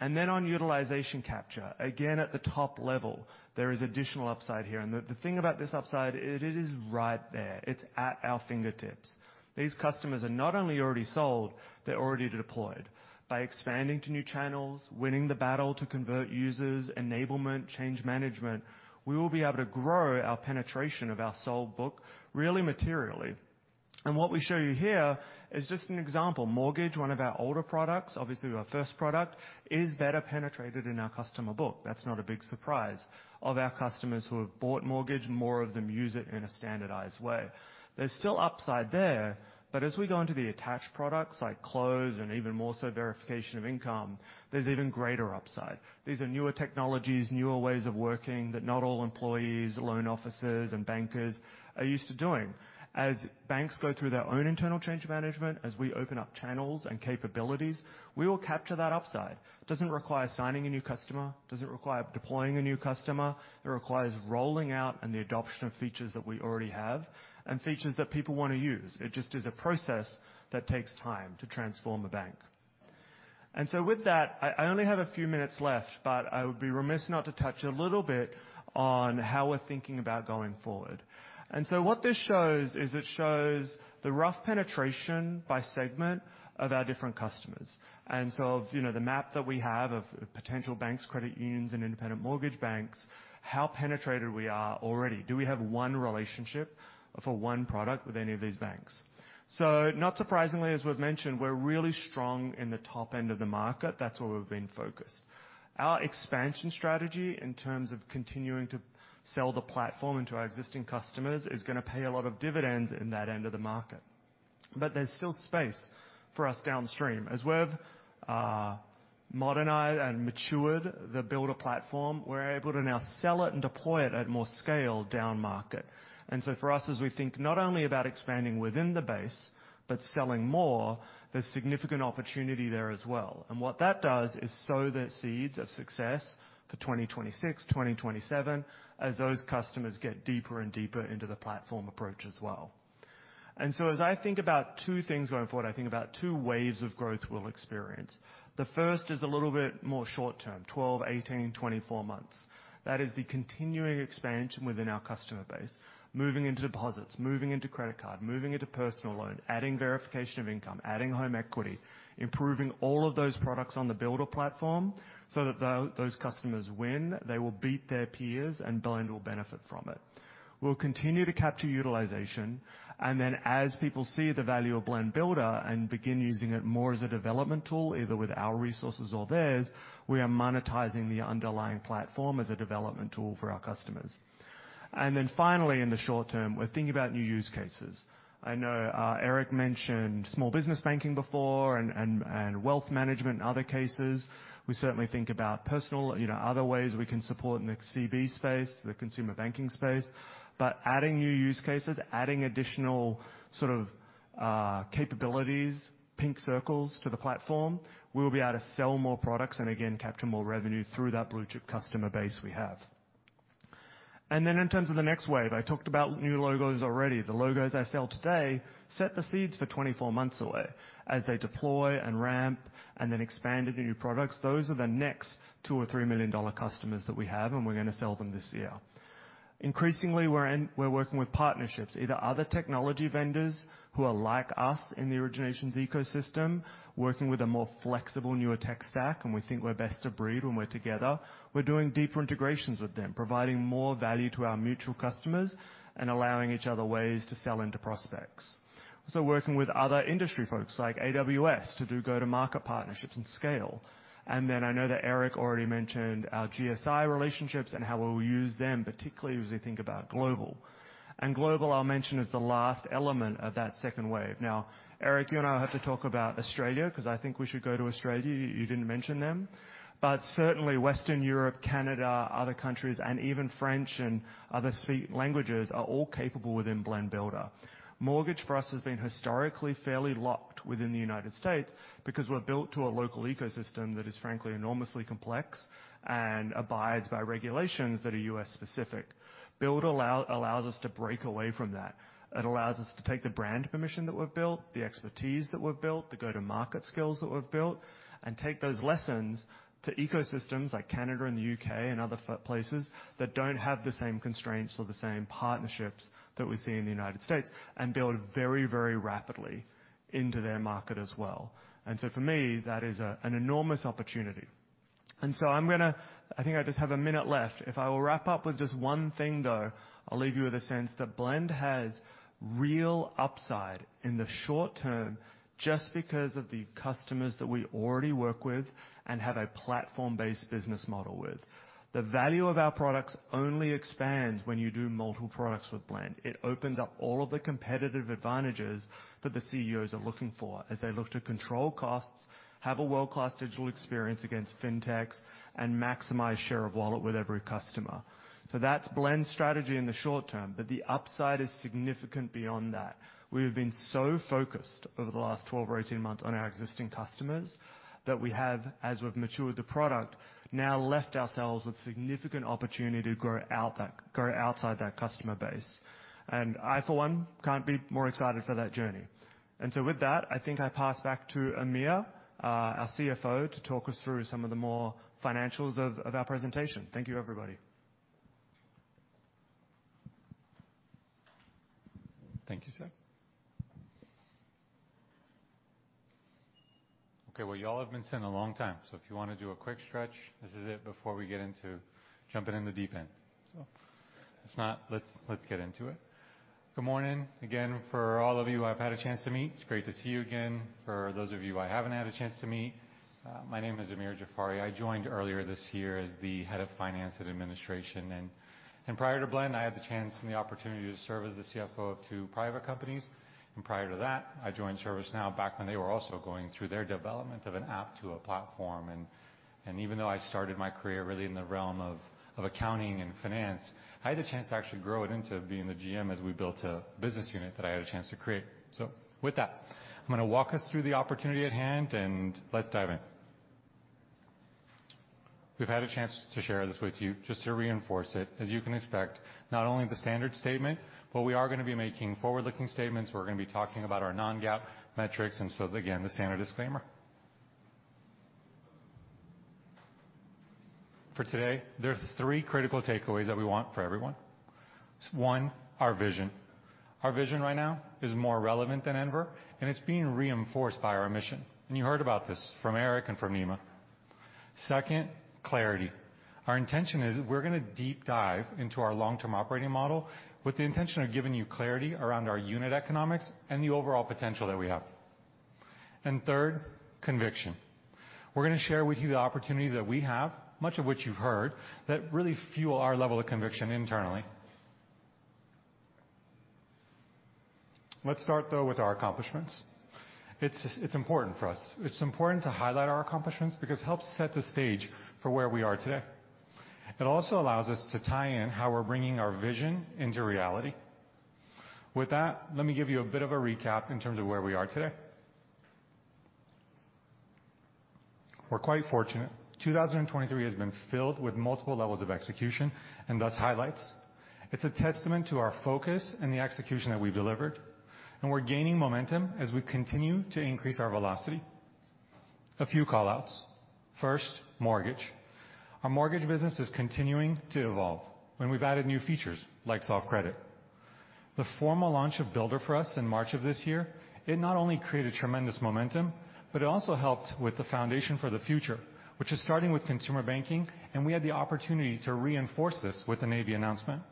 And then on utilization capture, again, at the top level, there is additional upside here, and the thing about this upside is, it is right there. It's at our fingertips. These customers are not only already sold, they're already deployed. By expanding to new channels, winning the battle to convert users, enablement, change management, we will be able to grow our penetration of our sold book really materially. What we show you here is just an example. Mortgage, one of our older products, obviously, our first product, is better penetrated in our customer book. That's not a big surprise. Of our customers who have bought Mortgage, more of them use it in a standardized way. There's still upside there, but as we go into the attached products, like Close and even more so verification of income, there's even greater upside. These are newer technologies, newer ways of working that not all employees, loan officers, and bankers are used to doing. As banks go through their own internal change management, as we open up channels and capabilities, we will capture that upside. Doesn't require signing a new customer, doesn't require deploying a new customer. It requires rolling out and the adoption of features that we already have and features that people wanna use. It just is a process that takes time to transform a bank. So with that, I, I only have a few minutes left, but I would be remiss not to touch a little bit on how we're thinking about going forward. So what this shows is it shows the rough penetration by segment of our different customers. Of, you know, the map that we have of potential banks, credit unions, and independent mortgage banks, how penetrated we are already. Do we have one relationship for one product with any of these banks? So not surprisingly, as we've mentioned, we're really strong in the top end of the market. That's where we've been focused. Our expansion strategy, in terms of continuing to sell the platform into our existing customers, is gonna pay a lot of dividends in that end of the market. But there's still space for us downstream. As we've modernized and matured the Builder platform, we're able to now sell it and deploy it at more scale down market. And so for us, as we think not only about expanding within the base but selling more, there's significant opportunity there as well. And what that does is sow the seeds of success for 2026, 2027, as those customers get deeper and deeper into the platform approach as well. And so as I think about two things going forward, I think about two waves of growth we'll experience. The first is a little bit more short term, 12, 18, 24 months. That is the continuing expansion within our customer base, moving into deposits, moving into credit card, moving into personal loan, adding verification of income, adding home equity, improving all of those products on the Builder platform so that those customers win, they will beat their peers, and Blend will benefit from it. We'll continue to capture utilization, and then as people see the value of Blend Builder and begin using it more as a development tool, either with our resources or theirs, we are monetizing the underlying platform as a development tool for our customers. Then finally, in the short term, we're thinking about new use cases. I know, Erik mentioned small business banking before and wealth management and other cases. We certainly think about personal, you know, other ways we can support in the CB space, the consumer banking space. But adding new use cases, adding additional sort of, capabilities, pink circles to the platform, we'll be able to sell more products and again, capture more revenue through that blue-chip customer base we have. And then in terms of the next wave, I talked about new logos already. The logos I sell today set the seeds for 24 months away. As they deploy and ramp and then expand to new products, those are the next two or three million-dollar customers that we have, and we're gonna sell them this year. Increasingly, we're working with partnerships, either other technology vendors who are like us in the originations ecosystem, working with a more flexible, newer tech stack, and we think we're best of breed when we're together. We're doing deeper integrations with them, providing more value to our mutual customers and allowing each other ways to sell into prospects. So working with other industry folks, like AWS, to do go-to-market partnerships and scale. And then I know that Erik already mentioned our GSI relationships and how we'll use them, particularly as we think about global. And global, I'll mention, is the last element of that second wave. Now, Erik, you and I will have to talk about Australia, 'cause I think we should go to Australia. You didn't mention them. But certainly, Western Europe, Canada, other countries, and even French and other spoken languages are all capable within Blend Builder. Mortgage, for us, has been historically fairly locked within the United States because we're built to a local ecosystem that is, frankly, enormously complex and abides by regulations that are U.S.-specific. Build allows us to break away from that. It allows us to take the brand permission that we've built, the expertise that we've built, the go-to-market skills that we've built, and take those lessons to ecosystems like Canada and the U.K. and other places that don't have the same constraints or the same partnerships that we see in the United States, and build very, very rapidly into their market as well. And so for me, that is an enormous opportunity. And so I'm gonna... I think I just have a minute left. If I will wrap up with just one thing, though, I'll leave you with a sense that Blend has real upside in the short term just because of the customers that we already work with... and have a platform-based business model with. The value of our products only expands when you do multiple products with Blend. It opens up all of the competitive advantages that the CEOs are looking for as they look to control costs, have a world-class digital experience against fintechs, and maximize share of wallet with every customer. So that's Blend's strategy in the short term, but the upside is significant beyond that. We have been so focused over the last 12 or 18 months on our existing customers, that we have, as we've matured the product, now left ourselves with significant opportunity to grow outside that customer base. And I, for one, can't be more excited for that journey. And so with that, I think I pass back to Amir, our CFO, to talk us through some of the more financials of, of our presentation. Thank you, everybody. Thank you, Seb. Okay, well, you all have been sitting a long time, so if you wanna do a quick stretch, this is it, before we get into jumping in the deep end. So if not, let's get into it. Good morning. Again, for all of you who I've had a chance to meet, it's great to see you again. For those of you I haven't had a chance to meet, my name is Amir Jafari. I joined earlier this year as the Head of Finance and Administration, and prior to Blend, I had the chance and the opportunity to serve as the CFO of two private companies, and prior to that, I joined ServiceNow back when they were also going through their development of an app to a platform. And, and even though I started my career really in the realm of, of accounting and finance, I had a chance to actually grow it into being the GM as we built a business unit that I had a chance to create. So with that, I'm gonna walk us through the opportunity at hand, and let's dive in. We've had a chance to share this with you, just to reinforce it, as you can expect, not only the standard statement, but we are gonna be making forward-looking statements. We're gonna be talking about our non-GAAP metrics, and so again, the standard disclaimer. For today, there are three critical takeaways that we want for everyone. One, our vision. Our vision right now is more relevant than ever, and it's being reinforced by our mission. And you heard about this from Erik and from Nima. Second, clarity. Our intention is we're gonna deep dive into our long-term operating model with the intention of giving you clarity around our unit economics and the overall potential that we have. And third, conviction. We're gonna share with you the opportunities that we have, much of which you've heard, that really fuel our level of conviction internally. Let's start, though, with our accomplishments. It's, it's important for us. It's important to highlight our accomplishments because it helps set the stage for where we are today. It also allows us to tie in how we're bringing our vision into reality. With that, let me give you a bit of a recap in terms of where we are today. We're quite fortunate. 2023 has been filled with multiple levels of execution and thus highlights. It's a testament to our focus and the execution that we delivered, and we're gaining momentum as we continue to increase our velocity. A few call-outs. First, mortgage. Our mortgage business is continuing to evolve, and we've added new features like soft credit. The formal launch of Builder for us in March of this year, it not only created tremendous momentum, but it also helped with the foundation for the future, which is starting with consumer banking, and we had the opportunity to reinforce this with the Navy announcement.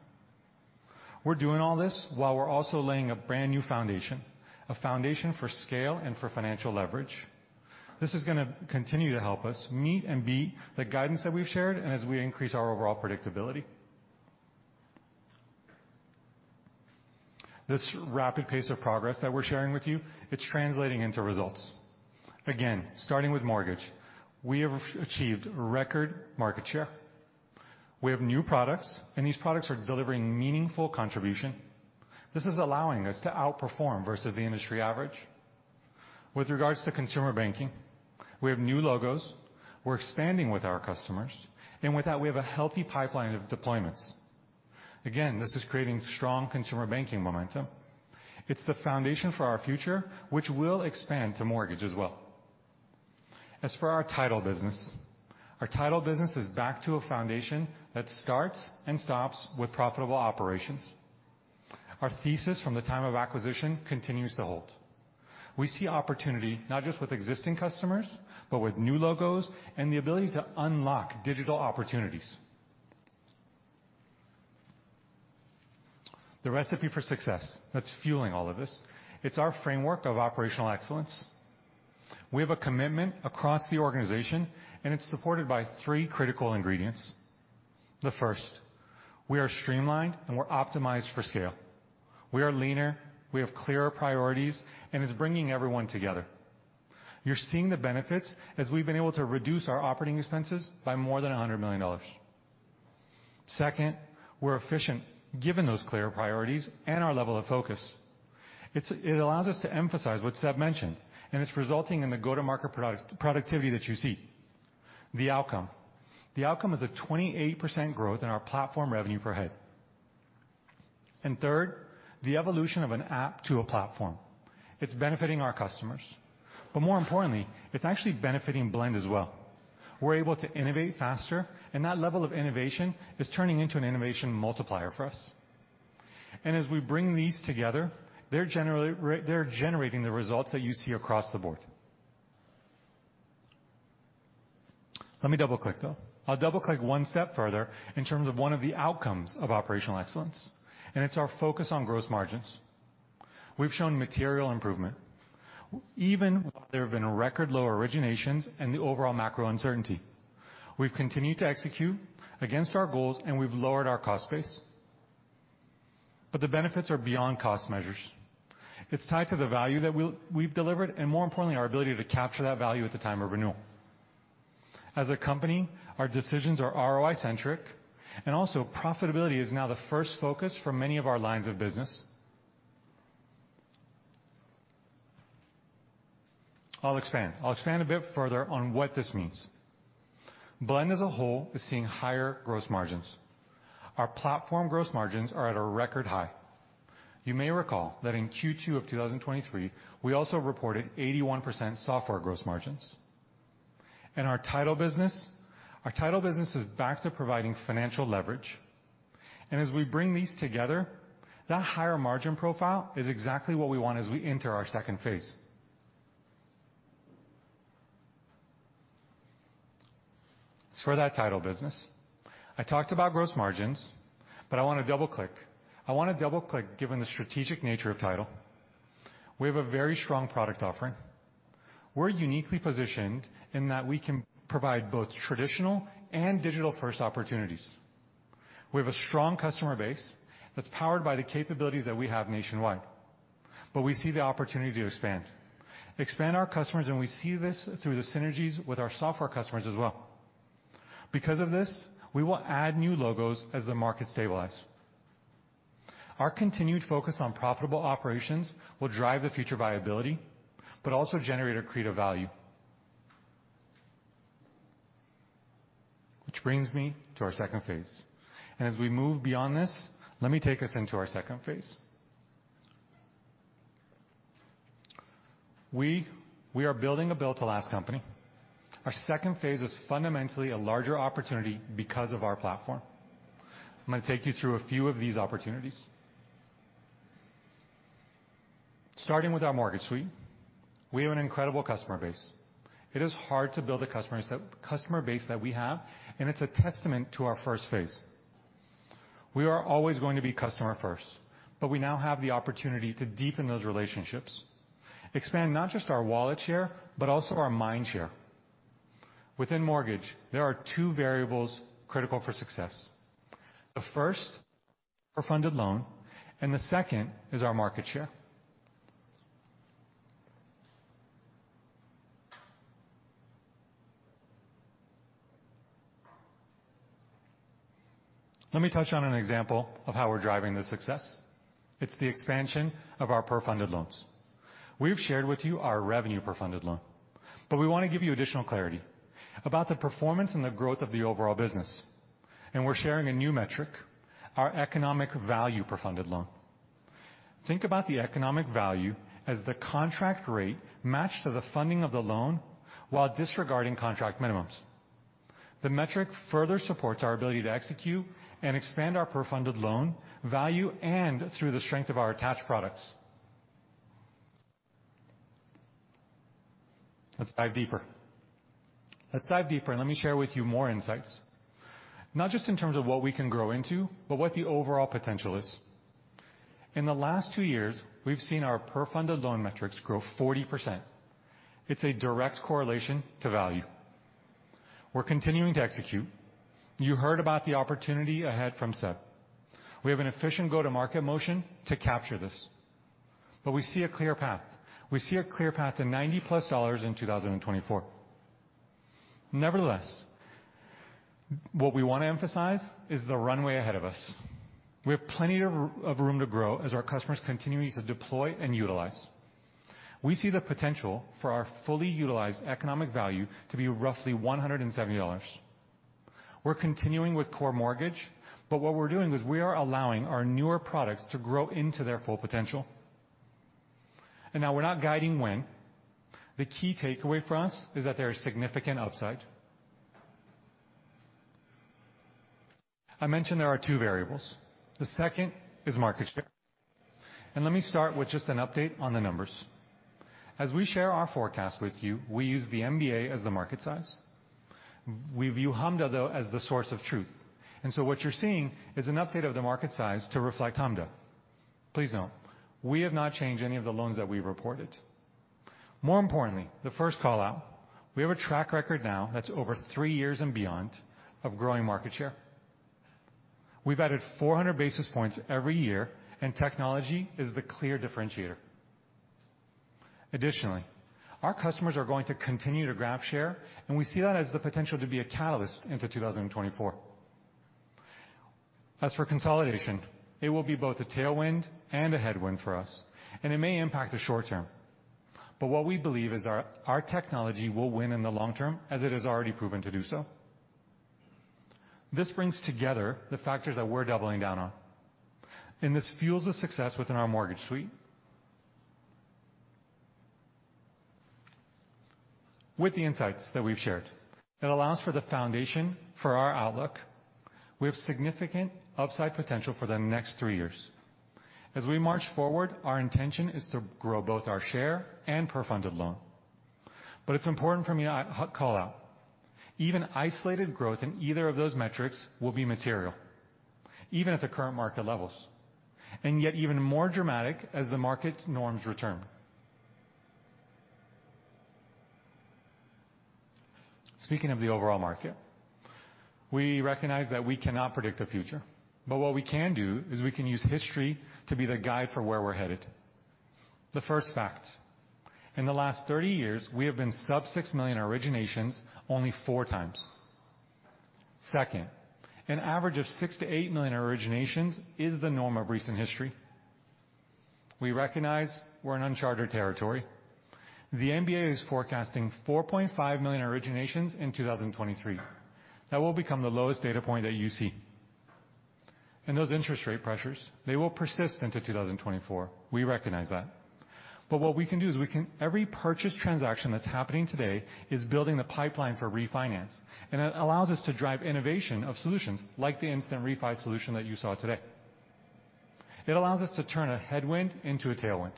We're doing all this while we're also laying a brand-new foundation, a foundation for scale and for financial leverage. This is gonna continue to help us meet and beat the guidance that we've shared, and as we increase our overall predictability. This rapid pace of progress that we're sharing with you, it's translating into results. Again, starting with mortgage, we have achieved record market share. We have new products, and these products are delivering meaningful contribution. This is allowing us to outperform versus the industry average. With regards to consumer banking, we have new logos, we're expanding with our customers, and with that, we have a healthy pipeline of deployments. Again, this is creating strong consumer banking momentum. It's the foundation for our future, which will expand to mortgage as well. As for our Title business, our Title business is back to a foundation that starts and stops with profitable operations. Our thesis from the time of acquisition continues to hold. We see opportunity not just with existing customers, but with new logos and the ability to unlock digital opportunities. The recipe for success that's fueling all of this, it's our framework of operational excellence. We have a commitment across the organization, and it's supported by three critical ingredients. The first, we are streamlined, and we're optimized for scale. We are leaner, we have clearer priorities, and it's bringing everyone together. You're seeing the benefits as we've been able to reduce our operating expenses by more than $100 million. Second, we're efficient, given those clear priorities and our level of focus. It allows us to emphasize what Seb mentioned, and it's resulting in the go-to-market productivity that you see. The outcome. The outcome is a 28% growth in our platform revenue per head. And third, the evolution of an app to a platform. It's benefiting our customers, but more importantly, it's actually benefiting Blend as well. We're able to innovate faster, and that level of innovation is turning into an innovation multiplier for us. As we bring these together, they're generally generating the results that you see across the board. Let me double-click, though. I'll double-click one step further in terms of one of the outcomes of operational excellence, and it's our focus on gross margins. We've shown material improvement. Even there have been record low originations and the overall macro uncertainty. We've continued to execute against our goals, and we've lowered our cost base. But the benefits are beyond cost measures. It's tied to the value that we've delivered, and more importantly, our ability to capture that value at the time of renewal. As a company, our decisions are ROI-centric, and also profitability is now the first focus for many of our lines of business. I'll expand a bit further on what this means. Blend as a whole is seeing higher gross margins. Our platform gross margins are at a record high. You may recall that in Q2 of 2023, we also reported 81% software gross margins. Our Title business? Our Title business is back to providing financial leverage, and as we bring these together, that higher margin profile is exactly what we want as we enter our second phase. As for that Title business, I talked about gross margins, but I wanna double-click. I wanna double-click, given the strategic nature of title. We have a very strong product offering. We're uniquely positioned in that we can provide both traditional and digital-first opportunities. We have a strong customer base that's powered by the capabilities that we have nationwide, but we see the opportunity to expand. Expand our customers, and we see this through the synergies with our software customers as well. Because of this, we will add new logos as the market stabilize. Our continued focus on profitable operations will drive the future viability, but also generate or create a value. Which brings me to our second phase. As we move beyond this, let me take us into our second phase. We are building a built-to-last company. Our second phase is fundamentally a larger opportunity because of our platform. I'm gonna take you through a few of these opportunities. Starting with our Mortgage Suite, we have an incredible customer base. It is hard to build a customer base that we have, and it's a testament to our first phase. We are always going to be customer first, but we now have the opportunity to deepen those relationships, expand not just our wallet share, but also our mind share. Within mortgage, there are two variables critical for success. The first, per funded loan, and the second is our market share. Let me touch on an example of how we're driving this success. It's the expansion of our per funded loans. We've shared with you our revenue per funded loan, but we wanna give you additional clarity about the performance and the growth of the overall business. And we're sharing a new metric, our Economic Value Per Funded Loan. Think about the economic value as the contract rate matched to the funding of the loan while disregarding contract minimums. The metric further supports our ability to execute and expand our per funded loan value and through the strength of our attached products. Let's dive deeper. Let's dive deeper, and let me share with you more insights, not just in terms of what we can grow into, but what the overall potential is. In the last two years, we've seen our per funded loan metrics grow 40%. It's a direct correlation to value. We're continuing to execute. You heard about the opportunity ahead from Seb. We have an efficient go-to-market motion to capture this, but we see a clear path. We see a clear path to $90+ in 2024. Nevertheless, what we wanna emphasize is the runway ahead of us. We have plenty of room to grow as our customers continue to deploy and utilize. We see the potential for our fully utilized economic value to be roughly $170. We're continuing with core mortgage, but what we're doing is we are allowing our newer products to grow into their full potential. Now we're not guiding when. The key takeaway for us is that there is significant upside. I mentioned there are two variables. The second is market share, and let me start with just an update on the numbers. As we share our forecast with you, we use the MBA as the market size. We view HMDA, though, as the source of truth, and so what you're seeing is an update of the market size to reflect HMDA. Please note, we have not changed any of the loans that we reported. More importantly, the first call-out, we have a track record now that's over three years and beyond of growing market share. We've added 400 basis points every year, and technology is the clear differentiator. Additionally, our customers are going to continue to grab share, and we see that as the potential to be a catalyst into 2024. As for consolidation, it will be both a tailwind and a headwind for us, and it may impact the short term. What we believe is our, our technology will win in the long term, as it has already proven to do so. This brings together the factors that we're doubling down on, and this fuels the success within our Mortgage Suite. With the insights that we've shared, it allows for the foundation for our outlook. We have significant upside potential for the next three years. As we march forward, our intention is to grow both our share and per funded loan.... It's important for me to call out. Even isolated growth in either of those metrics will be material, even at the current market levels, and yet even more dramatic as the market norms return. Speaking of the overall market, we recognize that we cannot predict the future, but what we can do is we can use history to be the guide for where we're headed. The first fact: in the last 30 years, we have been sub 6 million originations only four times. Second, an average of 6 million-8 million originations is the norm of recent history. We recognize we're in uncharted territory. The MBA is forecasting 4.5 million originations in 2023. That will become the lowest data point that you see. And those interest rate pressures, they will persist into 2024. We recognize that. But what we can do is every purchase transaction that's happening today is building the pipeline for refinance, and it allows us to drive innovation of solutions like the Instant Refi solution that you saw today. It allows us to turn a headwind into a tailwind.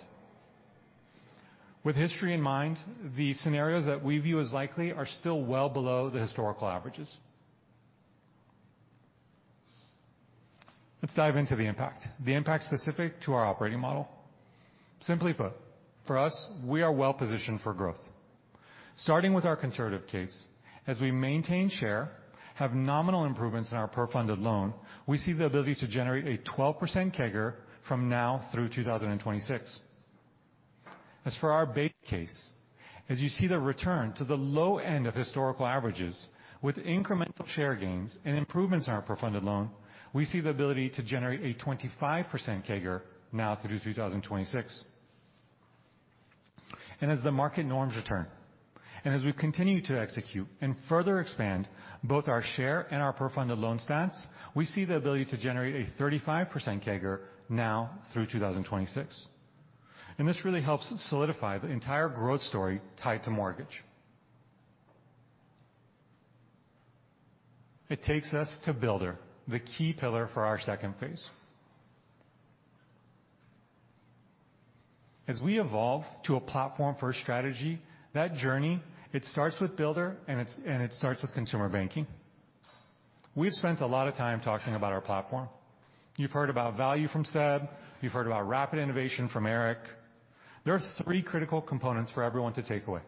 With history in mind, the scenarios that we view as likely are still well below the historical averages. Let's dive into the impact, the impact specific to our operating model. Simply put, for us, we are well positioned for growth. Starting with our conservative case, as we maintain share, have nominal improvements in our per funded loan, we see the ability to generate a 12% CAGR from now through 2026. As for our base case, as you see the return to the low end of historical averages with incremental share gains and improvements in our per funded loan, we see the ability to generate a 25% CAGR now through 2026. As the market norms return, and as we continue to execute and further expand both our share and our per funded loan stance, we see the ability to generate a 35% CAGR now through 2026. This really helps solidify the entire growth story tied to mortgage. It takes us to Builder, the key pillar for our second phase. As we evolve to a platform-first strategy, that journey, it starts with Builder, and it starts with consumer banking. We've spent a lot of time talking about our platform. You've heard about value from Seb, you've heard about rapid innovation from Erik. There are three critical components for everyone to take away.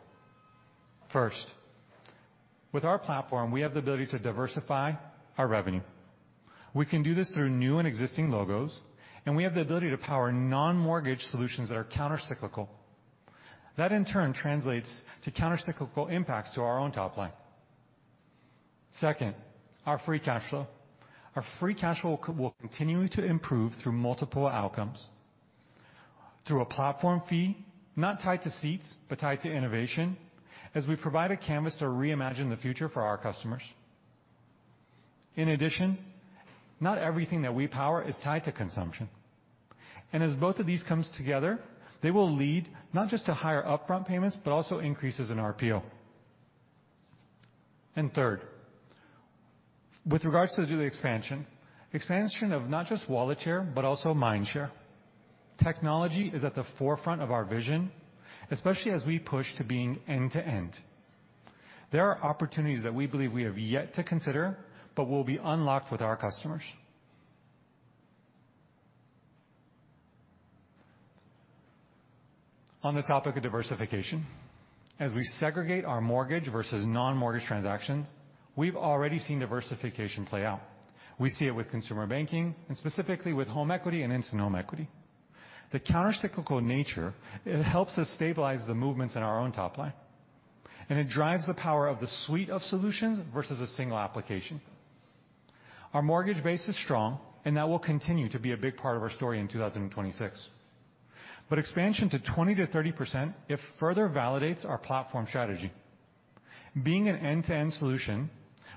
First, with our platform, we have the ability to diversify our revenue. We can do this through new and existing logos, and we have the ability to power non-mortgage solutions that are countercyclical. That, in turn, translates to countercyclical impacts to our own top line. Second, our free cash flow. Our free cash flow will continue to improve through multiple outcomes. Through a platform fee, not tied to seats, but tied to innovation, as we provide a canvas to reimagine the future for our customers. In addition, not everything that we power is tied to consumption, and as both of these comes together, they will lead not just to higher upfront payments, but also increases in RPO. Third, with regards to the expansion, expansion of not just wallet share, but also mind share. Technology is at the forefront of our vision, especially as we push to being end to end. There are opportunities that we believe we have yet to consider but will be unlocked with our customers. On the topic of diversification, as we segregate our mortgage versus non-mortgage transactions, we've already seen diversification play out. We see it with consumer banking and specifically with home equity and Instant Home Equity. The countercyclical nature, it helps us stabilize the movements in our own top line, and it drives the power of the suite of solutions versus a single application. Our mortgage base is strong, and that will continue to be a big part of our story in 2026. Expansion to 20%-30%, it further validates our platform strategy. Being an end-to-end solution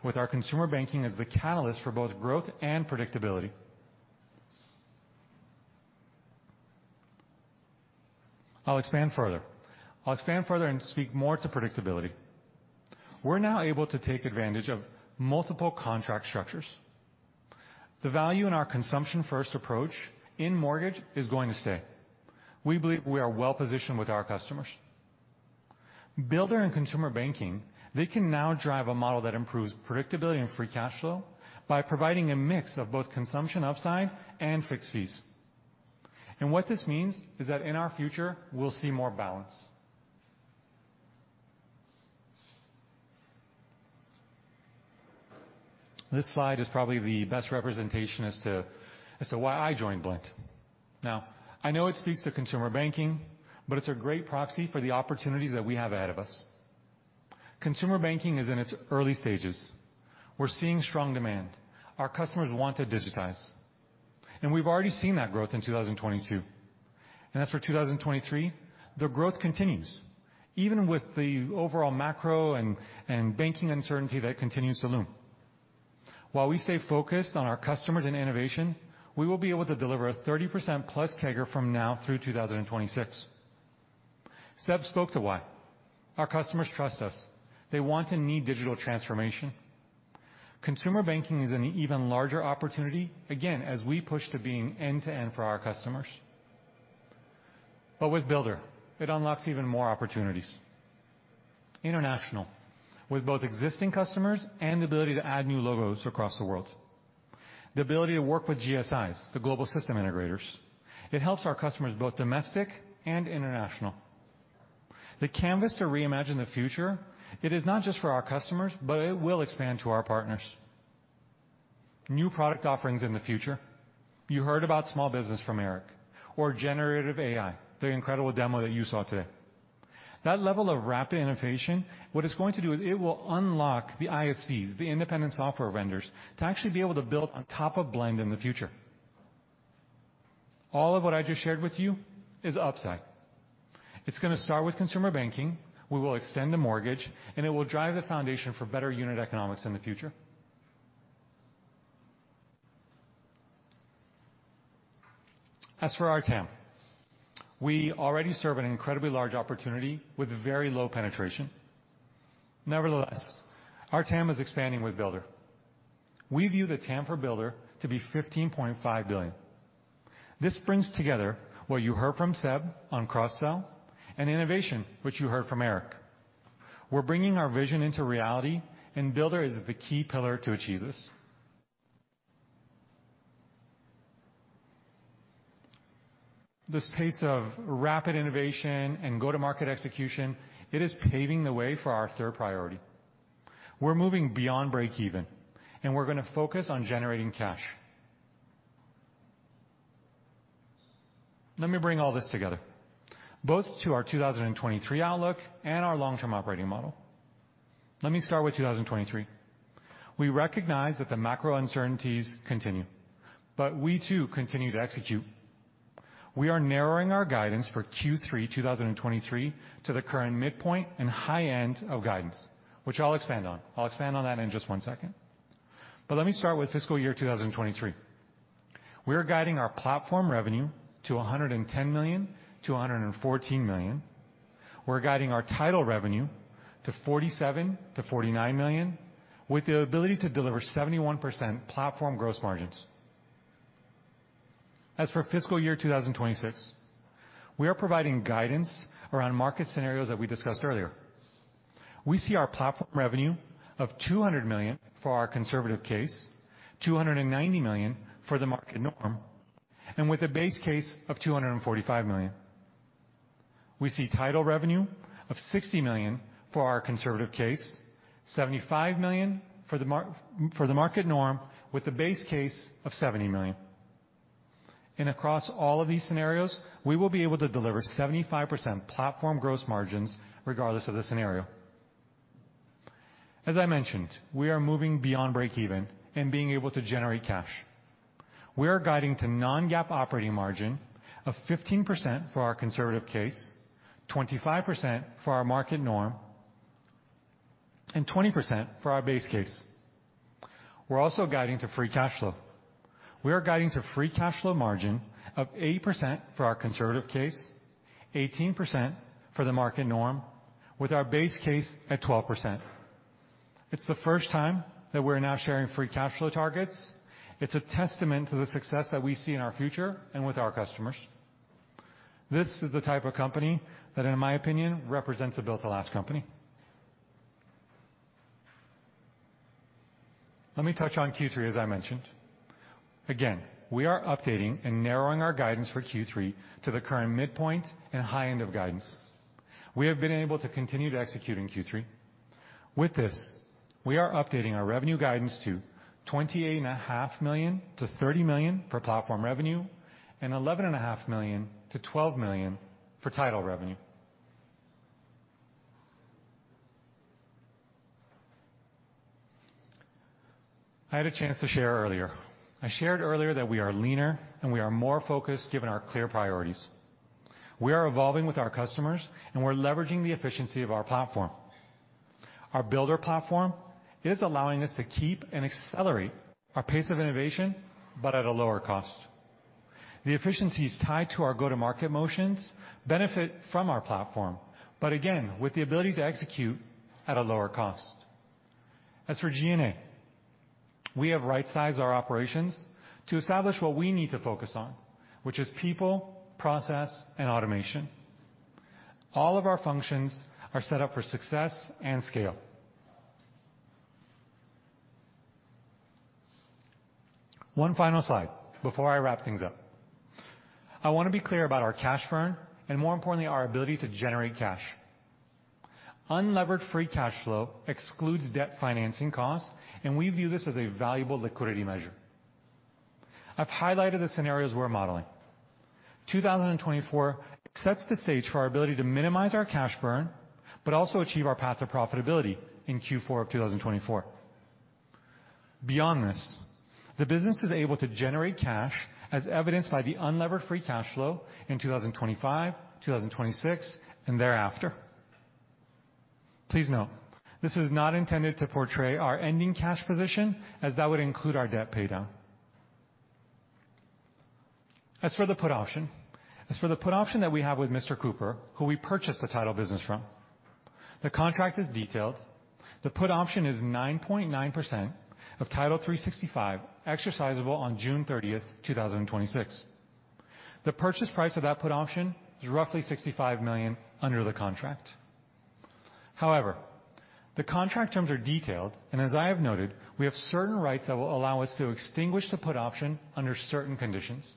with our consumer banking is the catalyst for both growth and predictability. I'll expand further. I'll expand further and speak more to predictability. We're now able to take advantage of multiple contract structures. The value in our consumption-first approach in mortgage is going to stay. We believe we are well positioned with our customers. Builder and consumer banking, they can now drive a model that improves predictability and free cash flow by providing a mix of both consumption upside and fixed fees. And what this means is that in our future, we'll see more balance. This slide is probably the best representation as to why I joined Blend. Now, I know it speaks to consumer banking, but it's a great proxy for the opportunities that we have ahead of us. Consumer banking is in its early stages. We're seeing strong demand. Our customers want to digitize, and we've already seen that growth in 2022. As for 2023, the growth continues, even with the overall macro and banking uncertainty that continues to loom. While we stay focused on our customers and innovation, we will be able to deliver a 30%+ CAGR from now through 2026. Seb spoke to why. Our customers trust us. They want and need digital transformation... Consumer banking is an even larger opportunity, again, as we push to being end-to-end for our customers. But with Builder, it unlocks even more opportunities. International, with both existing customers and the ability to add new logos across the world. The ability to work with GSIs, the global system integrators, it helps our customers, both domestic and international. The canvas to reimagine the future, it is not just for our customers, but it will expand to our partners. New product offerings in the future. You heard about small business from Erik, or generative AI, the incredible demo that you saw today. That level of rapid innovation, what it's going to do is it will unlock the ISVs, the independent software vendors, to actually be able to build on top of Blend in the future. All of what I just shared with you is upside. It's gonna start with consumer banking, we will extend to mortgage, and it will drive the foundation for better unit economics in the future. As for our TAM, we already serve an incredibly large opportunity with very low penetration. Nevertheless, our TAM is expanding with Builder. We view the TAM for Builder to be $15.5 billion. This brings together what you heard from Seb on cross-sell and innovation, which you heard from Erik. We're bringing our vision into reality, and Builder is the key pillar to achieve this. This pace of rapid innovation and go-to-market execution, it is paving the way for our third priority. We're moving beyond break even, and we're gonna focus on generating cash. Let me bring all this together, both to our 2023 outlook and our long-term operating model. Let me start with 2023. We recognize that the macro uncertainties continue, but we, too, continue to execute. We are narrowing our guidance for Q3 2023 to the current midpoint and high end of guidance, which I'll expand on. I'll expand on that in just one second. But let me start with fiscal year 2023. We're guiding our platform revenue to $110 million-$114 million. We're guiding our Title revenue to $47 million-$49 million, with the ability to deliver 71% platform gross margins. As for fiscal year 2026, we are providing guidance around market scenarios that we discussed earlier. We see our platform revenue of $200 million for our conservative case, $290 million for the market norm, and with a base case of $245 million. We see Title revenue of $60 million for our conservative case, $75 million for the market norm, with a base case of $70 million. And across all of these scenarios, we will be able to deliver 75% platform gross margins, regardless of the scenario. As I mentioned, we are moving beyond break even and being able to generate cash. We are guiding to non-GAAP operating margin of 15% for our conservative cases, 25% for our market norm, and 20% for our base case. We're also guiding to free cash flow. We are guiding to free cash flow margin of 80% for our conservative case, 18% for the market norm, with our base case at 12%. It's the first time that we're now sharing free cash flow targets. It's a testament to the success that we see in our future and with our customers. This is the type of company that, in my opinion, represents a built-to-last company. Let me touch on Q3, as I mentioned. Again, we are updating and narrowing our guidance for Q3 to the current midpoint and high end of guidance. We have been able to continue to execute in Q3. With this, we are updating our revenue guidance to $28.5 million-$30 million for platform revenue and $11.5 million-$12 million for Title revenue. I had a chance to share earlier. I shared earlier that we are leaner, and we are more focused given our clear priorities. We are evolving with our customers, and we're leveraging the efficiency of our platform. Our Builder platform, it is allowing us to keep and accelerate our pace of innovation, but at a lower cost. The efficiencies tied to our go-to-market motions benefit from our platform, but again, with the ability to execute at a lower cost. As for G&A, we have right-sized our operations to establish what we need to focus on, which is people, process, and automation. All of our functions are set up for success and scale. One final slide before I wrap things up. I want to be clear about our cash burn and, more importantly, our ability to generate cash. Unlevered free cash flow excludes debt financing costs, and we view this as a valuable liquidity measure. I've highlighted the scenarios we're modeling. 2024 sets the stage for our ability to minimize our cash burn, but also achieve our path to profitability in Q4 of 2024. Beyond this, the business is able to generate cash, as evidenced by the unlevered free cash flow in 2025, 2026, and thereafter. Please note, this is not intended to portray our ending cash position, as that would include our debt paydown. As for the put option, as for the put option that we have with Mr. Cooper, who we purchased the Title business from, the contract is detailed. The put option is 9.9% of Title365, exercisable on June thirtieth, 2026. The purchase price of that put option is roughly $65 million under the contract. However, the contract terms are detailed, and as I have noted, we have certain rights that will allow us to extinguish the put option under certain conditions.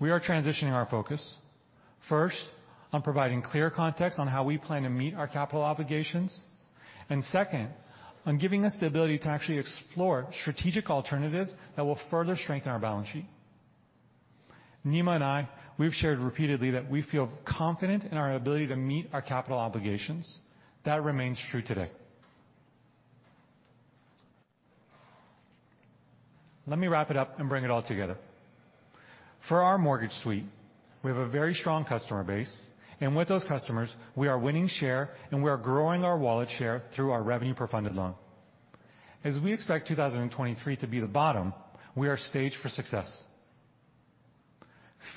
We are transitioning our focus, first, on providing clear context on how we plan to meet our capital obligations, and second, on giving us the ability to actually explore strategic alternatives that will further strengthen our balance sheet. Nima and I, we've shared repeatedly that we feel confident in our ability to meet our capital obligations. That remains true today. Let me wrap it up and bring it all together. For our Mortgage Suite, we have a very strong customer base, and with those customers, we are winning share, and we are growing our wallet share through our revenue per funded loan. As we expect 2023 to be the bottom, we are staged for success.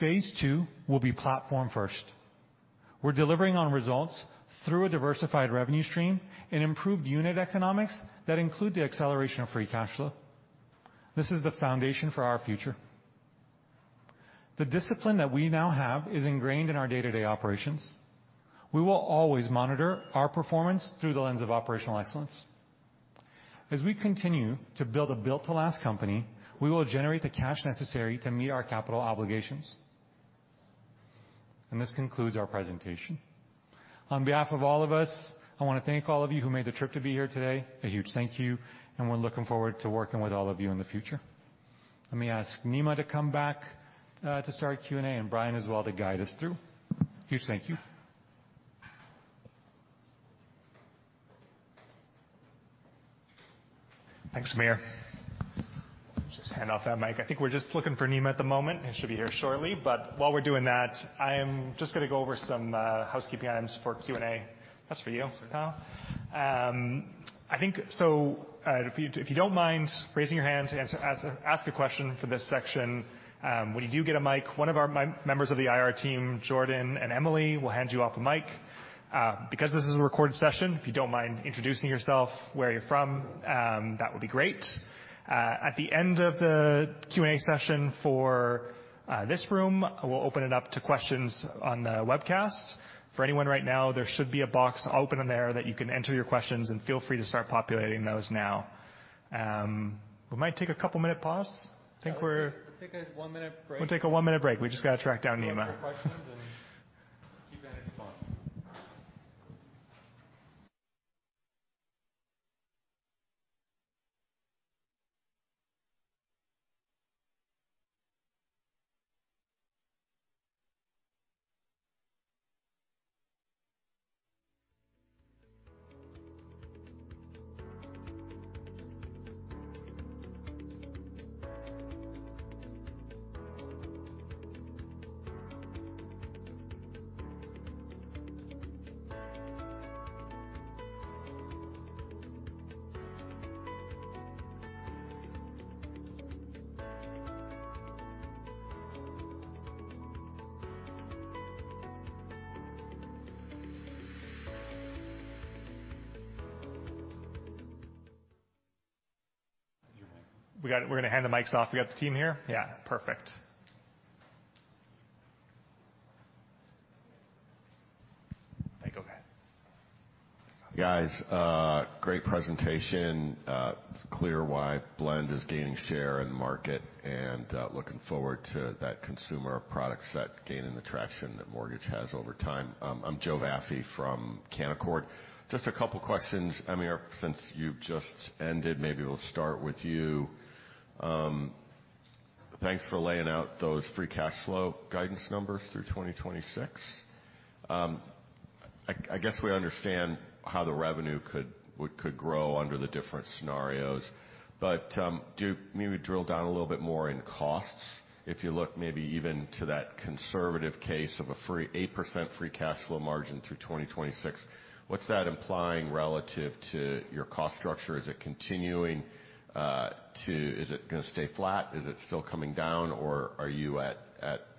Phase two will be platform first. We're delivering on results through a diversified revenue stream and improved unit economics that include the acceleration of free cash flow. This is the foundation for our future. The discipline that we now have is ingrained in our day-to-day operations. We will always monitor our performance through the lens of operational excellence. As we continue to build a built-to-last company, we will generate the cash necessary to meet our capital obligations. This concludes our presentation. On behalf of all of us, I want to thank all of you who made the trip to be here today. A huge thank you, and we're looking forward to working with all of you in the future. Let me ask Nima to come back to start Q&A, and Bryan as well, to guide us through. Huge thank you. Thanks, Amir. Just hand off that mic. I think we're just looking for Nima at the moment, and should be here shortly. But while we're doing that, I am just going to go over some housekeeping items for Q&A. That's for you, Kyle. I think so, if you don't mind raising your hand to ask a question for this section, when you do get a mic, one of our members of the IR team, Jordan and Emily, will hand you off a mic. Because this is a recorded session, if you don't mind introducing yourself, where you're from, that would be great. At the end of the Q&A session for this room, I will open it up to questions on the webcast. For anyone right now, there should be a box open in there that you can enter your questions, and feel free to start populating those now. We might take a couple minute pause. I think we're- We'll take a 1-minute break. We'll take a 1-minute break. We just got to track down Nima. Questions and keep that response. We're going to hand the mics off. We got the team here? Yeah. Perfect. I think okay. Guys, great presentation. It's clear why Blend is gaining share in the market, and looking forward to that consumer product set gaining the traction that mortgage has over time. I'm Joe Vafi from Canaccord. Just a couple questions. Amir, since you've just ended, maybe we'll start with you. Thanks for laying out those free cash flow guidance numbers through 2026. I guess we understand how the revenue could grow under the different scenarios, but do you maybe drill down a little bit more in costs? If you look maybe even to that conservative case of an 8% free cash flow margin through 2026, what's that implying relative to your cost structure? Is it continuing to... Is it going to stay flat? Is it still coming down, or are you at,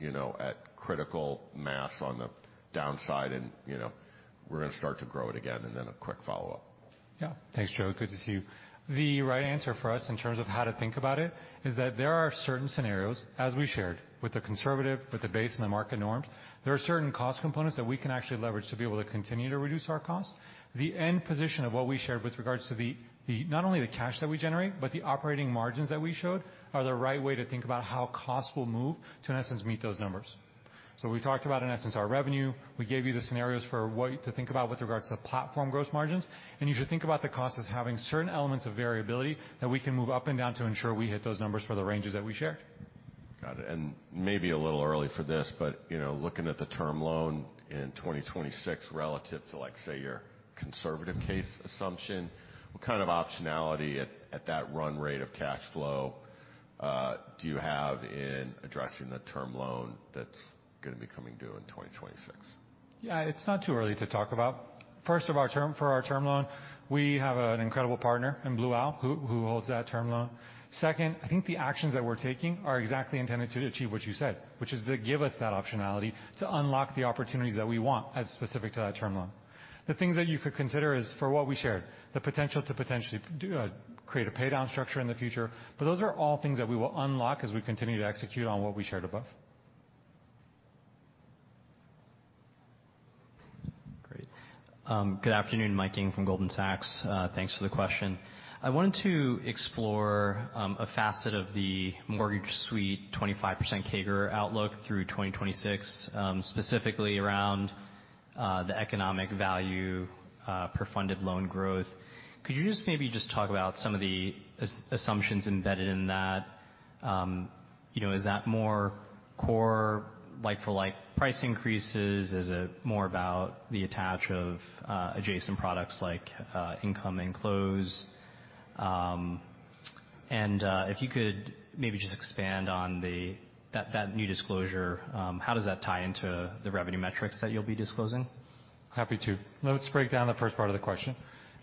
you know, at critical mass on the downside and, you know, we're going to start to grow it again, and then a quick follow-up? Yeah. Thanks, Joe. Good to see you. The right answer for us in terms of how to think about it is that there are certain scenarios, as we shared, with the conservative, with the base, and the market norms. There are certain cost components that we can actually leverage to be able to continue to reduce our costs. The end position of what we shared with regards to the, the not only the cash that we generate, but the operating margins that we showed, are the right way to think about how costs will move to, in essence, meet those numbers. So we talked about, in essence, our revenue. We gave you the scenarios for what to think about with regards to platform gross margins, and you should think about the costs as having certain elements of variability that we can move up and down to ensure we hit those numbers for the ranges that we shared. Got it. And maybe a little early for this, but, you know, looking at the term loan in 2026 relative to, like, say, your conservative case assumption, what kind of optionality at, at that run rate of cash flow, do you have in addressing the term loan that's going to be coming due in 2026? Yeah, it's not too early to talk about.... First of our term, for our term loan, we have an incredible partner in Blue Owl, who holds that term loan. Second, I think the actions that we're taking are exactly intended to achieve what you said, which is to give us that optionality to unlock the opportunities that we want as specific to that term loan. The things that you could consider is for what we shared, the potential to potentially do, create a paydown structure in the future. But those are all things that we will unlock as we continue to execute on what we shared above. Great. Good afternoon, Mike Ng from Goldman Sachs. Thanks for the question. I wanted to explore a facet of the Mortgage Suite, 25% CAGR outlook through 2026, specifically around the economic value per funded loan growth. Could you just maybe talk about some of the assumptions embedded in that? You know, is that more core like for like price increases? Is it more about the attach of adjacent products like Income and Close? And if you could maybe just expand on that new disclosure, how does that tie into the revenue metrics that you'll be disclosing? Happy to. Let's break down the first part of the question.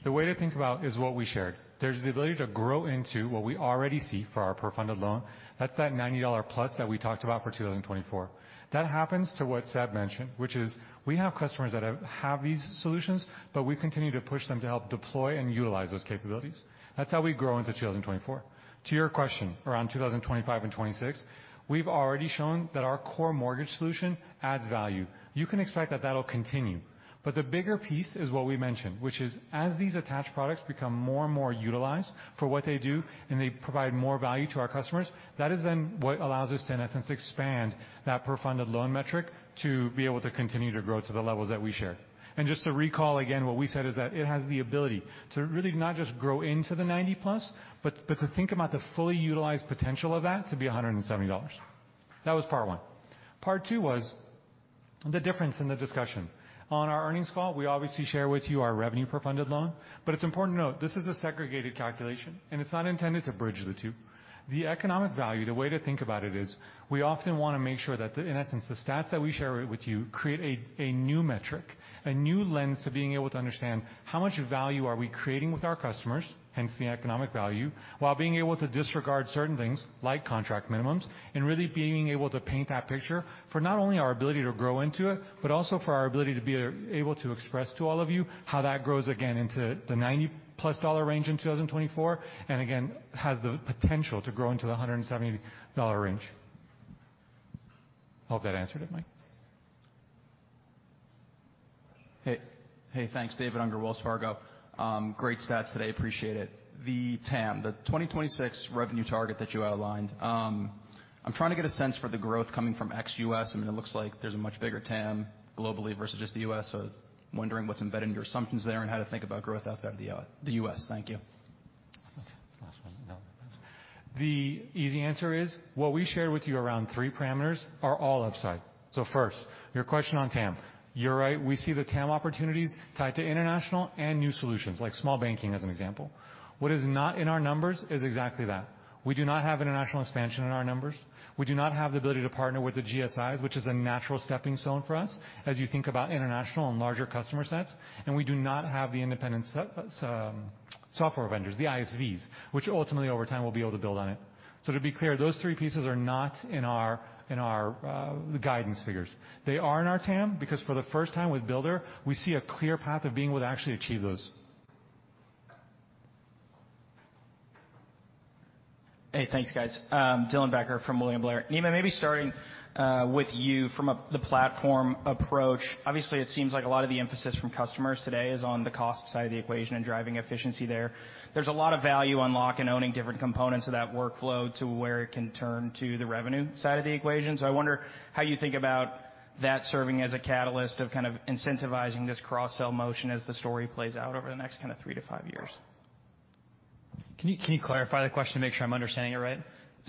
The way to think about is what we shared. There's the ability to grow into what we already see for our per funded loan. That's that $90+ that we talked about for 2024. That happens to what Seb mentioned, which is we have customers that have these solutions, but we continue to push them to help deploy and utilize those capabilities. That's how we grow into 2024. To your question, around 2025 and 2026, we've already shown that our core mortgage solution adds value. You can expect that that'll continue. But the bigger piece is what we mentioned, which is, as these attached products become more and more utilized for what they do, and they provide more value to our customers, that is then what allows us to, in essence, expand that per funded loan metric to be able to continue to grow to the levels that we shared. And just to recall, again, what we said is that it has the ability to really not just grow into the 90+, but, but to think about the fully utilized potential of that to be $170. That was part one. Part two was the difference in the discussion. On our earnings call, we obviously share with you our revenue per funded loan, but it's important to note this is a segregated calculation, and it's not intended to bridge the two. The economic value, the way to think about it is we often want to make sure that the... in essence, the stats that we share with you create a, a new metric, a new lens to being able to understand how much value are we creating with our customers, hence the economic value, while being able to disregard certain things like contract minimums, and really being able to paint that picture for not only our ability to grow into it, but also for our ability to be able to express to all of you how that grows again into the $90+ range in 2024, and again, has the potential to grow into the $170 range. Hope that answered it, Mike. Hey, hey, thanks, David Unger, Wells Fargo. Great stats today. Appreciate it. The TAM, the 2026 revenue target that you outlined, I'm trying to get a sense for the growth coming from ex-U.S. I mean, it looks like there's a much bigger TAM globally versus just the U.S., so wondering what's embedded in your assumptions there and how to think about growth outside of the U.S. Thank you. The easy answer is, what we shared with you around three parameters are all upside. So first, your question on TAM. You're right, we see the TAM opportunities tied to international and new solutions, like small banking as an example. What is not in our numbers is exactly that. We do not have international expansion in our numbers. We do not have the ability to partner with the GSIs, which is a natural stepping stone for us as you think about international and larger customer sets. And we do not have the independent software vendors, the ISVs, which ultimately, over time, will be able to build on it. So to be clear, those three pieces are not in our guidance figures. They are in our TAM, because for the first time with Builder, we see a clear path of being able to actually achieve those. Hey, thanks, guys. Dylan Becker from William Blair. Nima, maybe starting with you from the platform approach. Obviously, it seems like a lot of the emphasis from customers today is on the cost side of the equation and driving efficiency there. There's a lot of value unlock in owning different components of that workflow to where it can turn to the revenue side of the equation. So I wonder how you think about that serving as a catalyst of kind of incentivizing this cross-sell motion as the story plays out over the next kind of three to five years. Can you, can you clarify the question to make sure I'm understanding it right?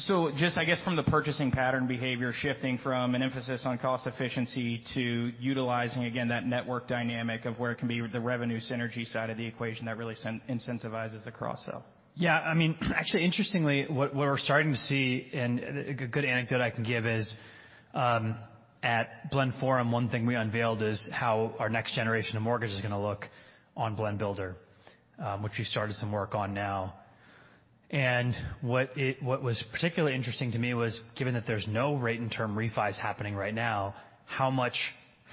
So just, I guess, from the purchasing pattern behavior, shifting from an emphasis on cost efficiency to utilizing, again, that network dynamic of where it can be the revenue synergy side of the equation that really incentivizes the cross-sell. Yeah, I mean, actually, what, what we're starting to see, and a good anecdote I can give is, at Blend Forum, one thing we unveiled is how our next generation of mortgage is going to look on Blend Builder, which we started some work on now. And what it- what was particularly interesting to me was, given that there's no rate and term refis happening right now, how much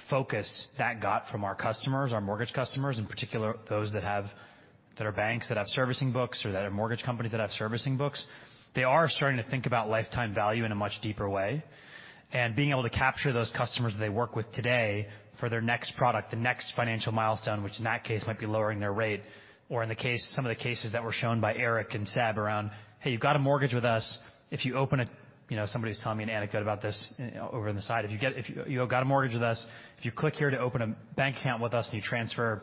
focus that got from our customers, our mortgage customers, in particular, those that have. that are banks that have servicing books or that are mortgage companies that have servicing books. They are starting to think about lifetime value in a much deeper way, and being able to capture those customers they work with today for their next product, the next financial milestone, which in that case, might be lowering their rate, or in the case, some of the cases that were shown by Erik and Seb around, "Hey, you've got a mortgage with us, if you open a..." You know, somebody was telling me an anecdote about this over on the side. If you got a mortgage with us, if you click here to open a bank account with us, and you transfer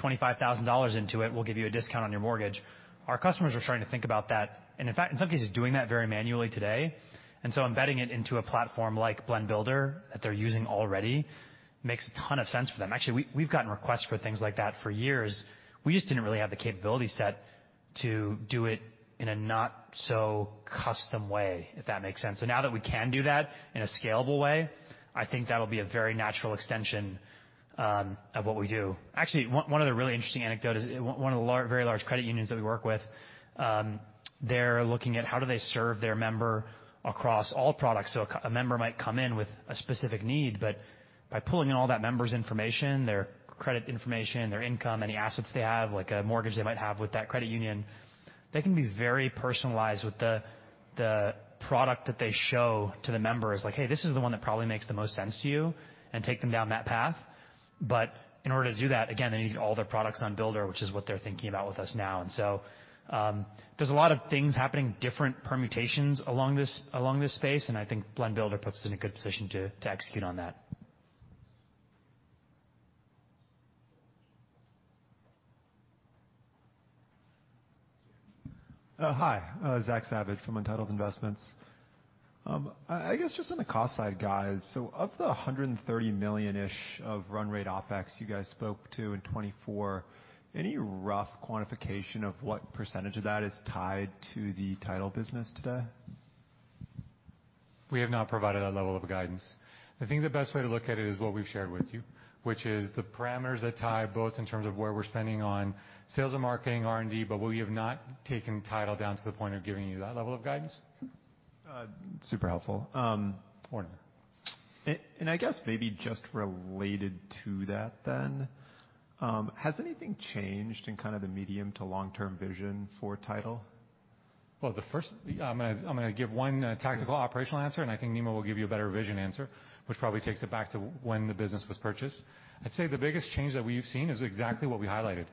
$25,000 into it, we'll give you a discount on your mortgage." Our customers are starting to think about that, and in fact, in some cases, doing that very manually today, and so embedding it into a platform like Blend Builder that they're using already, makes a ton of sense for them. Actually, we've gotten requests for things like that for years. We just didn't really have the capability set to do it in a not so custom way, if that makes sense. So now that we can do that in a scalable way, I think that'll be a very natural extension of what we do. Actually, one of the really interesting anecdote is one of the large, very large credit unions that we work with. They're looking at how do they serve their member across all products. So a member might come in with a specific need, but by pulling in all that member's information, their credit information, their income, any assets they have, like a mortgage they might have with that credit union, they can be very personalized with the product that they show to the members. Like, "Hey, this is the one that probably makes the most sense to you," and take them down that path. But in order to do that, again, they need all their products on Builder, which is what they're thinking about with us now. And so, there's a lot of things happening, different permutations along this, along this space, and I think Blend Builder puts us in a good position to, to execute on that. Hi, Zach Savidge from Untitled Investments. I, I guess just on the cost side, guys, so of the $130 million-ish of run rate OpEx you guys spoke to in 2024, any rough quantification of what percentage of that is tied to the Title business today? We have not provided that level of guidance. I think the best way to look at it is what we've shared with you, which is the parameters that tie both in terms of where we're spending on sales and marketing, R&D, but we have not taken title down to the point of giving you that level of guidance. Super helpful. And I guess maybe just related to that then, has anything changed in kind of the medium to long-term vision for Title? Well, the first... I'm gonna, I'm gonna give one, tactical operational answer, and I think Nima will give you a better vision answer, which probably takes it back to when the business was purchased. I'd say the biggest change that we've seen is exactly what we highlighted.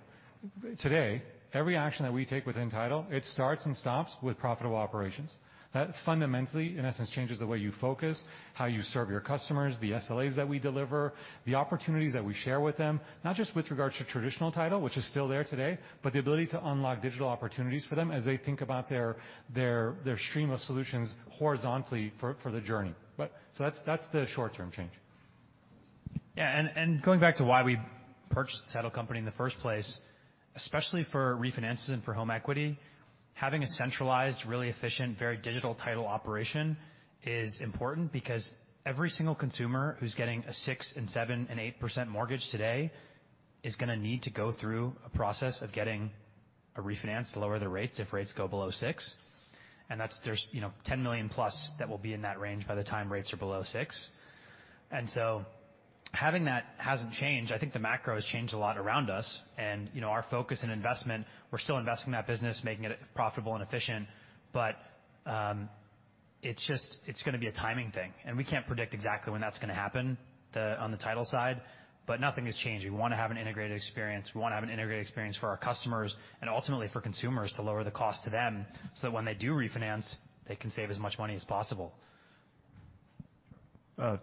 Today, every action that we take within Title, it starts and stops with profitable operations. That fundamentally, in essence, changes the way you focus, how you serve your customers, the SLAs that we deliver, the opportunities that we share with them, not just with regards to traditional title, which is still there today, but the ability to unlock digital opportunities for them as they think about their, their, their stream of solutions horizontally for, for the journey. But so that's, that's the short-term change. Yeah, and, and going back to why we purchased the title company in the first place, especially for refinances and for home equity, having a centralized, really efficient, very digital title operation is important because every single consumer who's getting a 6%, 7%, and 8% mortgage today is gonna need to go through a process of getting a refinance to lower the rates if rates go below 6%. And that's, there's, you know, 10 million+ that will be in that range by the time rates are below 6%. And so having that hasn't changed. I think the macro has changed a lot around us, and, you know, our focus and investment, we're still investing in that business, making it profitable and efficient, but, it's just, it's gonna be a timing thing, and we can't predict exactly when that's gonna happen on the Title side, but nothing has changed. We wanna have an integrated experience. We wanna have an integrated experience for our customers and ultimately for consumers to lower the cost to them, so that when they do refinance, they can save as much money as possible.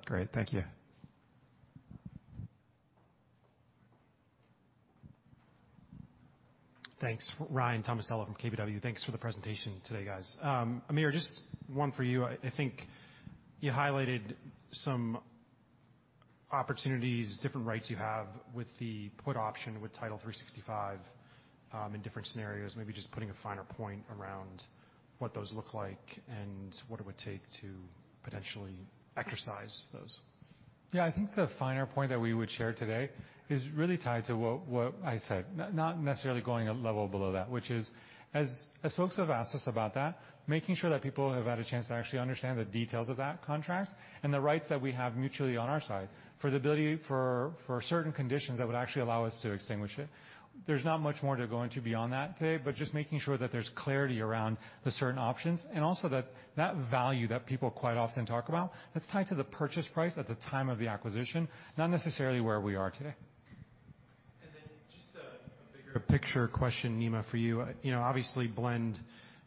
Great. Thank you. Thanks. Ryan Tomasello from KBW. Thanks for the presentation today, guys. Amir, just one for you. I think you highlighted some opportunities, different rights you have with the put option with Title365, in different scenarios, maybe just putting a finer point around what those look like and what it would take to potentially exercise those. Yeah, I think the finer point that we would share today is really tied to what I said, not necessarily going a level below that, which is, as folks have asked us about that, making sure that people have had a chance to actually understand the details of that contract and the rights that we have mutually on our side for the ability for certain conditions that would actually allow us to extinguish it. There's not much more to go into beyond that today, but just making sure that there's clarity around the certain options and also that value that people quite often talk about, that's tied to the purchase price at the time of the acquisition, not necessarily where we are today. And then just a bigger picture question, Nima, for you. You know, obviously, Blend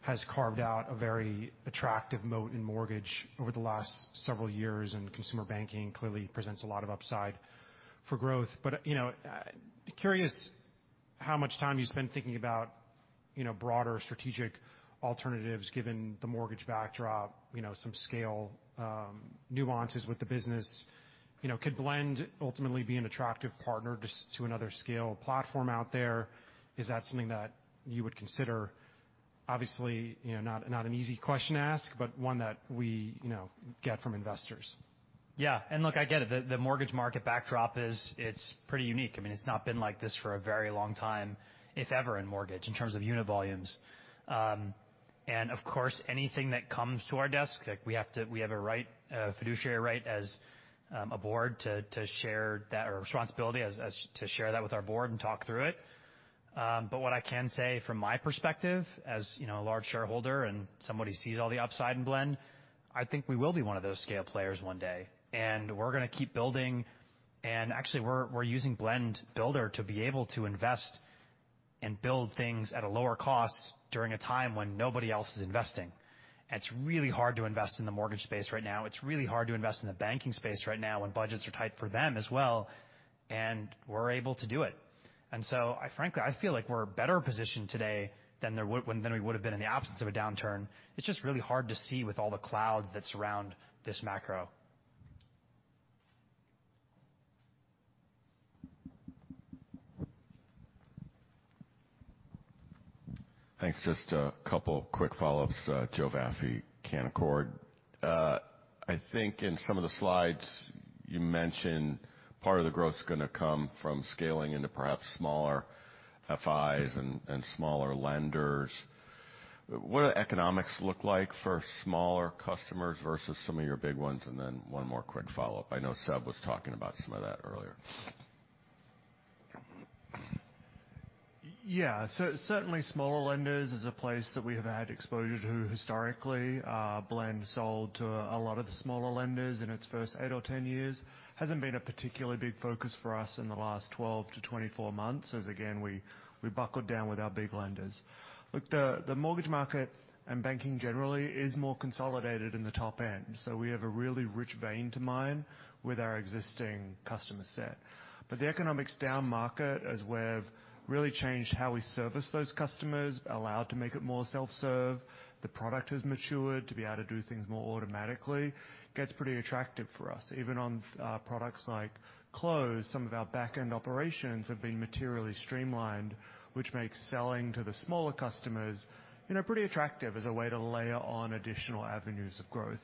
has carved out a very attractive moat in mortgage over the last several years, and consumer banking clearly presents a lot of upside for growth. But, you know, curious how much time you spend thinking about, you know, broader strategic alternatives, given the mortgage backdrop, you know, some scale, nuances with the business. You know, could Blend ultimately be an attractive partner just to another scale platform out there? Is that something that you would consider? Obviously, you know, not an easy question to ask, but one that we, you know, get from investors. Yeah. And look, I get it. The mortgage market backdrop is... it's pretty unique. I mean, it's not been like this for a very long time, if ever, in mortgage, in terms of unit volumes. And of course, anything that comes to our desk, like we have to. We have a right, a fiduciary right as a board, to share that or responsibility as to share that with our board and talk through it. But what I can say from my perspective, as you know, a large shareholder and somebody who sees all the upside in Blend, I think we will be one of those scale players one day, and we're gonna keep building, and actually we're using Blend Builder to be able to invest and build things at a lower cost during a time when nobody else is investing. It's really hard to invest in the mortgage space right now. It's really hard to invest in the banking space right now, when budgets are tight for them as well, and we're able to do it. And so I frankly, I feel like we're better positioned today than we would have been in the absence of a downturn. It's just really hard to see with all the clouds that surround this macro. Thanks. Just a couple quick follow-ups. Joe Vafi, Canaccord. I think in some of the slides you mentioned, part of the growth is gonna come from scaling into perhaps smaller FIs and smaller lenders. What do the economics look like for smaller customers versus some of your big ones? And then one more quick follow-up. I know Seb was talking about some of that earlier. Yeah. So certainly smaller lenders is a place that we have had exposure to historically. Blend sold to a lot of the smaller lenders in its first 8 or 10 years. Hasn't been a particularly big focus for us in the last 12-24 months as again, we buckled down with our big lenders. Look, the mortgage market and banking generally is more consolidated in the top end, so we have a really rich vein to mine with our existing customer set. But the economics down market, as we've really changed how we service those customers, allowed to make it more self-serve, the product has matured to be able to do things more automatically, gets pretty attractive for us. Even on products like Close, some of our back-end operations have been materially streamlined, which makes selling to the smaller customers, you know, pretty attractive as a way to layer on additional avenues of growth.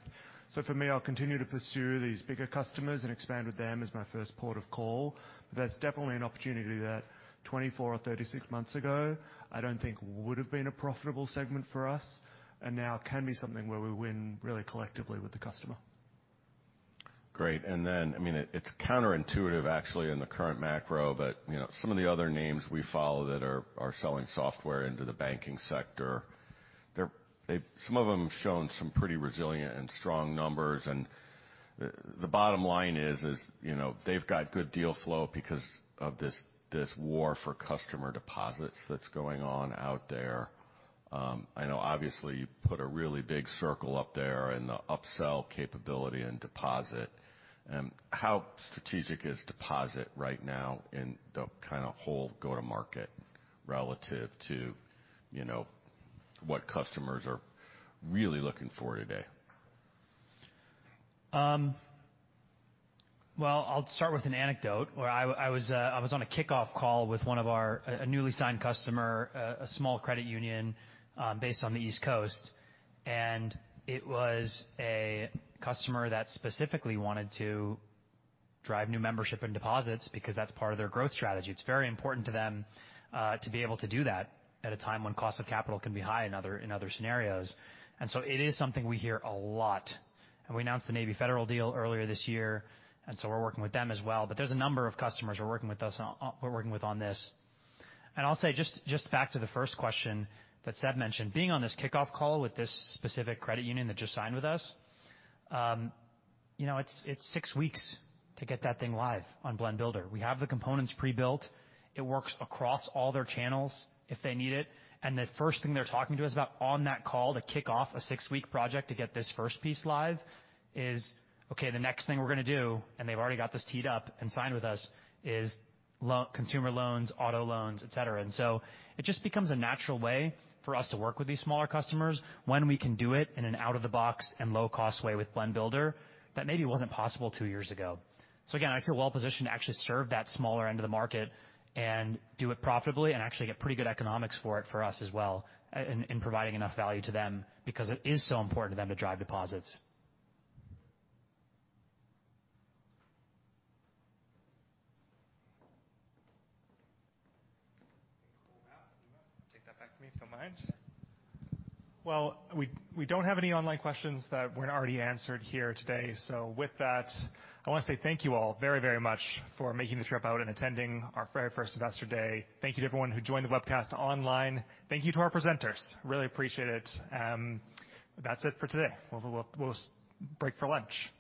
So for me, I'll continue to pursue these bigger customers and expand with them as my first port of call. There's definitely an opportunity that 24 or 36 months ago, I don't think would have been a profitable segment for us, and now can be something where we win really collectively with the customer. Great. And then, I mean, it's counterintuitive actually in the current macro, but, you know, some of the other names we follow that are selling software into the banking sector, some of them have shown some pretty resilient and strong numbers, and the bottom line is, you know, they've got good deal flow because of this war for customer deposits that's going on out there. I know obviously, you put a really big circle up there in the upsell capability and deposit. How strategic is deposit right now in the kind of whole go-to-market relative to, you know, what customers are really looking for today? Well, I'll start with an anecdote where I was on a kickoff call with one of our a newly signed customer, a small credit union, based on the East Coast, and it was a customer that specifically wanted to drive new membership and deposits because that's part of their growth strategy. It's very important to them to be able to do that at a time when cost of capital can be high in other scenarios. And so it is something we hear a lot, and we announced the Navy Federal deal earlier this year, and so we're working with them as well. But there's a number of customers who are working with us on – we're working with on this. I'll say just, just back to the first question that Seb mentioned, being on this kickoff call with this specific credit union that just signed with us, you know, it's, it's 6 weeks to get that thing live on Blend Builder. We have the components pre-built. It works across all their channels if they need it, and the first thing they're talking to us about on that call to kick off a 6-week project to get this first piece live is, "Okay, the next thing we're gonna do," and they've already got this teed up and signed with us, "is loan consumer loans, auto loans, et cetera." So it just becomes a natural way for us to work with these smaller customers when we can do it in an out-of-the-box and low-cost way with Blend Builder that maybe wasn't possible 2 years ago. So again, I feel well positioned to actually serve that smaller end of the market and do it profitably and actually get pretty good economics for it for us as well, in providing enough value to them, because it is so important to them to drive deposits. Take that back for me, if you don't mind. Well, we don't have any online questions that weren't already answered here today. So with that, I want to say thank you all very, very much for making the trip out and attending our very first Investor Day. Thank you to everyone who joined the webcast online. Thank you to our presenters. Really appreciate it. That's it for today. We'll break for lunch.